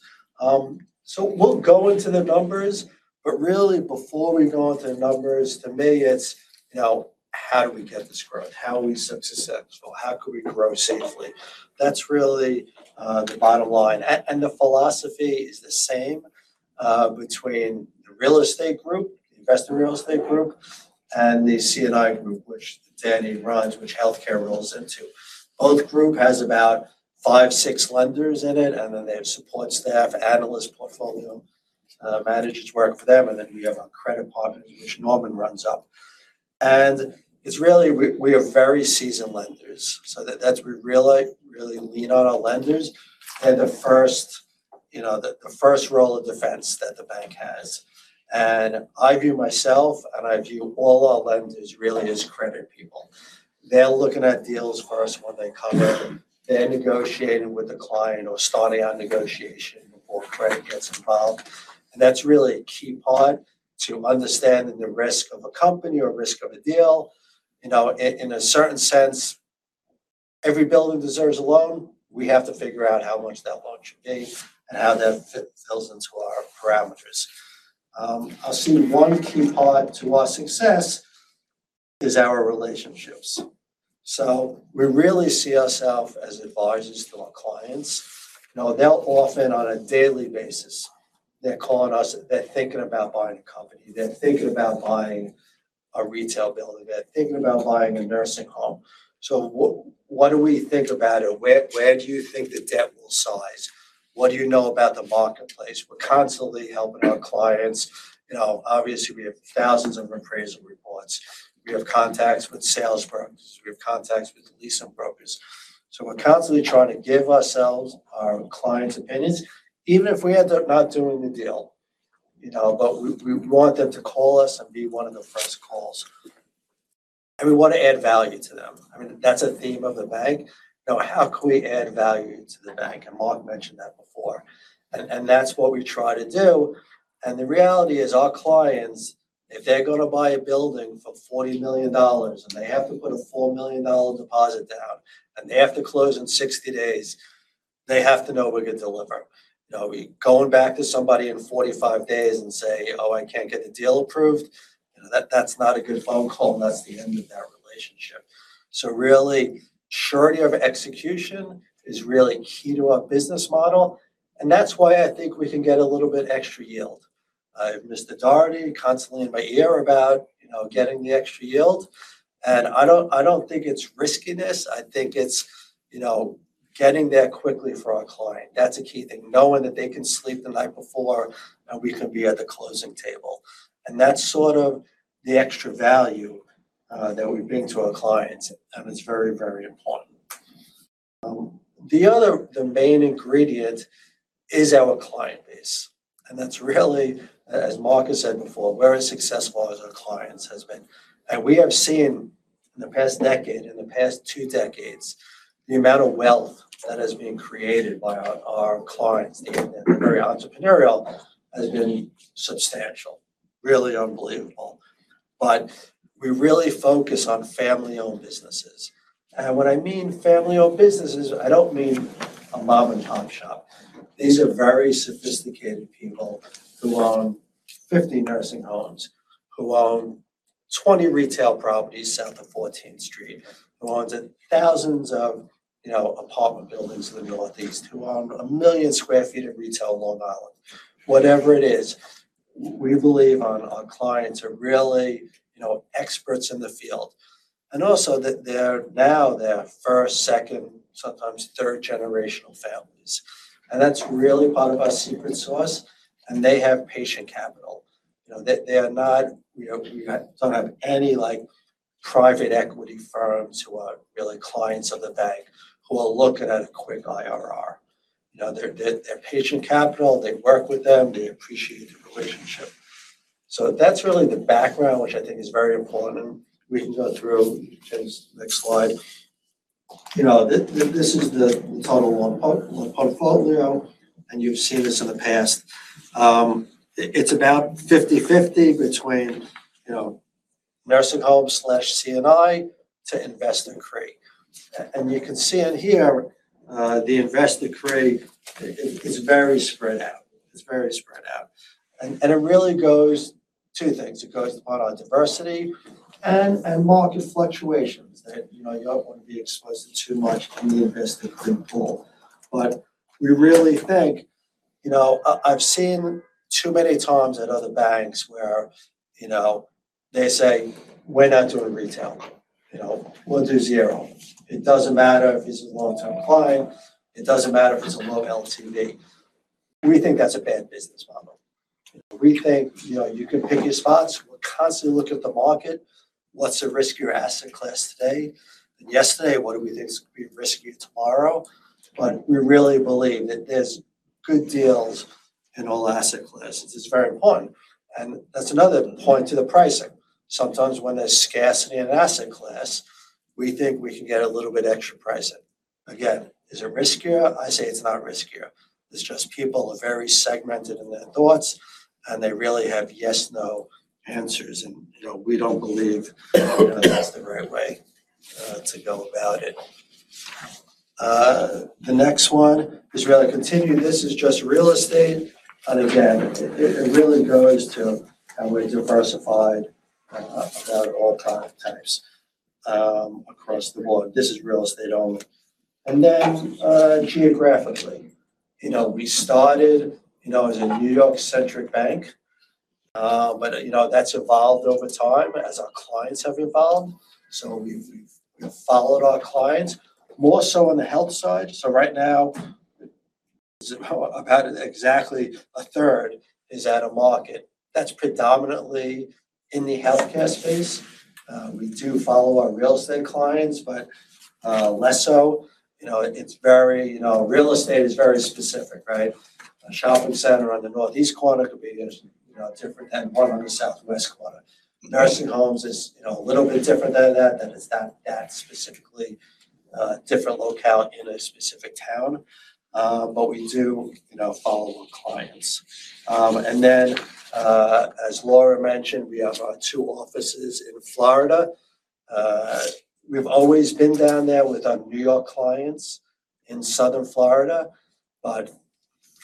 So we'll go into the numbers, but really before we go into the numbers, to me it's, you know, how do we get this growth? How are we successful? How can we grow safely? That's really the bottom line. The philosophy is the same between the real estate group, investor real estate group, and the C&I group, which Danny runs, which healthcare rolls into. Both group has about five, six lenders in it, and then they have support staff, analyst, portfolio, managers work for them, and then we have our credit partner, which Norman runs up. It's really we are very seasoned lenders, so that's we really lean on our lenders. They're the first, you know, the first role of defense that the bank has. I view myself, and I view all our lenders really as credit people. They're looking at deals for us when they come in. They're negotiating with the client or starting our negotiation before credit gets involved. That's really a key part to understanding the risk of a company or risk of a deal. You know, in a certain sense, every building deserves a loan. We have to figure out how much that loan should be and how that fits into our parameters. I'll say one key part to our success is our relationships. We really see ourself as advisors to our clients. You know, they'll often, on a daily basis, they're calling us, they're thinking about buying a company. They're thinking about buying a retail building. They're thinking about buying a nursing home. What do we think about it? Where do you think the debt will size? What do you know about the marketplace? We're constantly helping our clients. You know, obviously we have thousands of appraisal reports. We have contacts with sales firms. We have contacts with leasing brokers. We're constantly trying to give ourselves, our clients opinions, even if we end up not doing the deal. You know, but we want them to call us and be one of the first calls. We want to add value to them. I mean, that's a theme of the bank. You know, how can we add value to the bank? Mark mentioned that before. That's what we try to do. The reality is our clients, if they're gonna buy a building for $40 million, and they have to put a $4 million deposit down, and they have to close in 60 days, they have to know we can deliver. You know, going back to somebody in 45 days and say, "Oh, I can't get the deal approved," you know, that's not a good phone call, and that's the end of that relationship. Really, surety of execution is really key to our business model, and that's why I think we can get a little bit extra yield. I have Mr. Dougherty constantly in my ear about, you know, getting the extra yield, and I don't think it's riskiness. I think it's, you know, getting there quickly for our client. That's a key thing. Knowing that they can sleep the night before, and we can be at the closing table. That's sort of the extra value that we bring to our clients, and it's very, very important. The other, the main ingredient is our client base. That's really, as Mark has said before, we're as successful as our clients has been. We have seen in the past decade, in the past two decades, the amount of wealth that has been created by our clients, and they're very entrepreneurial, has been substantial. Really unbelievable. We really focus on family-owned businesses. When I mean family-owned businesses, I don't mean a mom-and-pop shop. These are very sophisticated people who own 50 nursing homes, who own 20 retail properties south of Fourteenth Street, who own thousands of, you know, apartment buildings in the Northeast, who own 1 million sq ft of retail in Long Island. Whatever it is, we believe our clients are really, you know, experts in the field. Also that they're now, they're first, second, sometimes third-generational families. That's really part of our secret sauce, and they have patient capital. You know, they are not, you know, we don't have any, like, private equity firms who are really clients of the bank who are looking at a quick IRR. You know, they're patient capital. They work with them. They appreciate the relationship. That's really the background, which I think is very important, and we can go through, James, the next slide. You know, this is the total loan portfolio, and you've seen this in the past. It's about 50/50 between, you know, nursing homes/C&I to invest in CRE. You can see in here, the invest in CRE is very spread out. It's very spread out. It really goes two things. It goes upon our diversity and market fluctuations that, you know, you don't want to be exposed to too much in the invest in CRE pool. We really think, you know, I've seen too many times at other banks where, you know, they say, "We're not doing retail." You know, "We'll do zero." It doesn't matter if it's a long-term client. It doesn't matter if it's a low LTV. We think that's a bad business model. We think, you know, you can pick your spots. We're constantly looking at the market. What's the riskier asset class today than yesterday? What do we think is going to be riskier tomorrow? We really believe that there's good deals in all asset classes. It's very important, and that's another point to the pricing. Sometimes when there's scarcity in an asset class, we think we can get a little bit extra pricing. Again, is it riskier? I say it's not riskier. It's just people are very segmented in their thoughts, and they really have yes/no answers, and, you know, we don't believe that's the right way to go about it. The next one is really continuing. This is just real estate, and again, it really goes to how we diversified about all kind of types across the board. This is real estate only. Geographically. You know, we started, you know, as a New York-centric bank, but, you know, that's evolved over time as our clients have evolved. We've followed our clients more so on the health side. Right now, about exactly a third is out-of-market. That's predominantly in the healthcare space. We do follow our real estate clients but less so. You know, it's very. You know, real estate is very specific, right? A shopping center on the northeast corner could be, you know, different than one on the southwest corner. Nursing homes is, you know, a little bit different than that, and it's not that specifically a different locale in a specific town. We do, you know, follow our clients. Then, as Laura mentioned, we have our two offices in Florida. We've always been down there with our New York clients in Southern Florida.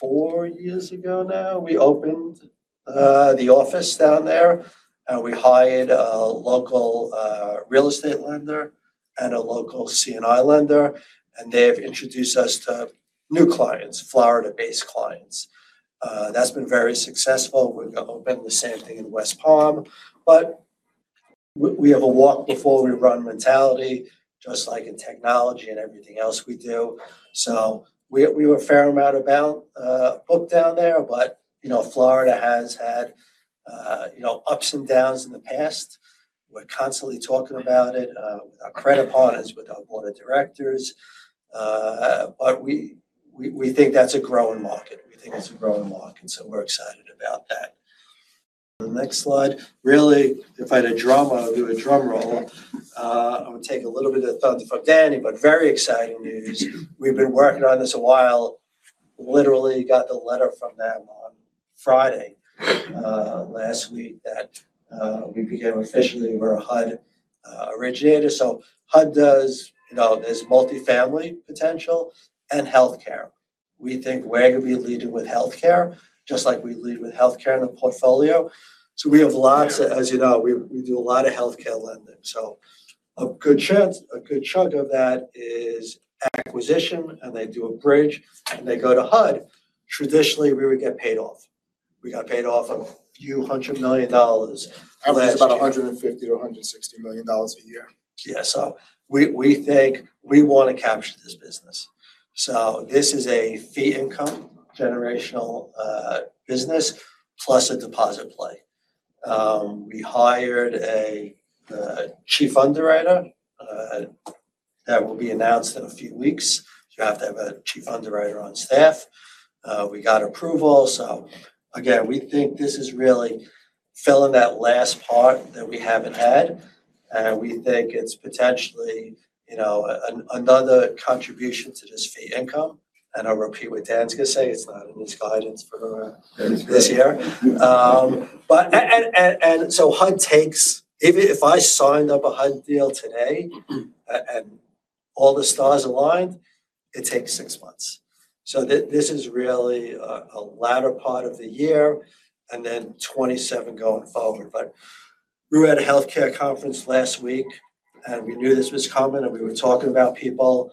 About 4 years ago now, we opened the office down there, and we hired a local real estate lender and a local C&I lender, and they have introduced us to new clients, Florida-based clients. That's been very successful. We're gonna open the same thing in West Palm. We have a walk before we run mentality, just like in technology and everything else we do. We were a fair amount about booked down there but, you know, Florida has had, you know, ups and downs in the past. We're constantly talking about it with our credit partners, with our board of directors. We think that's a growing market. We think it's a growing market, so we're excited about that. The next slide, really, if I had a drum, I would do a drum roll. I would take a little bit of thunder from Danny, but very exciting news. We've been working on this a while. Literally got the letter from them on Friday last week that we became officially, we're a HUD originator. HUD does, you know, there's multifamily potential and healthcare. We think Wagah will be leading with healthcare, just like we lead with healthcare in the portfolio. As you know, we do a lot of healthcare lending. A good chance, a good chunk of that is acquisition, and they do a bridge, and they go to HUD. Traditionally, we would get paid off. We got paid off a few hundred million dollars last year. About $150 million-$160 million a year. Yeah. We, we think we want to capture this business. This is a fee income generational business plus a deposit play. We hired a chief underwriter that will be announced in a few weeks. You have to have a chief underwriter on staff. We got approval. Again, we think this is really filling that last part that we haven't had, and we think it's potentially, you know, another contribution to this fee income. I'll repeat what Dan's gonna say. It's not in this guidance for. That is right. this year. Even if I signed up a HUD deal today and all the stars aligned, it takes six months. This is really a latter part of the year and then 2027 going forward. We were at a healthcare conference last week, and we knew this was coming, and we were talking about people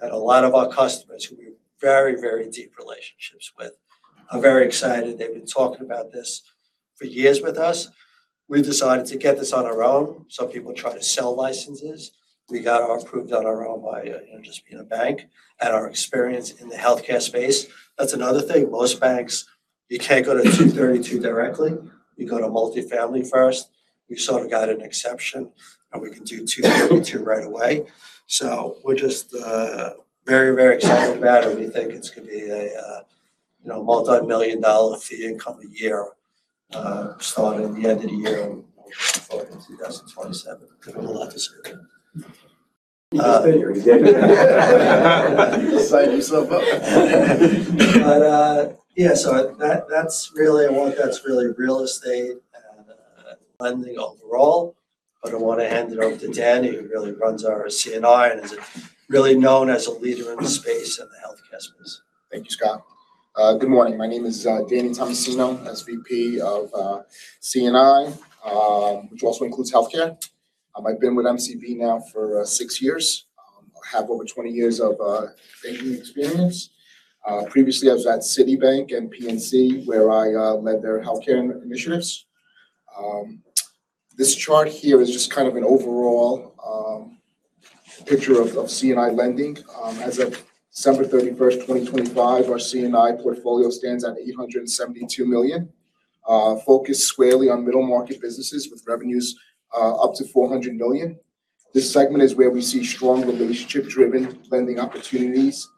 and a lot of our customers who we have very, very deep relationships with, are very excited. They've been talking about this for years with us. We decided to get this on our own. Some people try to sell licenses. We got our approved on our own by, you know, just being a bank and our experience in the healthcare space. That's another thing. Most banks, you can't go to 232 directly. You go to multifamily first. We sort of got an exception, and we can do Section 232 right away. We're just very, very excited about it. We think it's gonna be a, you know, multimillion-dollar fee income a year, starting the end of the year going into 2027. Could have a lot to say. You can stay here. You can. You can sign yourself up. Yeah, so that's really one that's really real estate and lending overall. I wanna hand it over to Danny, who really runs our C&I and is, really known as a leader in the space in the healthcare space. Thank you, Scott. Good morning. My name is Danny Tomasino, SVP of C&I, which also includes healthcare. I've been with MCB now for 6 years. I have over 20 years of banking experience. Previously I was at Citibank and PNC, where I led their healthcare initiatives. This chart here is just kind of an overall picture of C&I lending. As of December thirty-first, 2025, our C&I portfolio stands at $872 million, focused squarely on middle-market businesses with revenues up to $400 million. This segment is where we see strong relationship-driven lending opportunities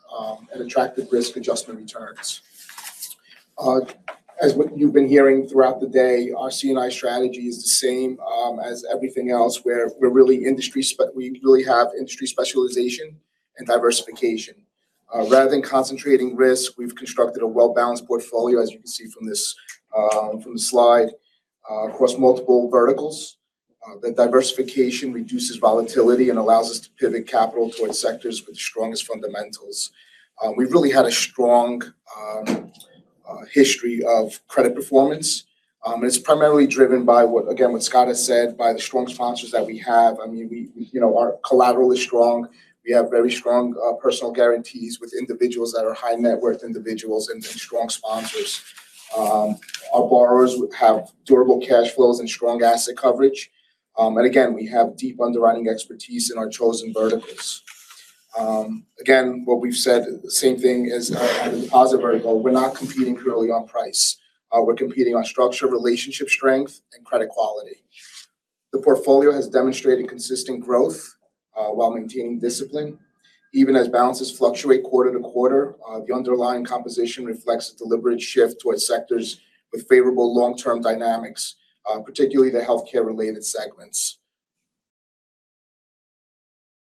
and attractive risk-adjusted returns. As what you've been hearing throughout the day, our C&I strategy is the same as everything else, where we really have industry specialization and diversification. Rather than concentrating risk, we've constructed a well-balanced portfolio, as you can see from this, from the slide, across multiple verticals. That diversification reduces volatility and allows us to pivot capital towards sectors with the strongest fundamentals. We've really had a strong history of credit performance, and it's primarily driven by what, again, what Scott has said, by the strong sponsors that we have. I mean, we, you know, our collateral is strong. We have very strong personal guarantees with individuals that are high-net-worth individuals and strong sponsors. Our borrowers have durable cash flows and strong asset coverage, and again, we have deep underwriting expertise in our chosen verticals. Again, what we've said, the same thing as our deposit vertical, we're not competing purely on price. We're competing on structure, relationship strength, and credit quality. The portfolio has demonstrated consistent growth while maintaining discipline. Even as balances fluctuate quarter to quarter, the underlying composition reflects a deliberate shift towards sectors with favorable long-term dynamics, particularly the healthcare-related segments.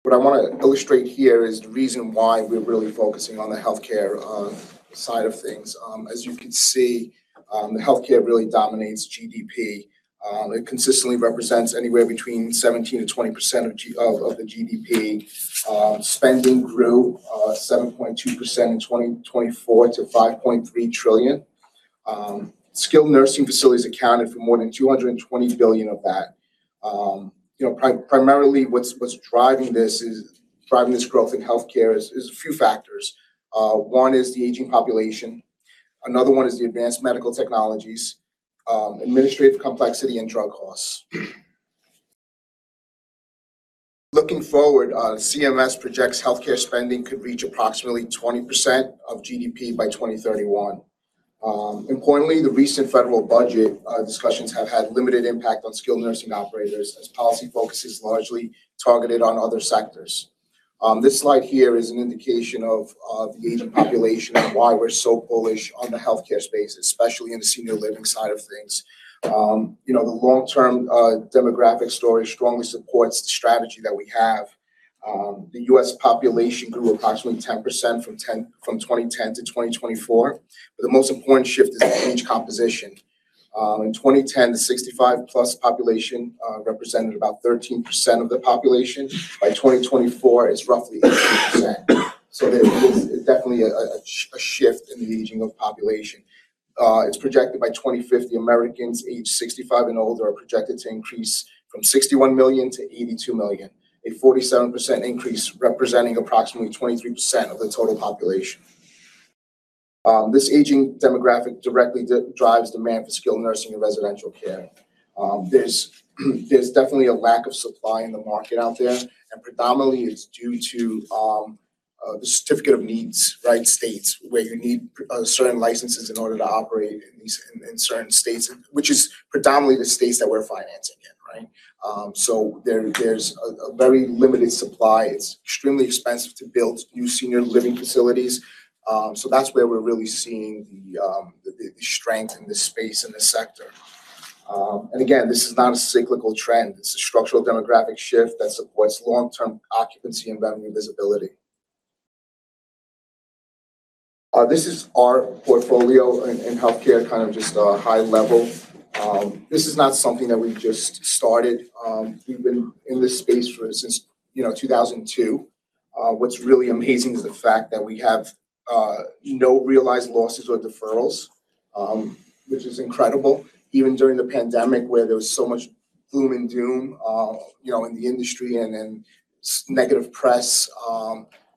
What I want to illustrate here is the reason why we're really focusing on the healthcare side of things. As you can see, healthcare really dominates GDP. It consistently represents anywhere between 17% and 20% of the GDP. Spending grew 7.2% in 2024 to $5.3 trillion. Skilled nursing facilities accounted for more than $220 billion of that. You know, primarily what's driving this growth in healthcare is a few factors. One is the aging population. Another one is the advanced medical technologies, administrative complexity, and drug costs. Looking forward, CMS projects healthcare spending could reach approximately 20% of GDP by 2031. Importantly, the recent federal budget discussions have had limited impact on skilled nursing operators as policy focus is largely targeted on other sectors. This slide here is an indication of the aging population and why we're so bullish on the healthcare space, especially in the senior living side of things. You know, the long-term demographic story strongly supports the strategy that we have. The US population grew approximately 10% from 2010 to 2024, but the most important shift is the age composition. In 2010, the 65-plus population represented about 13% of the population. By 2024, it's roughly 18%. There is definitely a shift in the aging of population. It's projected by 2050, Americans aged 65 and older are projected to increase from 61 million to 82 million, a 47% increase representing approximately 23% of the total population. This aging demographic directly drives demand for skilled nursing and residential care. There's definitely a lack of supply in the market out there, and predominantly it's due to the Certificate of Need, right? States where you need certain licenses in order to operate in certain states, which is predominantly the states that we're financing in, right? There's a very limited supply. It's extremely expensive to build new senior living facilities, so that's where we're really seeing the strength in this space and this sector. Again, this is not a cyclical trend. It's a structural demographic shift that supports long-term occupancy and revenue visibility. This is our portfolio in healthcare, kind of just a high level. This is not something that we've just started. We've been in this space for, since, you know, 2002. What's really amazing is the fact that we have no realized losses or deferrals, which is incredible. Even during the pandemic, where there was so much gloom and doom, you know, in the industry and then negative press,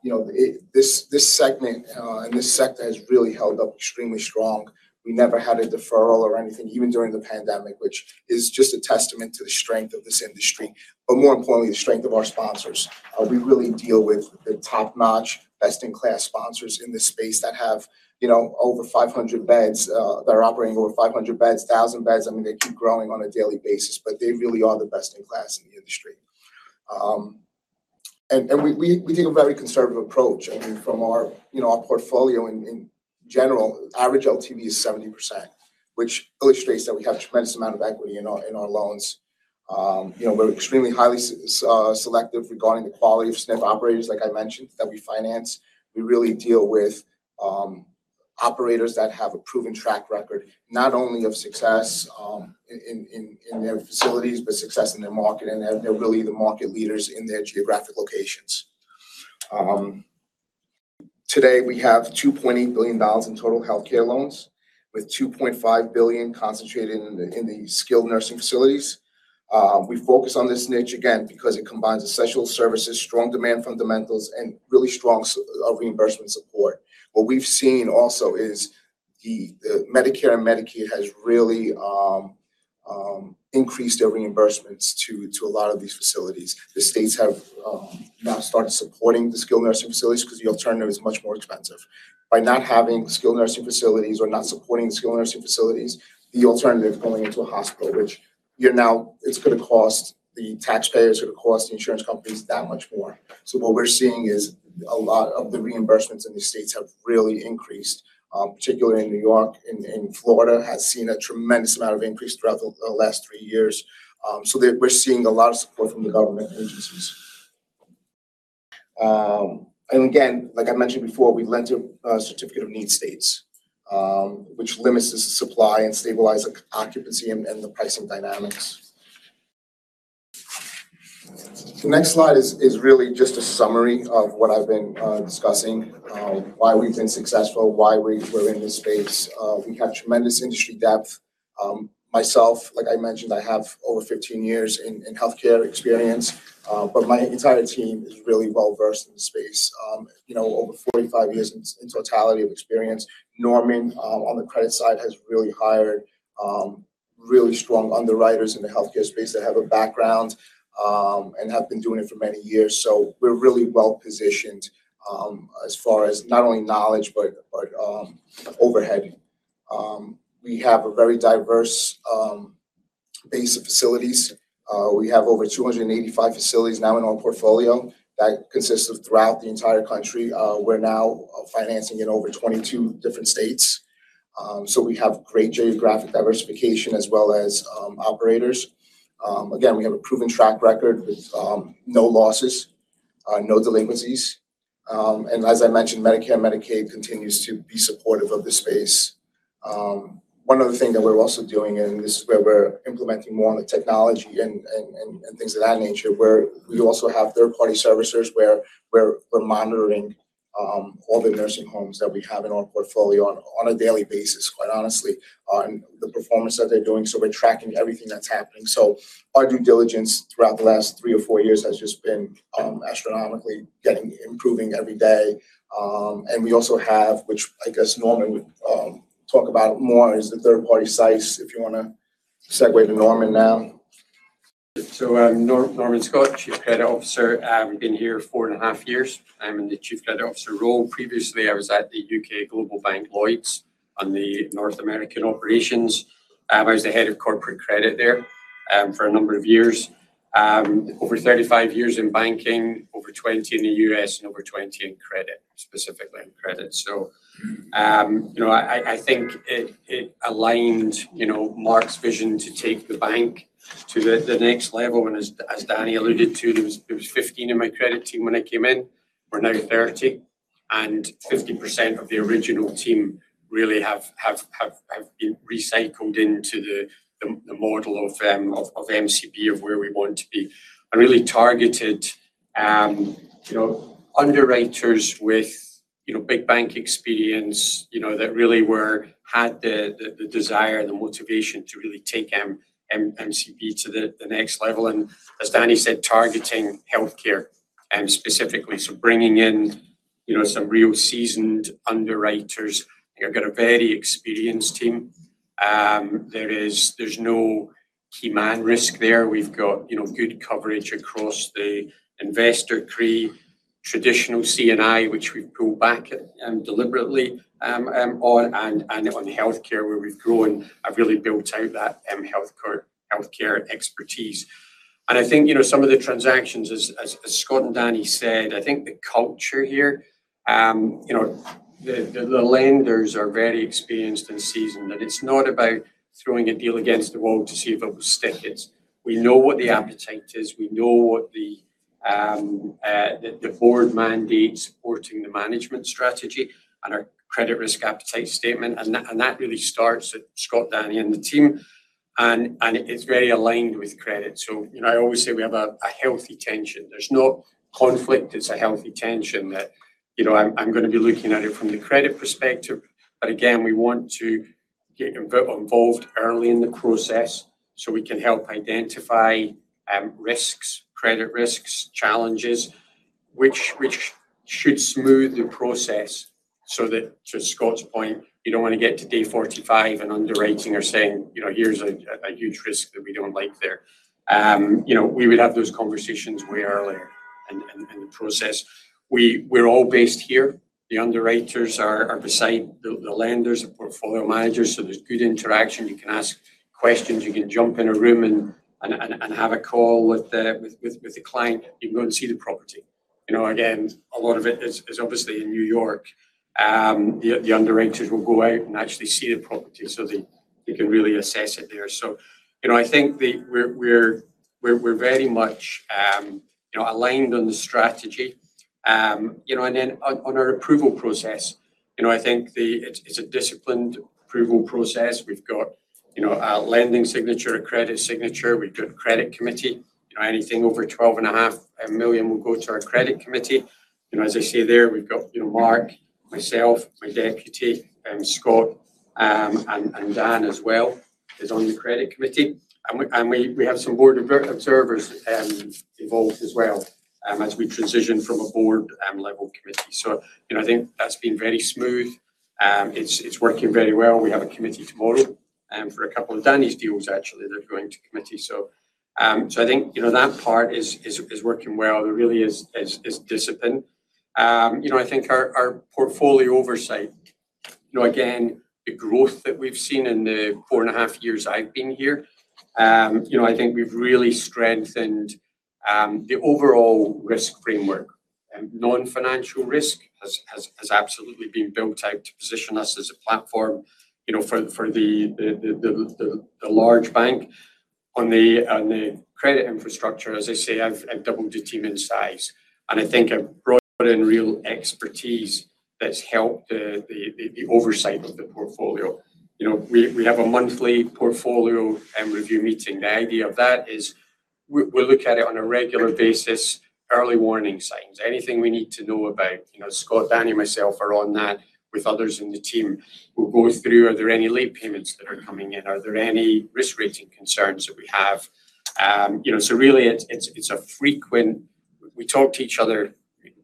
you know, this segment and this sector has really held up extremely strong. We never had a deferral or anything, even during the pandemic, which is just a testament to the strength of this industry, but more importantly, the strength of our sponsors. We really deal with the top-notch, best-in-class sponsors in this space that have, you know, over 500 beds, that are operating over 500 beds, 1,000 beds. I mean, they keep growing on a daily basis, but they really are the best in class in the industry. We take a very conservative approach. I mean, from our, you know, our portfolio in general, average LTV is 70%, which illustrates that we have a tremendous amount of equity in our loans. You know, we're extremely highly selective regarding the quality of SNF operators, like I mentioned, that we finance. We really deal with operators that have a proven track record, not only of success in their facilities, but success in their market, and they're really the market leaders in their geographic locations. Today we have $2.8 billion in total healthcare loans, with $2.5 billion concentrated in the skilled nursing facilities. We focus on this niche again because it combines essential services, strong demand fundamentals, and really strong reimbursement support. What we've seen also is the Medicare and Medicaid has really increased their reimbursements to a lot of these facilities. The states have now started supporting the skilled nursing facilities because the alternative is much more expensive. By not having skilled nursing facilities or not supporting skilled nursing facilities, the alternative is going into a hospital, which you're now it's gonna cost the taxpayers, it's gonna cost the insurance companies that much more. What we're seeing is a lot of the reimbursements in these states have really increased, particularly in New York. Florida has seen a tremendous amount of increase throughout the last 3 years. They we're seeing a lot of support from the government agencies. Again, like I mentioned before, we lend to Certificate of Need states, which limits the supply and stabilize occupancy and the pricing dynamics. The next slide is really just a summary of what I've been discussing, why we've been successful, why we're in this space. We have tremendous industry depth. Myself, like I mentioned, I have over 15 years in healthcare experience, but my entire team is really well-versed in the space. You know, over 45 years in totality of experience. Norman, on the credit side, has really hired really strong underwriters in the healthcare space that have a background and have been doing it for many years. We're really well-positioned as far as not only knowledge, but overhead. We have a very diverse base of facilities. We have over 285 facilities now in our portfolio that consists of throughout the entire country. We're now financing in over 22 different states. We have great geographic diversification as well as operators. Again, we have a proven track record with no losses, no delinquencies. As I mentioned, Medicare and Medicaid continues to be supportive of the space. One other thing that we're also doing, and this is where we're implementing more on the technology and things of that nature, we also have third-party servicers where we're monitoring all the nursing homes that we have in our portfolio on a daily basis, quite honestly, on the performance that they're doing. We're tracking everything that's happening. Our due diligence throughout the last 3 or 4 years has just been astronomically getting, improving every day. We also have, which I guess Norman would talk about more, is the third-party sites, if you wanna segue to Norman now. I'm Norman Scott, Chief Credit Officer. I've been here four and a half years. I'm in the chief credit officer role. Previously, I was at the U.K. global bank Lloyds on the North American operations. I was the head of corporate credit there for a number of years. Over 35 years in banking, over 20 in the U.S., and over 20 in credit, specifically in credit. You know, I think it aligned, you know, Mark's vision to take the bank to the next level. As Danny alluded to, there was 15 in my credit team when I came in. We're now 30, and 50% of the original team really have been recycled into the model of MCB, of where we want to be. I really targeted, you know, underwriters with, you know, big bank experience, you know, that really had the desire, the motivation to really take MCB to the next level, and as Danny said, targeting healthcare, specifically. Bringing in, you know, some real seasoned underwriters. I've got a very experienced team. There is, there's no key man risk there. We've got, you know, good coverage across the investor CRE, traditional C&I, which we've pulled back, deliberately, on, and on healthcare where we've grown. I've really built out that, healthcare expertise. I think, you know, some of the transactions as, as Scott and Danny said, I think the culture here, you know, the lenders are very experienced and seasoned, and it's not about throwing a deal against the wall to see if it will stick. It's we know what the appetite is, we know what the board mandate supporting the management strategy and our credit risk appetite statement. That really starts at Scott, Danny, and the team, and it's very aligned with credit. You know, I always say we have a healthy tension. There's no conflict. It's a healthy tension that, you know, I'm gonna be looking at it from the credit perspective, but again, we want to get involved early in the process, so we can help identify risks, credit risks, challenges, which should smooth the process so that, to Scott's point, you don't wanna get to day 45 and underwriting or saying, you know, "Here's a huge risk that we don't like there." You know, we would have those conversations way earlier in the process. We're all based here. The underwriters are beside the lenders, the portfolio managers, so there's good interaction. You can ask questions, you can jump in a room and have a call with the client. You can go and see the property. You know, again, a lot of it is obviously in New York. The underwriters will go out and actually see the property so they can really assess it there. You know, I think that we're very much, you know, aligned on the strategy. On our approval process. You know, I think it's a disciplined approval process. We've got, you know, a lending signature, a credit signature. We've got a credit committee. You know, anything over $12.5 million will go to our credit committee. You know, as I say there, we've got, you know, Mark, myself, my deputy, Scott, and Dan as well is on the credit committee. We have some board observers involved as well, as we transition from a board level committee. You know, I think that's been very smooth. It's working very well. We have a committee tomorrow for a couple of Danny's deals, actually, they're going to committee. I think, you know, that part is working well. There really is discipline. You know, I think our portfolio oversight, you know, again, the growth that we've seen in the four and a half years I've been here, you know, I think we've really strengthened the overall risk framework. Non-financial risk has absolutely been built out to position us as a platform, you know, for the large bank. On the credit infrastructure, as I say, I've doubled the team in size. I think I've brought in real expertise that's helped the oversight of the portfolio. You know, we have a monthly portfolio and review meeting. The idea of that is we look at it on a regular basis, early warning signs, anything we need to know about. You know, Scott, Danny, and myself are on that with others in the team. We'll go through, are there any late payments that are coming in? Are there any risk rating concerns that we have? You know, really. We talk to each other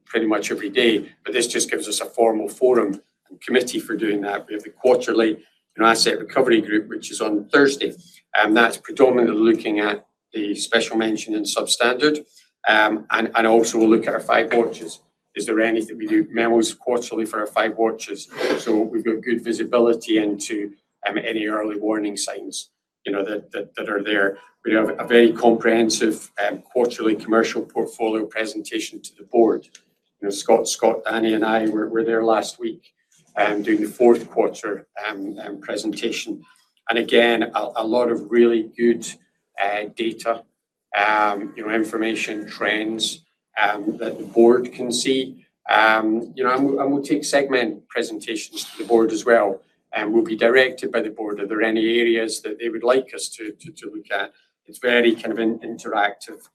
pretty much every day, but this just gives us a formal forum and committee for doing that. We have the quarterly, you know, asset recovery group, which is on Thursday, that's predominantly looking at the special mention and substandard. And also we'll look at our 5 watches. Is there anything we do? Memos quarterly for our 5 watches. So we've got good visibility into any early warning signs, you know, that are there. We have a very comprehensive quarterly commercial portfolio presentation to the board. You know, Scott, Danny, and I were there last week doing the 4th quarter presentation. Again, a lot of really good data, you know, information trends that the board can see. You know, and we'll take segment presentations to the board as well. We'll be directed by the board. Are there any areas that they would like us to look at? It's very kind of interactive,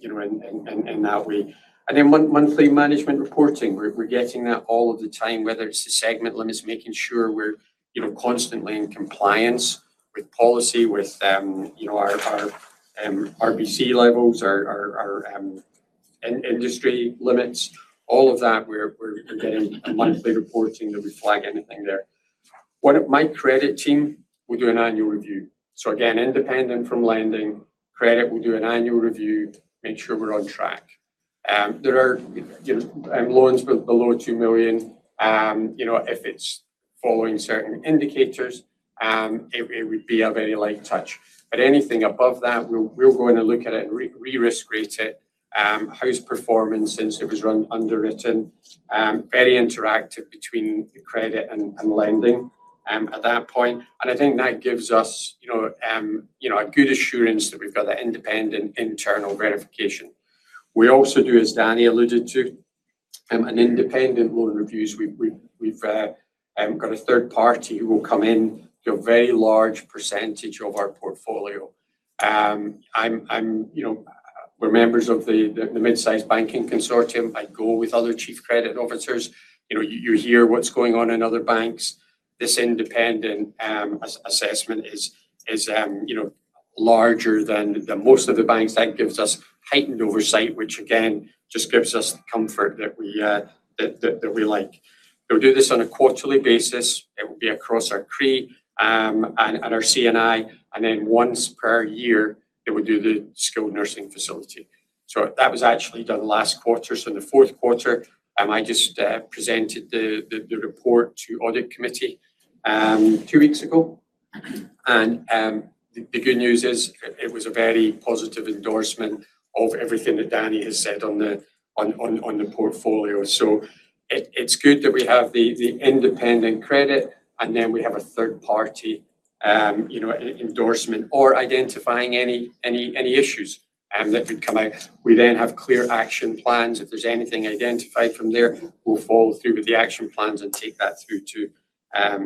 you know, in that way. Monthly management reporting. We're getting that all of the time, whether it's the segment limits, making sure we're, you know, constantly in compliance with policy, with, you know, our RBC levels, our industry limits, all of that we're getting monthly reporting that we flag anything there. What my credit team will do an annual review. Again, independent from lending, credit will do an annual review, make sure we're on track. There are, you know, loans below 2 million, you know, if it's following certain indicators, it would be a very light touch. Anything above that, we'll go in and look at it and re-risk rate it. How's performance since it was run underwritten. Very interactive between the credit and lending at that point. I think that gives us, you know, a good assurance that we've got that independent internal verification. We also do, as Danny alluded to, an independent loan reviews. We've got a third party who will come in, do a very large percentage of our portfolio. I'm, you know, we're members of the midsize banking consortium. I go with other chief credit officers. You know, you hear what's going on in other banks. This independent assessment is, you know, larger than most of the banks. That gives us heightened oversight, which again, just gives us comfort that we that we like. They'll do this on a quarterly basis. It will be across our CRE and our C&I, and then once per year, it will do the skilled nursing facility. That was actually done last quarter, so in the fourth quarter. I just presented the report to audit committee two weeks ago. The good news is it was a very positive endorsement of everything that Danny has said on the portfolio. It's good that we have the independent credit, and then we have a third party, you know, endorsement or identifying any issues that would come out. We then have clear action plans. If there's anything identified from there, we'll follow through with the action plans and take that through to,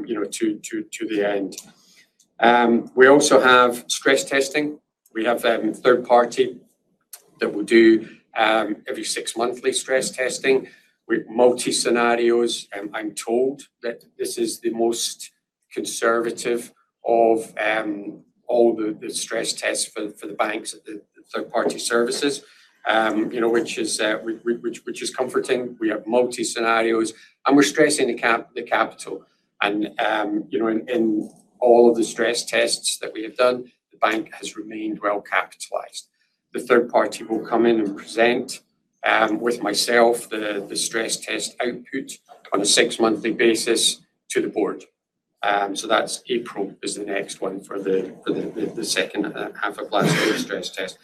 you know, to the end. We also have stress testing. We have a third party that will do every six monthly stress testing with multi scenarios. I'm told that this is the most conservative of all the stress tests for the banks at the third party services. You know, which is comforting. We have multi scenarios, and we're stressing the capital. You know, in all of the stress tests that we have done, the bank has remained well capitalized. The third party will come in and present with myself, the stress test output on a six monthly basis to the board. So that's April is the next one for the second half of last year's stress test.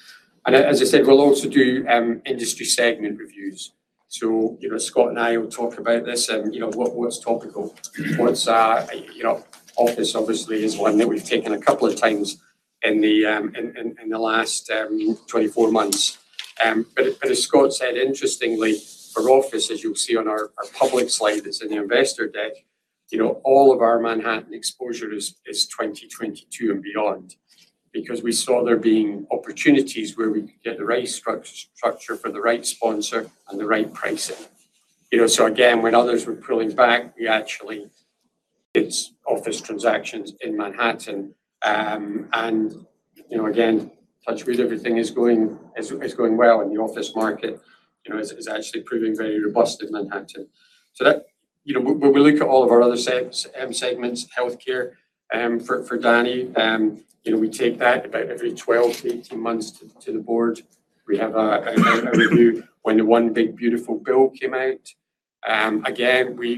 As I said, we'll also do industry segment reviews. You know, Scott and I will talk about this and, you know, what's topical. What's, you know, office obviously is one that we've taken a couple of times in the last 24 months. But as Scott said, interestingly for office, as you'll see on our public slide that's in the investor deck, you know, all of our Manhattan exposure is 2022 and beyond because we saw there being opportunities where we could get the right structure for the right sponsor and the right pricing. You know, again, when others were pulling back, we actually did office transactions in Manhattan. You know, again, touch wood, everything is going well in the office market, you know, is actually proving very robust in Manhattan. You know, when we look at all of our other segments, healthcare, for Danny, you know, we take that about every 12 to 18 months to the board. We have a review when the one big beautiful bill came out. Again, we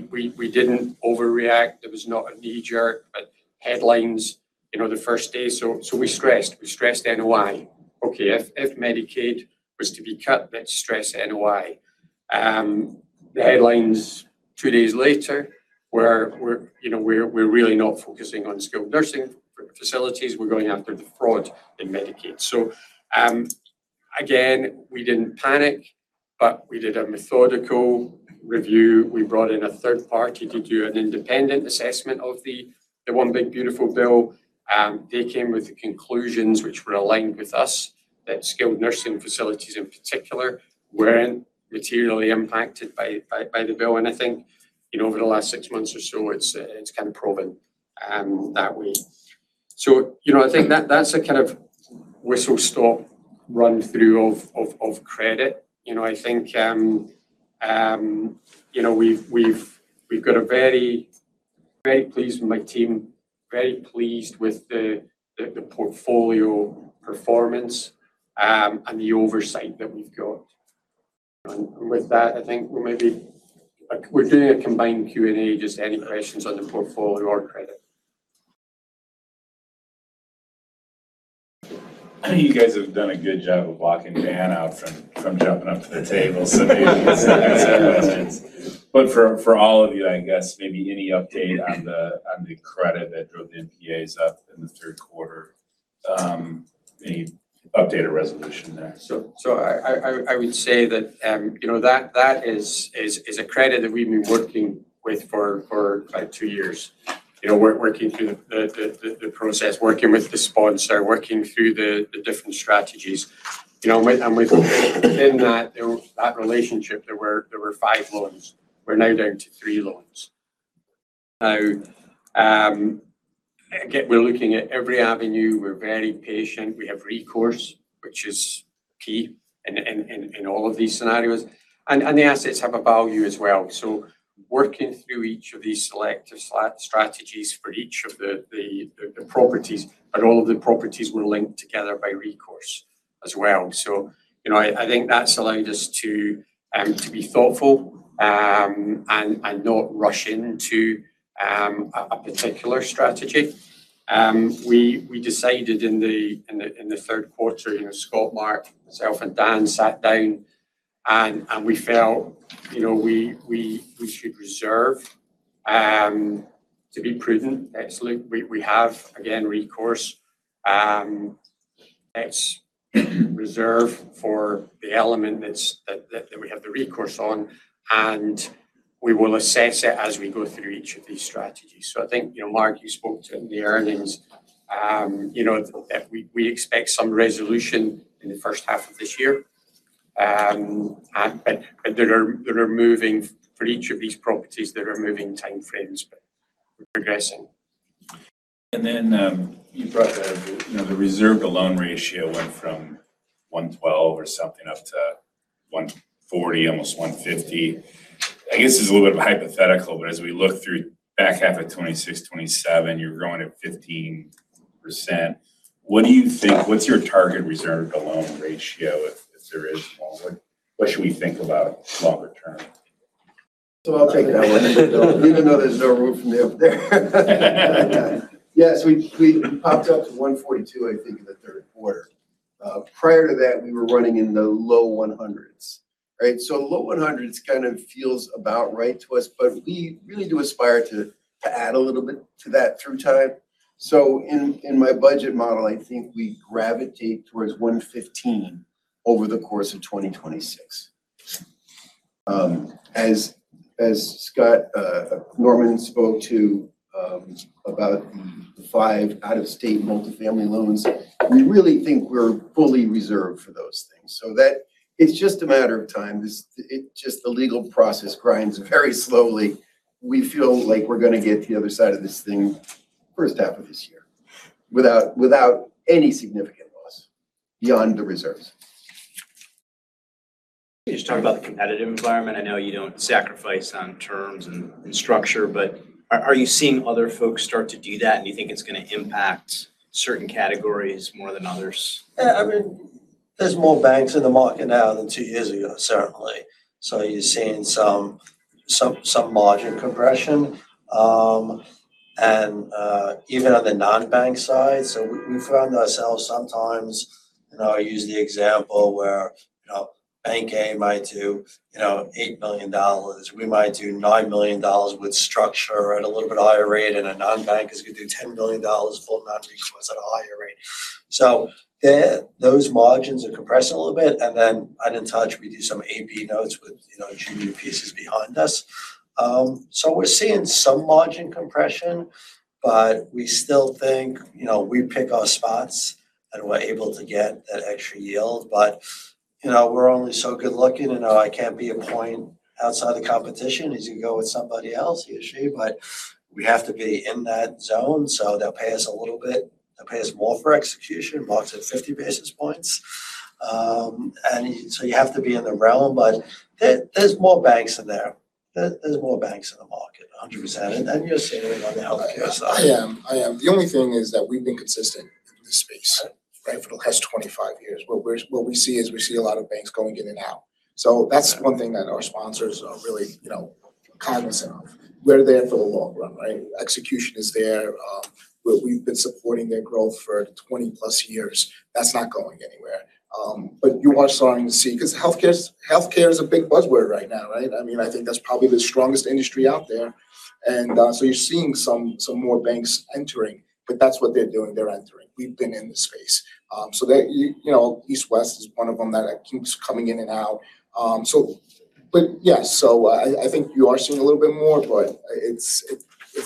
didn't overreact. It was not a knee-jerk, but headlines, you know, the first day we stressed NOI. Okay. If Medicaid was to be cut, let's stress NOI. The headlines two days later, you know, we're really not focusing on skilled nursing facilities, we're going after the fraud in Medicaid. Again, we didn't panic, but we did a methodical review. We brought in a third party to do an independent assessment of the one big beautiful bill. They came with the conclusions which were aligned with us, that skilled nursing facilities in particular weren't materially impacted by the bill. I think, you know, over the last six months or so, it's kind of proven that way. You know, I think that's a kind of whistle-stop run through of credit. You know, I think, you know, we've Very pleased with my team. Very pleased with the portfolio performance, and the oversight that we've got. With that, I think We're doing a combined Q and A, just any questions on the portfolio or credit. I think you guys have done a good job of locking Dan out from jumping up to the table. maybe for all of you, I guess maybe any update on the credit that drove the NPAs up in the third quarter. Any updated resolution there? I would say that, you know, that is a credit that we've been working with for about two years. You know, working through the process, working with the sponsor, working through the different strategies. You know, and within that relationship, there were five loans. We're now down to three loans. Again, we're looking at every avenue. We're very patient. We have recourse, which is key in all of these scenarios. The assets have a value as well. Working through each of these selective strategies for each of the properties, but all of the properties were linked together by recourse as well. you know, I think that's allowed us to be thoughtful and not rush into a particular strategy. We decided in the third quarter, you know, Scott, Mark, myself, and Dan sat down and we felt, you know, we should reserve to be prudent. Absolutely. We have, again, recourse. Let's reserve for the element that's that we have the recourse on, and we will assess it as we go through each of these strategies. I think, you know, Mark, you spoke to the earnings. You know, that we expect some resolution in the first half of this year. And there are moving for each of these properties, there are moving time frames, but we're progressing. You brought the, you know, the reserve to loan ratio went from 112 or something up to 140, almost 150. I guess this is a little bit of a hypothetical, but as we look through back half of 2026, 2027, you're growing at 15%. What's your target reserve to loan ratio if there is one? What should we think about longer term? I'll take that one. Even though there's no room for me up there. Yeah. We popped up to 142, I think, in the 3rd quarter. Prior to that, we were running in the low 100s, right? Low 100s kind of feels about right to us, but we really do aspire to add a little bit to that through time. In my budget model, I think we gravitate towards 115 over the course of 2026. As Scott Norman spoke to about the 5 out-of-state multifamily loans, we really think we're fully reserved for those things. That it's just a matter of time. Just the legal process grinds very slowly. We feel like we're going to get to the other side of this thing first half of this year without any significant loss beyond the reserves. Can you just talk about the competitive environment? I know you don't sacrifice on terms and structure, but are you seeing other folks start to do that, and do you think it's going to impact certain categories more than others? I mean, there's more banks in the market now than two years ago, certainly. You're seeing some margin compression. Even on the non-bank side. We found ourselves sometimes, you know, I use the example where, you know- Bank A might do, you know, $8 million. We might do $9 million with structure at a little bit higher rate, and a non-bank is going to do $10 million full non-recourse at a higher rate. Those margins are compressing a little bit, and then I didn't touch, we do some AP notes with, you know, GD pieces behind us. We're seeing some margin compression, but we still think, you know, we pick our spots and we're able to get that extra yield. You know, we're only so good-looking. You know, I can't be a point outside the competition as you go with somebody else usually. We have to be in that zone, so they'll pay us a little bit. They'll pay us more for execution, Mark's at 50 basis points. You have to be in the realm. There's more banks in there. There's more banks in the market, 100%. You're seeing it on the healthcare side. I am. The only thing is that we've been consistent in this space- Right right for the last 25 years. What we see is we see a lot of banks going in and out. That's one thing that our sponsors are really, you know, cognizant of. We're there for the long run, right? Execution is there. We've been supporting their growth for 20-plus years. That's not going anywhere. You are starting to see, 'cause healthcare is a big buzzword right now, right? I mean, I think that's probably the strongest industry out there. You're seeing some more banks entering, but that's what they're doing. They're entering. We've been in the space. They, you know, East West is one of them that keeps coming in and out. Yes, so I think you are seeing a little bit more, but it's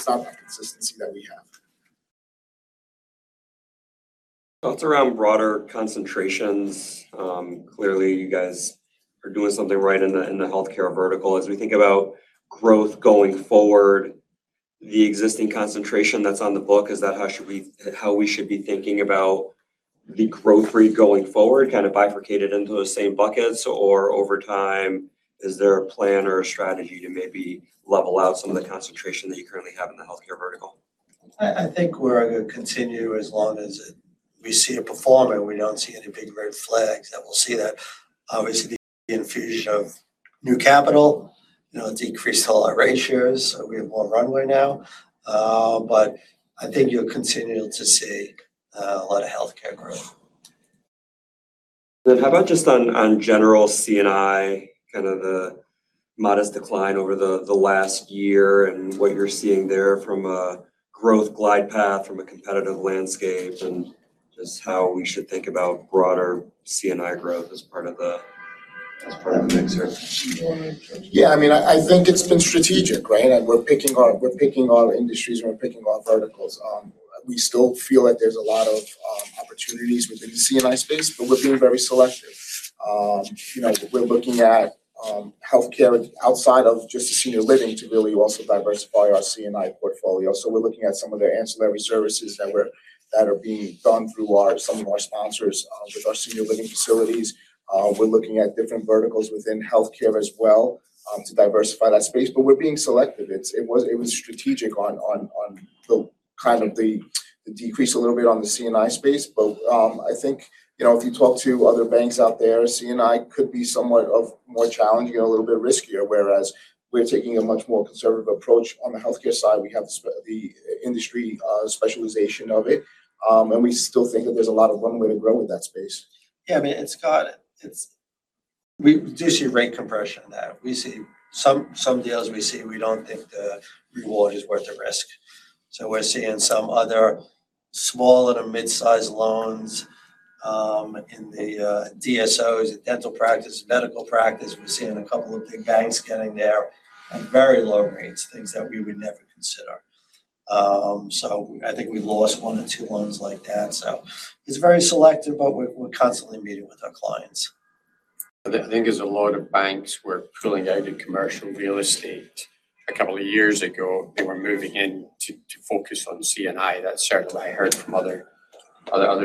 not the consistency that we have. Talks around broader concentrations. Clearly you guys are doing something right in the, in the healthcare vertical. As we think about growth going forward, the existing concentration that's on the book, how we should be thinking about the growth rate going forward, kind of bifurcated into the same buckets? Over time, is there a plan or a strategy to maybe level out some of the concentration that you currently have in the healthcare vertical? I think we're going to continue as long as we see it performing. We don't see any big red flags that we'll see that. Obviously, the infusion of new capital, you know, decreased whole lot ratios. We have more runway now. I think you'll continue to see a lot of healthcare growth. How about just on general C&I, kind of the modest decline over the last year and what you're seeing there from a growth glide path, from a competitive landscape, and just how we should think about broader C&I growth as part of the mix here? Yeah, I mean, I think it's been strategic, right? We're picking our industries, and we're picking our verticals. We still feel like there's a lot of opportunities within the C&I space, but we're being very selective. You know, we're looking at healthcare outside of just the senior living to really also diversify our C&I portfolio. We're looking at some of their ancillary services that are being done through some of our sponsors with our senior living facilities. We're looking at different verticals within healthcare as well to diversify that space, but we're being selective. It was strategic on the kind of the decrease a little bit on the C&I space. I think, you know, if you talk to other banks out there, C&I could be somewhat of more challenging and a little bit riskier, whereas we're taking a much more conservative approach on the healthcare side. We have the industry specialization of it. And we still think that there's a lot of runway to grow in that space. I mean, we do see rate compression in that. We see some deals we see, we don't think the reward is worth the risk. We're seeing some other smaller to mid-sized loans in the DSOs, dental practice, medical practice. We're seeing a couple of big banks getting there at very low rates, things that we would never consider. I think we've lost one or two loans like that. It's very selective, but we're constantly meeting with our clients. I think there's a lot of banks were pulling out of commercial real estate a couple of years ago. They were moving in to focus on C&I. That's certainly what I heard from other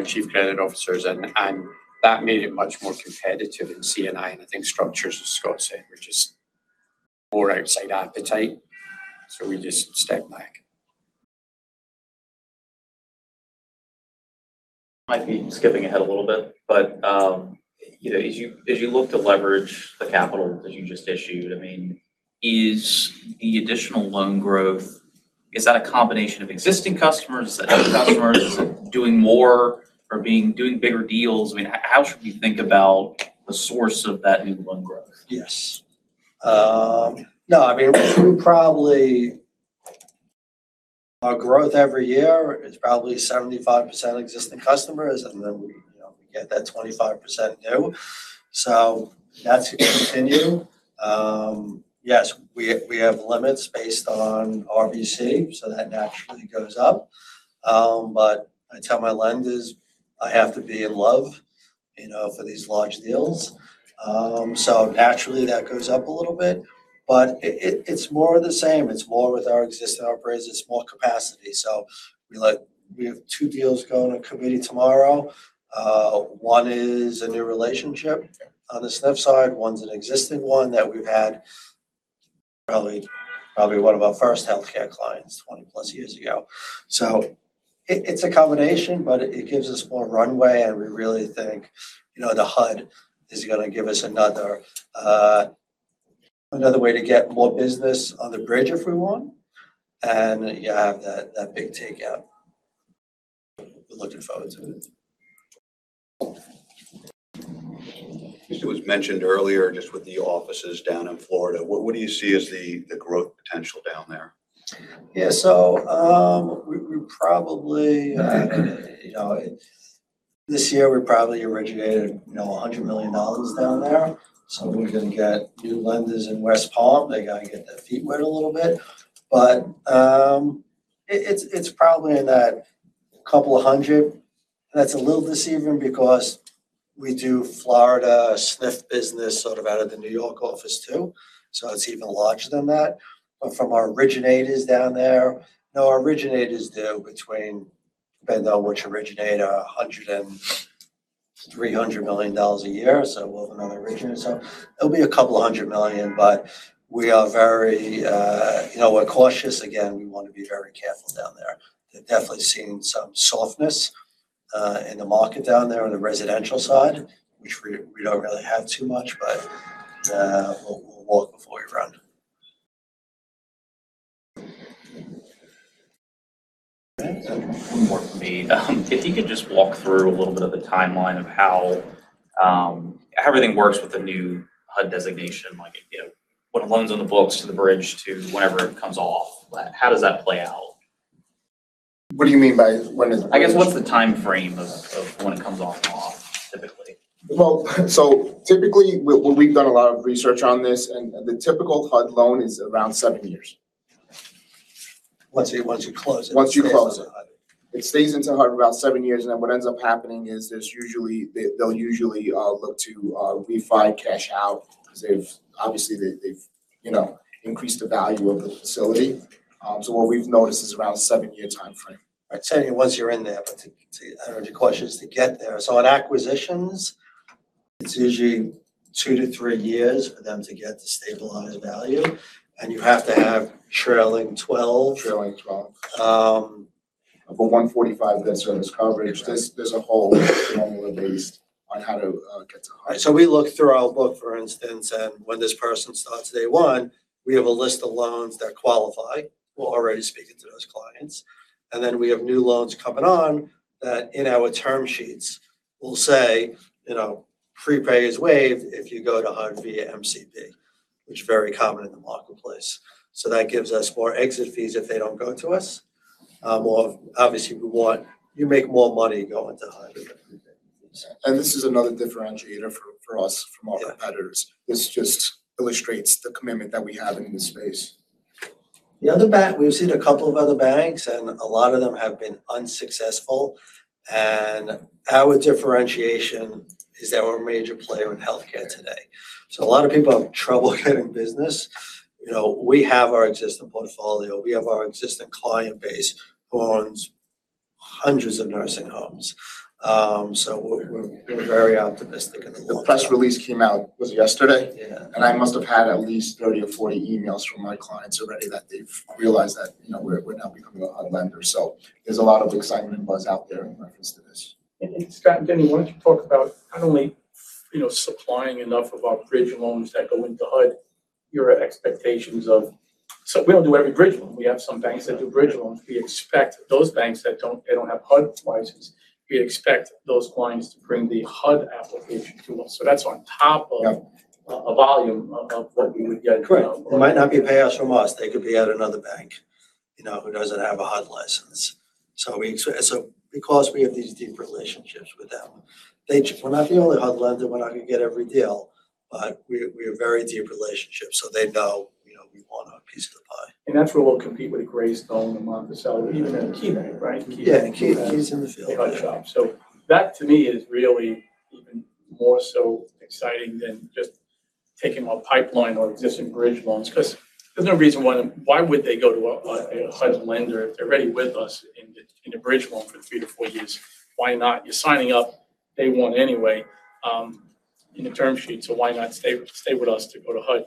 chief credit officers and that made it much more competitive in C&I. I think structures, as Scott said, were just more outside appetite. We just stepped back. Might be skipping ahead a little bit, but, you know, as you look to leverage the capital that you just issued, I mean, is the additional loan growth, is that a combination of existing customers doing more or doing bigger deals? I mean, how should we think about the source of that new loan growth? Yes. No, I mean, we probably, our growth every year is probably 75% existing customers, and then we, you know, we get that 25% new. That's going to continue. Yes, we have limits based on RBC, so that naturally goes up. I tell my lenders I have to be in love, you know, for these large deals. Naturally that goes up a little bit, but it, it's more of the same. It's more with our existing operators. It's more capacity. We have 2 deals going to committee tomorrow. One is a new relationship on the SNF side. One's an existing one that we've had probably one of our first healthcare clients 20-plus years ago. It's a combination, but it gives us more runway, and we really think, you know, the HUD is going to give us another way to get more business on the bridge if we want. You have that big takeout. We're looking forward to it. It was mentioned earlier just with the offices down in Florida, what do you see as the growth potential down there? Yeah. We probably, you know, this year we probably originated, you know, $100 million down there. We can get new lenders in West Palm. They gotta get their feet wet a little bit. It's probably in that couple of hundred. That's a little deceiving because we do Florida SNF business sort of out of the New York office too, so it's even larger than that. From our originators down there, no, our originators do between, depending on which originator, $100 million and $300 million a year. We'll have another originator, so it'll be a couple hundred million, but we are very, you know, we're cautious again, we want to be very careful down there. They're definitely seeing some softness in the market down there on the residential side, which we don't really have too much, but we'll walk before we run. One more for me. If you could just walk through a little bit of the timeline of how everything works with the new HUD designation, like, you know, when a loan's on the books to the bridge to whenever it comes off, like how does that play out? What do you mean by when is- I guess what's the timeframe of when it comes off and off typically? Typically, we've done a lot of research on this and the typical HUD loan is around seven years. Once you close it- Once you close it. it stays into HUD. It stays into HUD around 7 years, and then what ends up happening is there's usually, they'll usually, look to, refi cash out 'cause they've obviously, you know, increased the value of the facility. What we've noticed is around 7-year timeframe. I'd say once you're in there, but to, I don't know if you're cautious to get there. On acquisitions, it's usually 2-3 years for them to get to stabilized value, and you have to have trailing 12. Trailing 12. Um- Of a 145 debt service coverage. There's a whole formula based on how to get to HUD. We look through our book, for instance, and when this person starts day 1, we have a list of loans that qualify. We're already speaking to those clients, and then we have new loans coming on that in our term sheets will say, you know, "Prepay is waived if you go to HUD via MCP," which is very common in the marketplace. That gives us more exit fees if they don't go to us. Or obviously you make more money going to HUD. This is another differentiator for us from our competitors. This just illustrates the commitment that we have in this space. The other bank, we've seen a couple of other banks. A lot of them have been unsuccessful. Our differentiation is that we're a major player in healthcare today. A lot of people have trouble getting business. You know, we have our existing portfolio, we have our existing client base who owns hundreds of nursing homes. We're very optimistic in the- The press release came out, was it yesterday? Yeah. I must have had at least 30 or 40 emails from my clients already that they've realized that, you know, we're now becoming a lender. There's a lot of excitement buzz out there in reference to this. Scott and Denny, why don't you talk about not only, you know, supplying enough of our bridge loans that go into HUD, your expectations. We don't do every bridge loan. We have some banks that do bridge loans. We expect those banks that don't, they don't have HUD licenses, we expect those clients to bring the HUD application to us. That's on top of- Yeah... a volume of what we would get. Correct. It might not be payoffs from us. They could be at another bank, you know, who doesn't have a HUD license. Because we have these deep relationships with them, we're not the only HUD lender, we're not gonna get every deal, but we have very deep relationships. They know, you know, we want a piece of the pie. That's where we'll compete with Graystone and Monticello, even at KeyBank, right? Yeah. Key's in the field. HUD shop. That to me is really even more so exciting than just taking on pipeline or existing bridge loans 'cause there's no reason why would they go to a HUD lender if they're already with us in the bridge loan for three to four years? Why not? You're signing up day one anyway in the term sheet, so why not stay with us to go to HUD?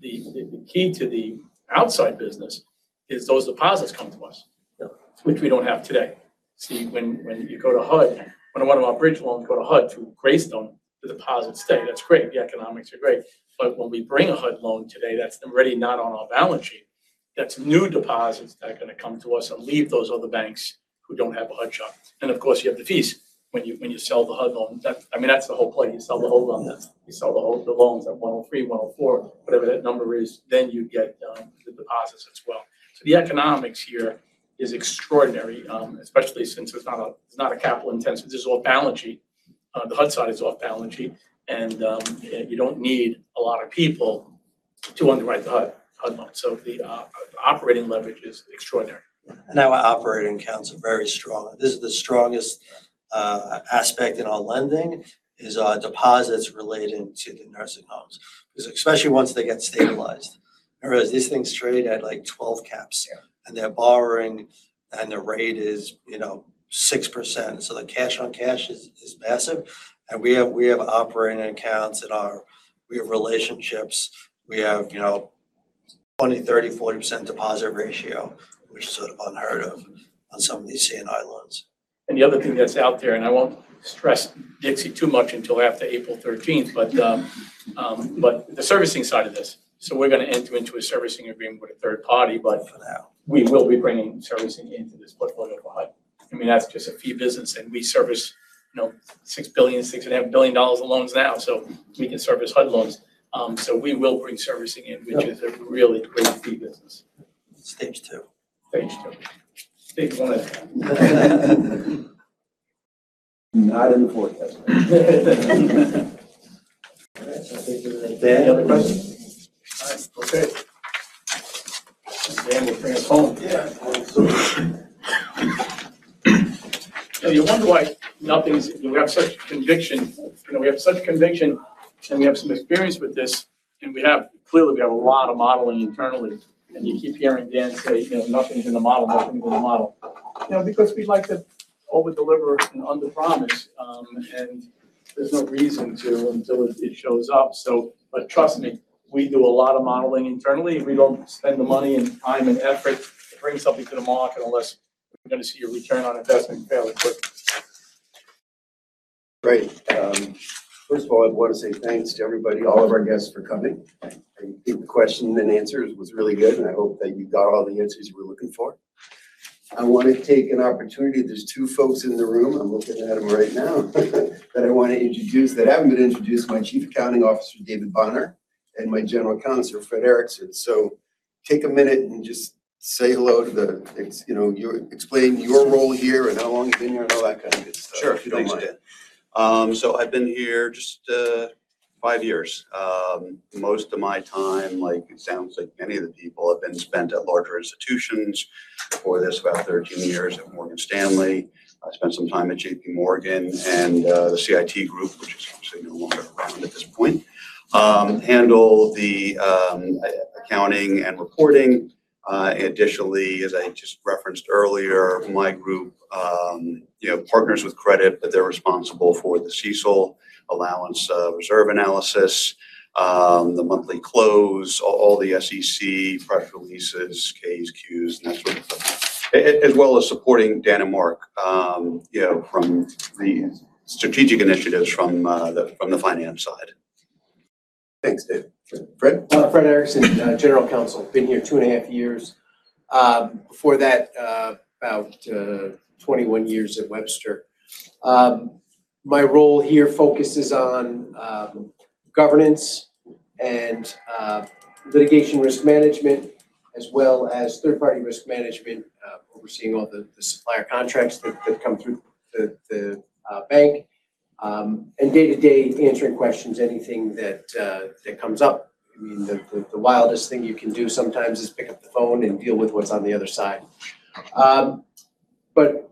The key to the outside business is those deposits come to us. Yeah. Which we don't have today. See, when you go to HUD, when one of our bridge loans go to HUD through Graystone, the deposits stay. That's great. The economics are great. When we bring a HUD loan today that's already not on our balance sheet, that's new deposits that are gonna come to us and leave those other banks who don't have a HUD shop. Of course, when you sell the HUD loan. That's, I mean, that's the whole play. You sell the whole loan. Yeah. You sell the whole, the loans at 103, 104, whatever that number is, then you get the deposits as well. The economics here is extraordinary, especially since it's not a, it's not a capital intense. This is off balance sheet. The HUD side is off balance sheet and, you know, you don't need a lot of people to underwrite the HUD loan. The operating leverage is extraordinary. Our operating counts are very strong. This is the strongest aspect in our lending is our deposits relating to the nursing homes. 'Cause especially once they get stabilized, whereas these things trade at like 12 caps. Yeah. They're borrowing and the rate is, you know, 6%, so the cash on cash is massive. We have, we have operating accounts that are, we have relationships, we have, you know, 20%, 30%, 40% deposit ratio, which is sort of unheard of on some of these C&I loans. The other thing that's out there, I won't stress Dixie too much until after April 13th, the servicing side of this, we're gonna enter into a servicing agreement with a third party. For now.... we will be bringing servicing into this portfolio to HUD. I mean, that's just a fee business. We service, you know, $6 billion, $6.5 billion of loans now. We can service HUD loans. We will bring servicing Yep. which is a really great fee business. Stage 2. Stage 2. Stage 1. Not in the forecast. Dan, any other questions? All right. Okay. Dan will bring us home. Yeah. You know, you wonder why nothing's. We have such conviction. You know, we have such conviction, and we have some experience with this, and we have clearly we have a lot of modeling internally. You keep hearing Dan say, you know, "Nothing's in the model. Nothing's in the model." You know, because we like to overdeliver and underpromise. There's no reason to until it shows up. Trust me, we do a lot of modeling internally. We don't spend the money, and time, and effort to bring something to the market unless we're gonna see a return on investment fairly quickly. Great. First of all, I want to say thanks to everybody, all of our guests for coming. I think the question and answers was really good, and I hope that you got all the answers you were looking for. I want to take an opportunity. There's two folks in the room, I'm looking at them right now that I want to introduce that haven't been introduced. My Chief Accounting Officer, David Bonner, and my General Counsel, Fred Erickson. Take a minute and just say hello to the you know, you explain your role here, and how long you've been here, and all that kind of good stuff. Sure. Thanks, Dan. I've been here just 5 years. Most of my time, like it sounds like many of the people, have been spent at larger institutions. Before this, about 13 years at Morgan Stanley. I spent some time at JP Morgan and the CIT Group, which is obviously no longer around at this point. Handle the accounting and reporting. Additionally, as I just referenced earlier, my group, you know, partners with credit, but they're responsible for the CECL allowance, reserve analysis, the monthly close, all the SEC press releases, Ks, Qs, and that sort of stuff. As well as supporting Dan and Mark, you know, from the strategic initiatives from the finance side. Thanks, Dave. Fred? Fred Erickson, General Counsel. Been here two and a half years. Before that, about 21 years at Webster. My role here focuses on governance and litigation risk management, as well as third-party risk management, overseeing all the supplier contracts that come through the bank. And day-to-day answering questions, anything that comes up. I mean, the wildest thing you can do sometimes is pick up the phone and deal with what's on the other side. But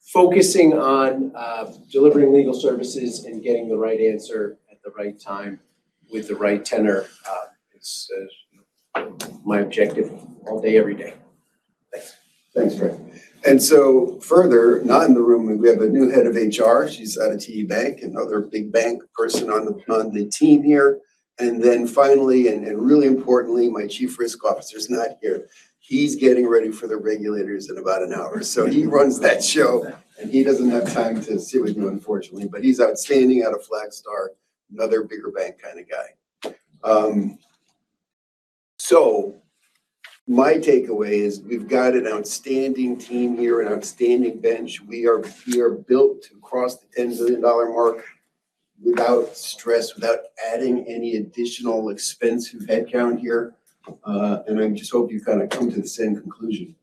focusing on delivering legal services and getting the right answer at the right time with the right tenor is my objective all day, every day. Thanks. Thanks, Fred. Further, not in the room, we have a new head of HR. She's out at TE Bank, another big bank person on the team here. Finally, and really importantly, my chief risk officer's not here. He's getting ready for the regulators in about an hour. He runs that show, and he doesn't have time to sit with you, unfortunately. He's outstanding out of Flagstar, another bigger bank kind of guy. My takeaway is we've got an outstanding team here, an outstanding bench. We are built to cross the $10 billion mark without stress, without adding any additional expensive headcount here. I just hope you kind of come to the same conclusion.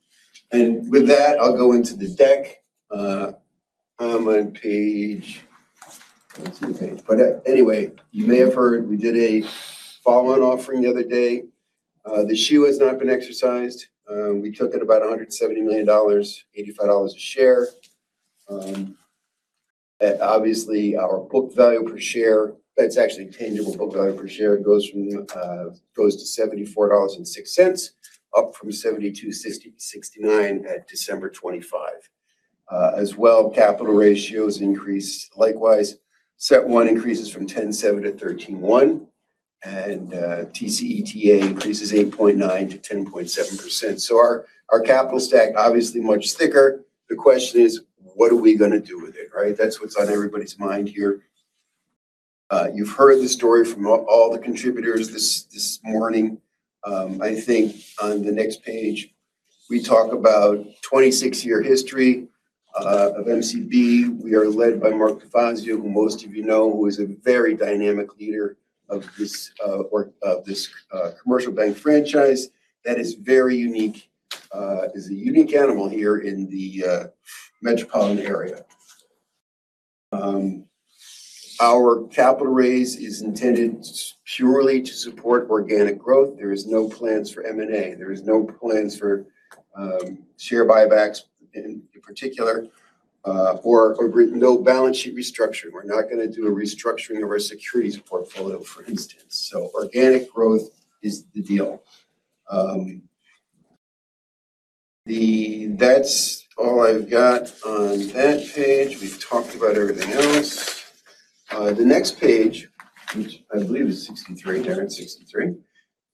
With that, I'll go into the deck. I don't see the page. Anyway, you may have heard we did a follow-on offering the other day. The shoe has not been exercised. We took in about $170 million, $85 a share. Obviously, our book value per share, that's actually tangible book value per share. It goes from, goes to $74.06, up from $72.69 at December 25. As well, capital ratios increased likewise. CET1 increases from 10.7% to 13.1%, TCETA increases 8.9% to 10.7%. Our capital stack obviously much thicker. The question is, what are we gonna do with it, right? That's what's on everybody's mind here. You've heard the story from all the contributors this morning. I think on the next page, we talk about 26 year history of MCB. We are led by Mark R. DeFazio, who most of you know, who is a very dynamic leader of this commercial bank franchise that is very unique, is a unique animal here in the metropolitan area. Our capital raise is intended purely to support organic growth. There is no plans for M&A. There is no plans for share buybacks in particular, or no balance sheet restructuring. We're not gonna do a restructuring of our securities portfolio, for instance. Organic growth is the deal. That's all I've got on that page. We've talked about everything else. The next page, which I believe is 63. Darren, 63?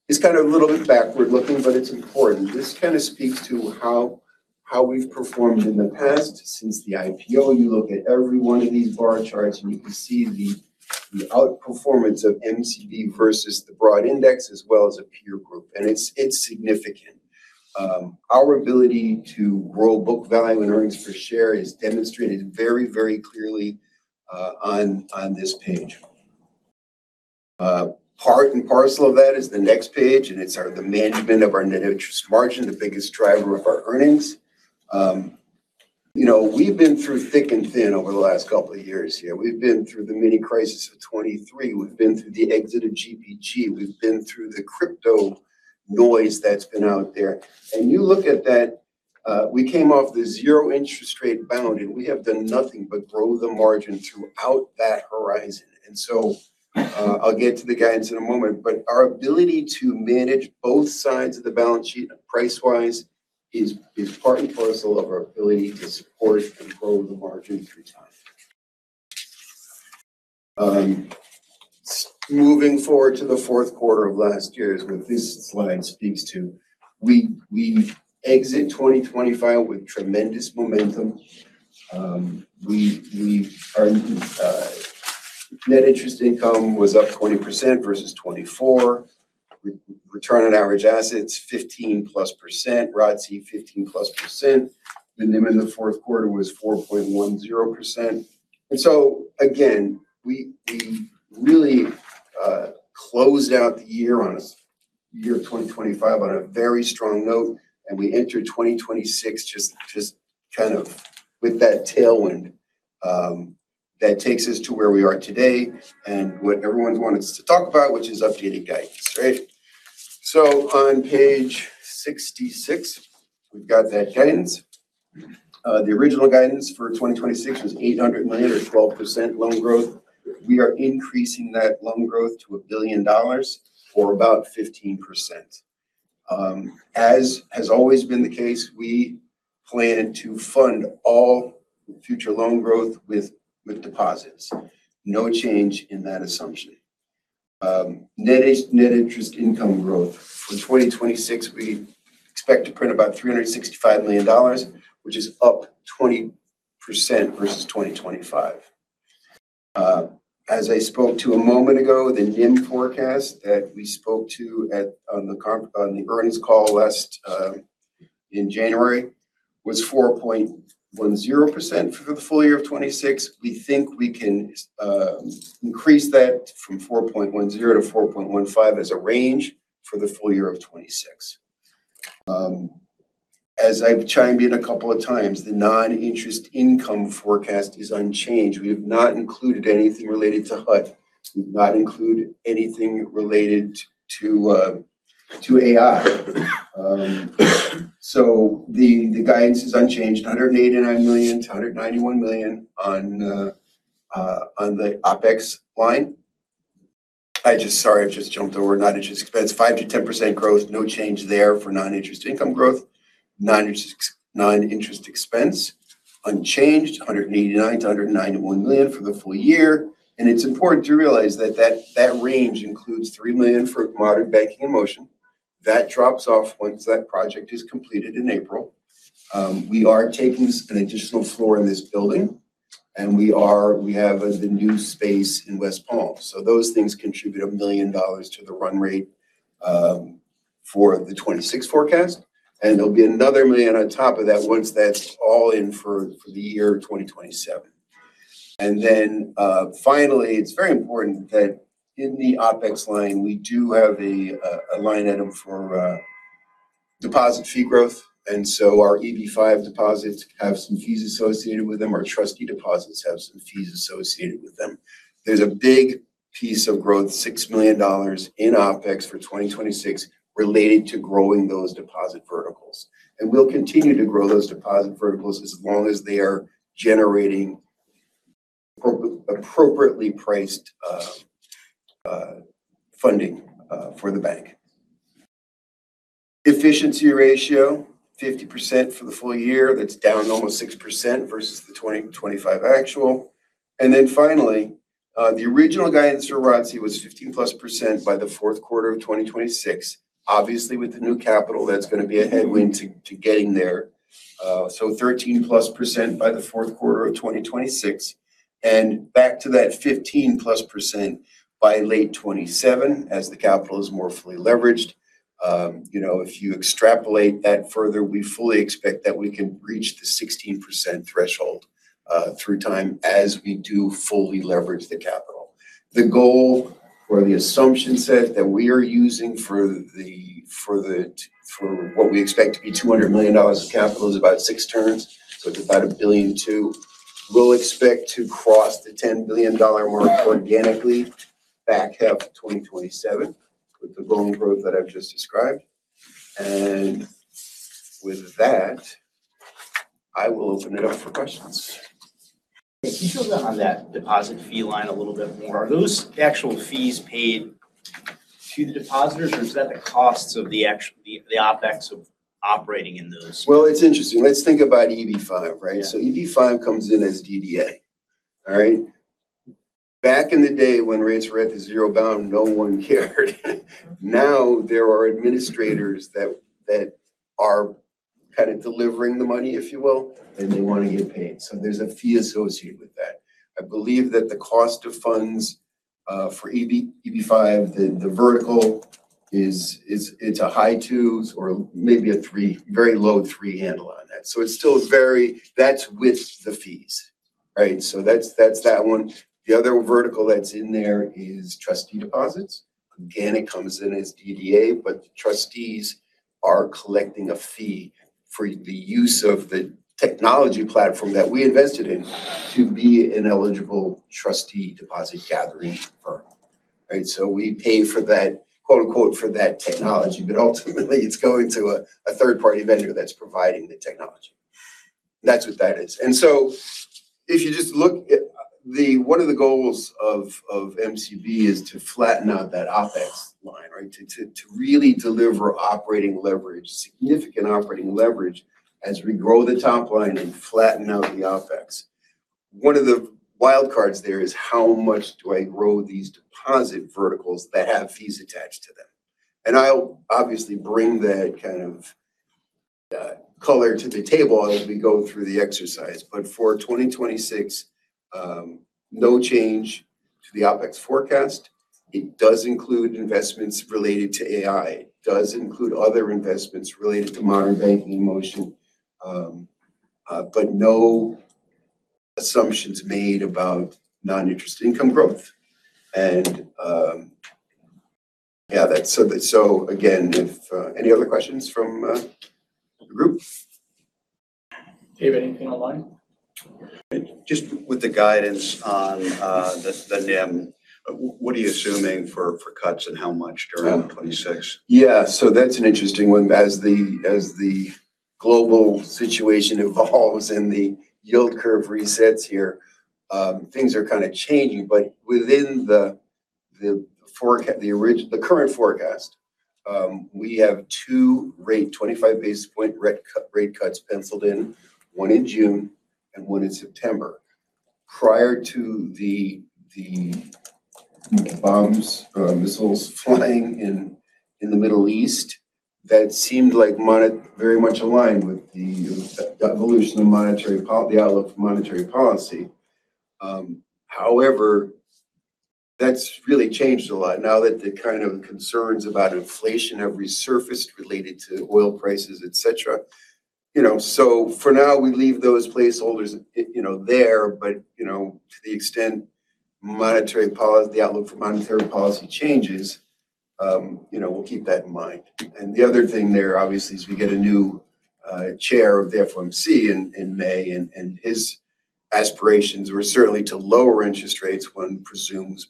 It's kind of a little bit backward looking, but it's important. This kind of speaks to how we've performed in the past since the IPO. You look at every one of these bar charts, you can see the outperformance of MCD versus the broad index as well as a peer group, it's significant. Our ability to grow book value and earnings per share is demonstrated very clearly on this page. Part and parcel of that is the next page, it's the management of our net interest margin, the biggest driver of our earnings. You know, we've been through thick and thin over the last couple of years here. We've been through the mini crisis of 2023. We've been through the exit of GBG. We've been through the crypto noise that's been out there. You look at that, we came off the zero interest rate bound, we have done nothing but grow the margin throughout that horizon. I'll get to the guidance in a moment, but our ability to manage both sides of the balance sheet price-wise is part and parcel of our ability to support and grow the margin through time. Moving forward to the fourth quarter of last year is what this slide speaks to. We exit 2025 with tremendous momentum. We, our net interest income was up 20% versus 24. Return on average assets, 15+%. ROTCE, 15+%. The NIM in the fourth quarter was 4.10%. Again, we really closed out the year 2025 on a very strong note, and we entered 2026 just kind of with that tailwind that takes us to where we are today and what everyone wants to talk about, which is updated guidance, right? On page 66, we've got that guidance. The original guidance for 2026 was $800 million or 12% loan growth. We are increasing that loan growth to $1 billion, or about 15%. As has always been the case, we plan to fund all future loan growth with deposits. No change in that assumption. Net interest income growth for 2026, we expect to print about $365 million, which is up 20% versus 2025. As I spoke to a moment ago, the NIM forecast that we spoke to on the earnings call last in January was 4.10% for the full year of 2026. We think we can increase that from 4.10%-4.15% as a range for the full year of 2026. As I've chimed in a couple of times, the non-interest income forecast is unchanged. We've not included anything related to HUD. We've not included anything related to AI. The guidance is unchanged, $189 million-$191 million on the OpEx line. I just jumped over non-interest expense, 5%-10% growth, no change there for non-interest income growth. Non-interest expense, unchanged, $189 million-$191 million for the full year. It's important to realize that range includes $3 million for Modern Banking in Motion. That drops off once that project is completed in April. We are taking an additional floor in this building, and we have the new space in West Palm. Those things contribute $1 million to the run rate for the 2026 forecast. There'll be $1 million on top of that once that's all in for the year 2027. Finally, it's very important that in the OpEx line, we do have a line item for deposit fee growth. Our EB-5 deposits have some fees associated with them. Our trustee deposits have some fees associated with them. There's a big piece of growth, $6 million in OpEx for 2026 related to growing those deposit verticals. We'll continue to grow those deposit verticals as long as they are generating appropriately priced funding for the bank. Efficiency ratio, 50% for the full year. That's down almost 6% versus the 2025 actual. Finally, the original guidance for ROTCE was 15+% by the fourth quarter of 2026. Obviously, with the new capital, that's gonna be a headwind to getting there. 13+% by the fourth quarter of 2026, and back to that 15+% by late 2027 as the capital is more fully leveraged. You know, if you extrapolate that further, we fully expect that we can reach the 16% threshold through time as we do fully leverage the capital. The goal or the assumption set that we are using for the, for the, for what we expect to be $200 million of capital is about 6 turns, so it's about $1.2 billion. We'll expect to cross the $10 billion mark organically back half 2027 with the loan growth that I've just described. With that, I will open it up for questions. Can you fill in on that deposit fee line a little bit more? Are those the actual fees paid to the depositors, or is that the costs of the actual, the OpEx of operating in those? Well, it's interesting. Let's think about EB-5, right? Yeah. EB-5 comes in as DDA. All right. Back in the day when rates were at the zero bound, no one cared. Now, there are administrators that are kind of delivering the money, if you will, and they want to get paid. There's a fee associated with that. I believe that the cost of funds for EB-5, the vertical, is it's a high 2s or maybe a 3, very low 3 handle on that. It's still very that's with the fees, right? That's that one. The other vertical that's in there is trustee deposits. Again, it comes in as DDA, but the trustees are collecting a fee for the use of the technology platform that we invested in to be an eligible trustee deposit gathering firm, right? We pay for that, quote, unquote, "for that technology," but ultimately it's going to a third-party vendor that's providing the technology. That's what that is. If you just look at the one of the goals of MCB is to flatten out that OpEx line, right? To really deliver operating leverage, significant operating leverage as we grow the top line and flatten out the OpEx. One of the wild cards there is how much do I grow these deposit verticals that have fees attached to them? I'll obviously bring that kind of color to the table as we go through the exercise. For 2026, no change to the OpEx forecast. It does include investments related to AI. It does include other investments related to Modern Banking in Motion, but no assumptions made about non-interest income growth. Yeah, so again, if any other questions from the group? Do you have anything online? Just with the guidance on, the NIM, what are you assuming for cuts and how much during 26? Yeah. That's an interesting one. As the global situation evolves and the yield curve resets here, things are kind of changing. Within the forecast, the current forecast, we have 2 rate, 25 basis point rate cuts penciled in, one in June and one in September. Prior to the bombs, missiles flying in the Middle East, that seemed like very much aligned with the evolution of the outlook for monetary policy. However, that's really changed a lot now that the kind of concerns about inflation have resurfaced related to oil prices, et cetera. You know, for now, we leave those placeholders, you know, there. You know, to the extent monetary policy, the outlook for monetary policy changes, we'll keep that in mind. The other thing there obviously is we get a new chair of the FOMC in May, and his aspirations were certainly to lower interest rates, one presumes.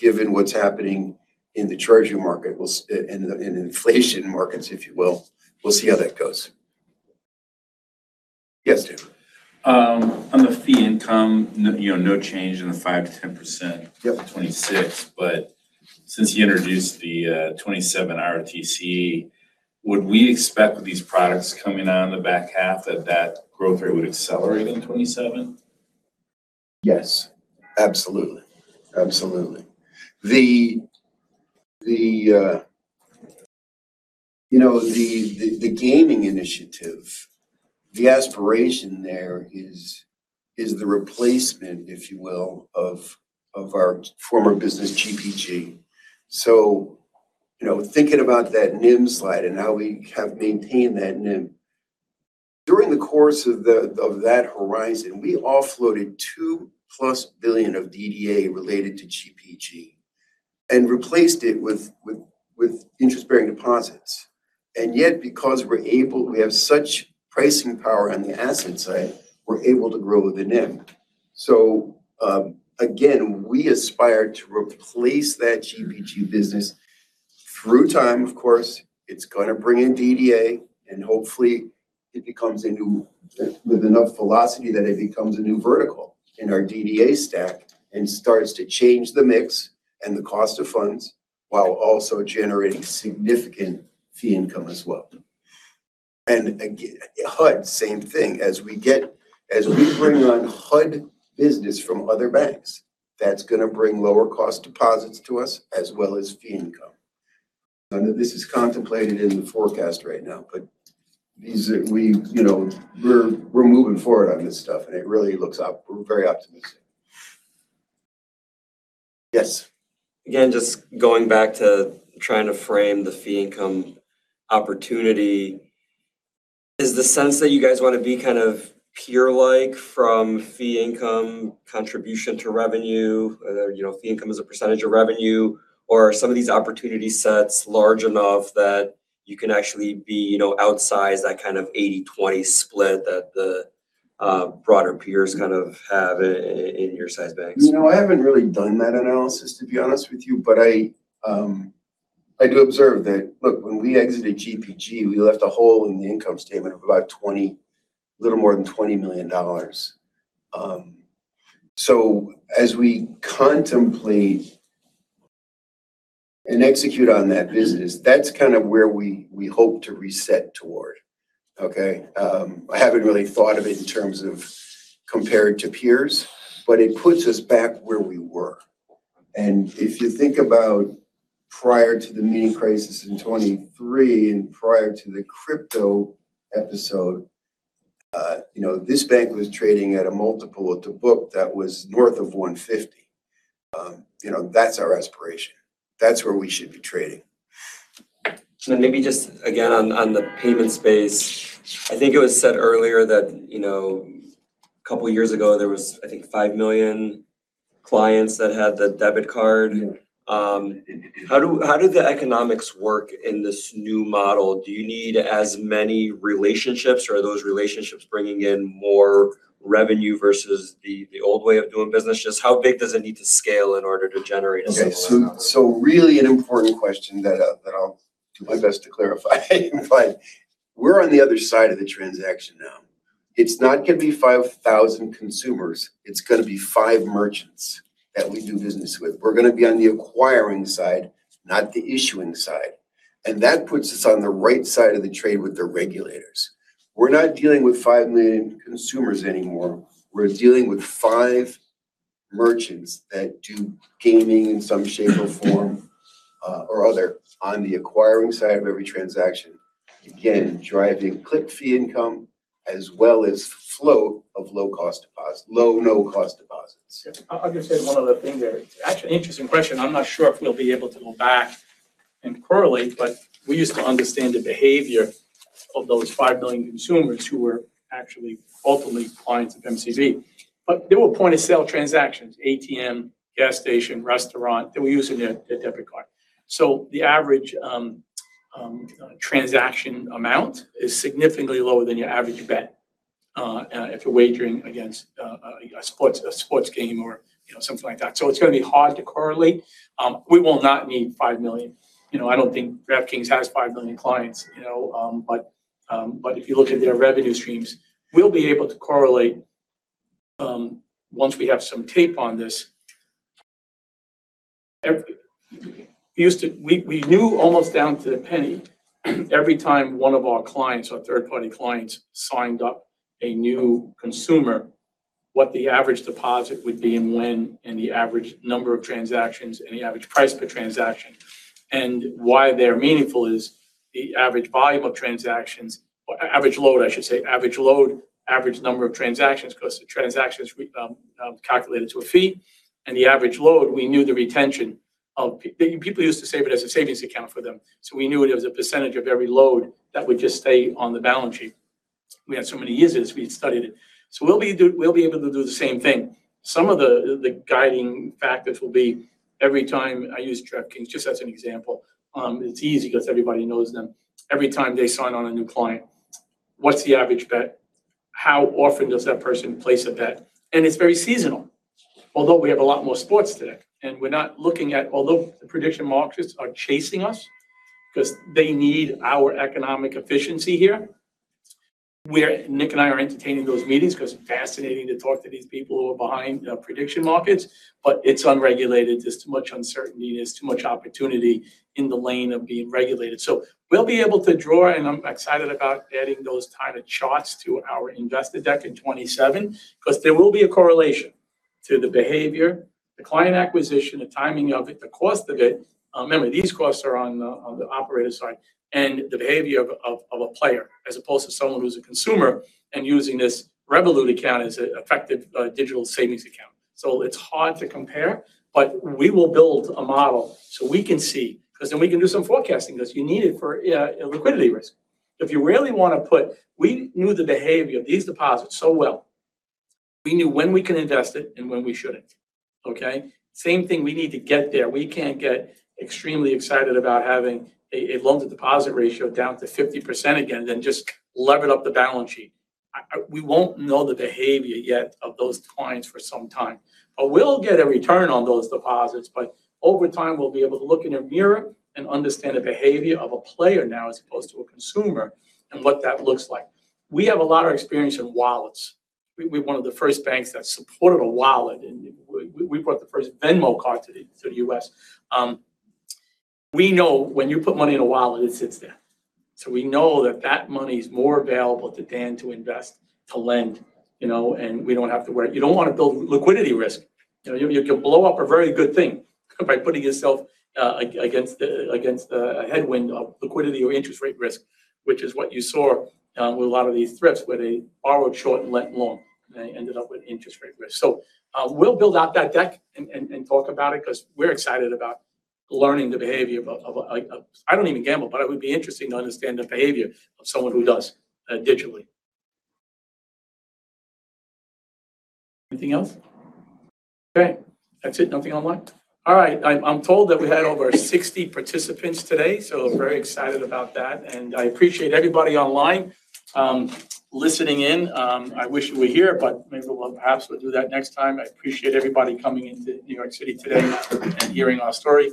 Given what's happening in the treasury market, in inflation markets, if you will, we'll see how that goes. Yes, David. On the fee income, no, you know, no change in the 5%-10%. Yep. -for 26. Since you introduced the 27 ROTCE, would we expect with these products coming on in the back half that that growth rate would accelerate in 27? Yes, absolutely. Absolutely. The, you know, the gaming initiative, the aspiration there is the replacement, if you will, of our former business GPG. You know, thinking about that NIM slide and how we have maintained that NIM, during the course of that horizon, we offloaded $2+ billion of DDA related to GPG and replaced it with interest-bearing deposits. Yet, because we have such pricing power on the asset side, we're able to grow the NIM. Again, we aspire to replace that GPG business through time. Of course, it's gonna bring in DDA, and hopefully it becomes a new-- with enough velocity that it becomes a new vertical in our DDA stack and starts to change the mix and the cost of funds while also generating significant fee income as well. Again, HUD, same thing. As we bring on HUD business from other banks, that's gonna bring lower cost deposits to us as well as fee income. None of this is contemplated in the forecast right now. We, you know, we're moving forward on this stuff, and it really looks, we're very optimistic. Yes. Again, just going back to trying to frame the fee income opportunity, is the sense that you guys wanna be kind of peer-like from fee income contribution to revenue, you know, fee income as a percentage of revenue, or are some of these opportunity sets large enough that you can actually be, you know, outsize that kind of 80-20 split that the broader peers kind of have in your size banks? You know, I haven't really done that analysis, to be honest with you. I do observe that, look, when we exited GPG, we left a hole in the income statement of about $20 million, a little more than $20 million. As we contemplate and execute on that business, that's kind of where we hope to reset toward, okay? I haven't really thought of it in terms of comparing to peers, but it puts us back where we were. If you think about prior to the mini crisis in 23 and prior to the crypto episode, you know, this bank was trading at a multiple of the book that was north of 150. You know, that's our aspiration. That's where we should be trading. Maybe just again on the payment space. I think it was said earlier that, you know, a couple of years ago, there was, I think, 5 million clients that had the debit card. Yeah. How do, how do the economics work in this new model? Do you need as many relationships, or are those relationships bringing in more revenue versus the old way of doing business? Just how big does it need to scale in order to generate a similar number? Okay. Really an important question that I'll do my best to clarify if I can. We're on the other side of the transaction now. It's not gonna be 5,000 consumers. It's gonna be five merchants that we do business with. We're gonna be on the acquiring side, not the issuing side. That puts us on the right side of the trade with the regulators. We're not dealing with 5 million consumers anymore. We're dealing with merchants that do gaming in some shape or form or other on the acquiring side of every transaction. Again, driving click fee income as well as flow of low-cost deposits, low, no-cost deposits. I'll just add one other thing there. It's actually an interesting question. I'm not sure if we'll be able to go back and correlate, we used to understand the behavior of those 5 million consumers who were actually ultimately clients of MCZ. They were point-of-sale transactions, ATM, gas station, restaurant. They were using a debit card. The average transaction amount is significantly lower than your average bet if you're wagering against a sports game or, you know, something like that. It's gonna be hard to correlate. We will not need 5 million. You know, I don't think DraftKings has 5 million clients, you know, if you look at their revenue streams, we'll be able to correlate once we have some tape on this. We knew almost down to the penny every time one of our clients or third-party clients signed up a new consumer, what the average deposit would be and when, and the average number of transactions, and the average price per transaction. Why they're meaningful is the average volume of transactions, or average load, I should say, average load, average number of transactions, 'cause the transactions we calculated to a fee. The average load, we knew the retention of people used to save it as a savings account for them. We knew it was a percentage of every load that would just stay on the balance sheet. We had so many users, we had studied it. We'll be able to do the same thing. Some of the guiding factors will be every time I use DraftKings, just as an example, it's easy ’cause everybody knows them. Every time they sign on a new client, what's the average bet? How often does that person place a bet? It's very seasonal, although we have a lot more sports today. We're not looking at. Although the prediction markets are chasing us ’cause they need our economic efficiency here. Nick and I are entertaining those meetings ’cause it's fascinating to talk to these people who are behind prediction markets, but it's unregulated. There's too much uncertainty. There's too much opportunity in the lane of being regulated. We'll be able to draw, and I'm excited about adding those type of charts to our investor deck in 2027, 'cause there will be a correlation to the behavior, the client acquisition, the timing of it, the cost of it. Remember, these costs are on the, on the operator side, and the behavior of a player as opposed to someone who's a consumer and using this Revolut account as an effective digital savings account. It's hard to compare, but we will build a model, so we can see. 'Cause then we can do some forecasting, 'cause you need it for liquidity risk. If you really wanna put. We knew the behavior of these deposits so well. We knew when we could invest it and when we shouldn't. Okay. Same thing, we need to get there. We can't get extremely excited about having a loan-to-deposit ratio down to 50% again, then just lever up the balance sheet. We won't know the behavior yet of those clients for some time. We'll get a return on those deposits, but over time, we'll be able to look in a mirror and understand the behavior of a player now as opposed to a consumer and what that looks like. We have a lot of experience in wallets. We're one of the first banks that supported a wallet, and we brought the first Venmo card to the U.S. We know when you put money in a wallet, it sits there. We know that that money is more available to Dan to invest, to lend, you know, and we don't have to worry. You don't wanna build liquidity risk. You know, you can blow up a very good thing by putting yourself against the a headwind of liquidity or interest rate risk, which is what you saw with a lot of these thrifts, where they borrowed short and lent long, and they ended up with interest rate risk. We'll build out that deck and talk about it 'cause we're excited about learning the behavior of a... I don't even gamble, but it would be interesting to understand the behavior of someone who does digitally. Anything else? Okay. That's it. Nothing online. All right. I'm told that we had over 60 participants today, so very excited about that. I appreciate everybody online listening in. I wish you were here, but maybe we'll perhaps we'll do that next time. I appreciate everybody coming into New York City today and hearing our story.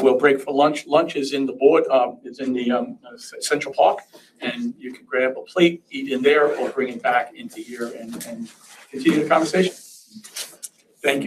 We'll break for lunch. Lunch is in the board, it's in the Central Park, you can grab a plate, eat in there or bring it back into here and continue the conversation. Thank you.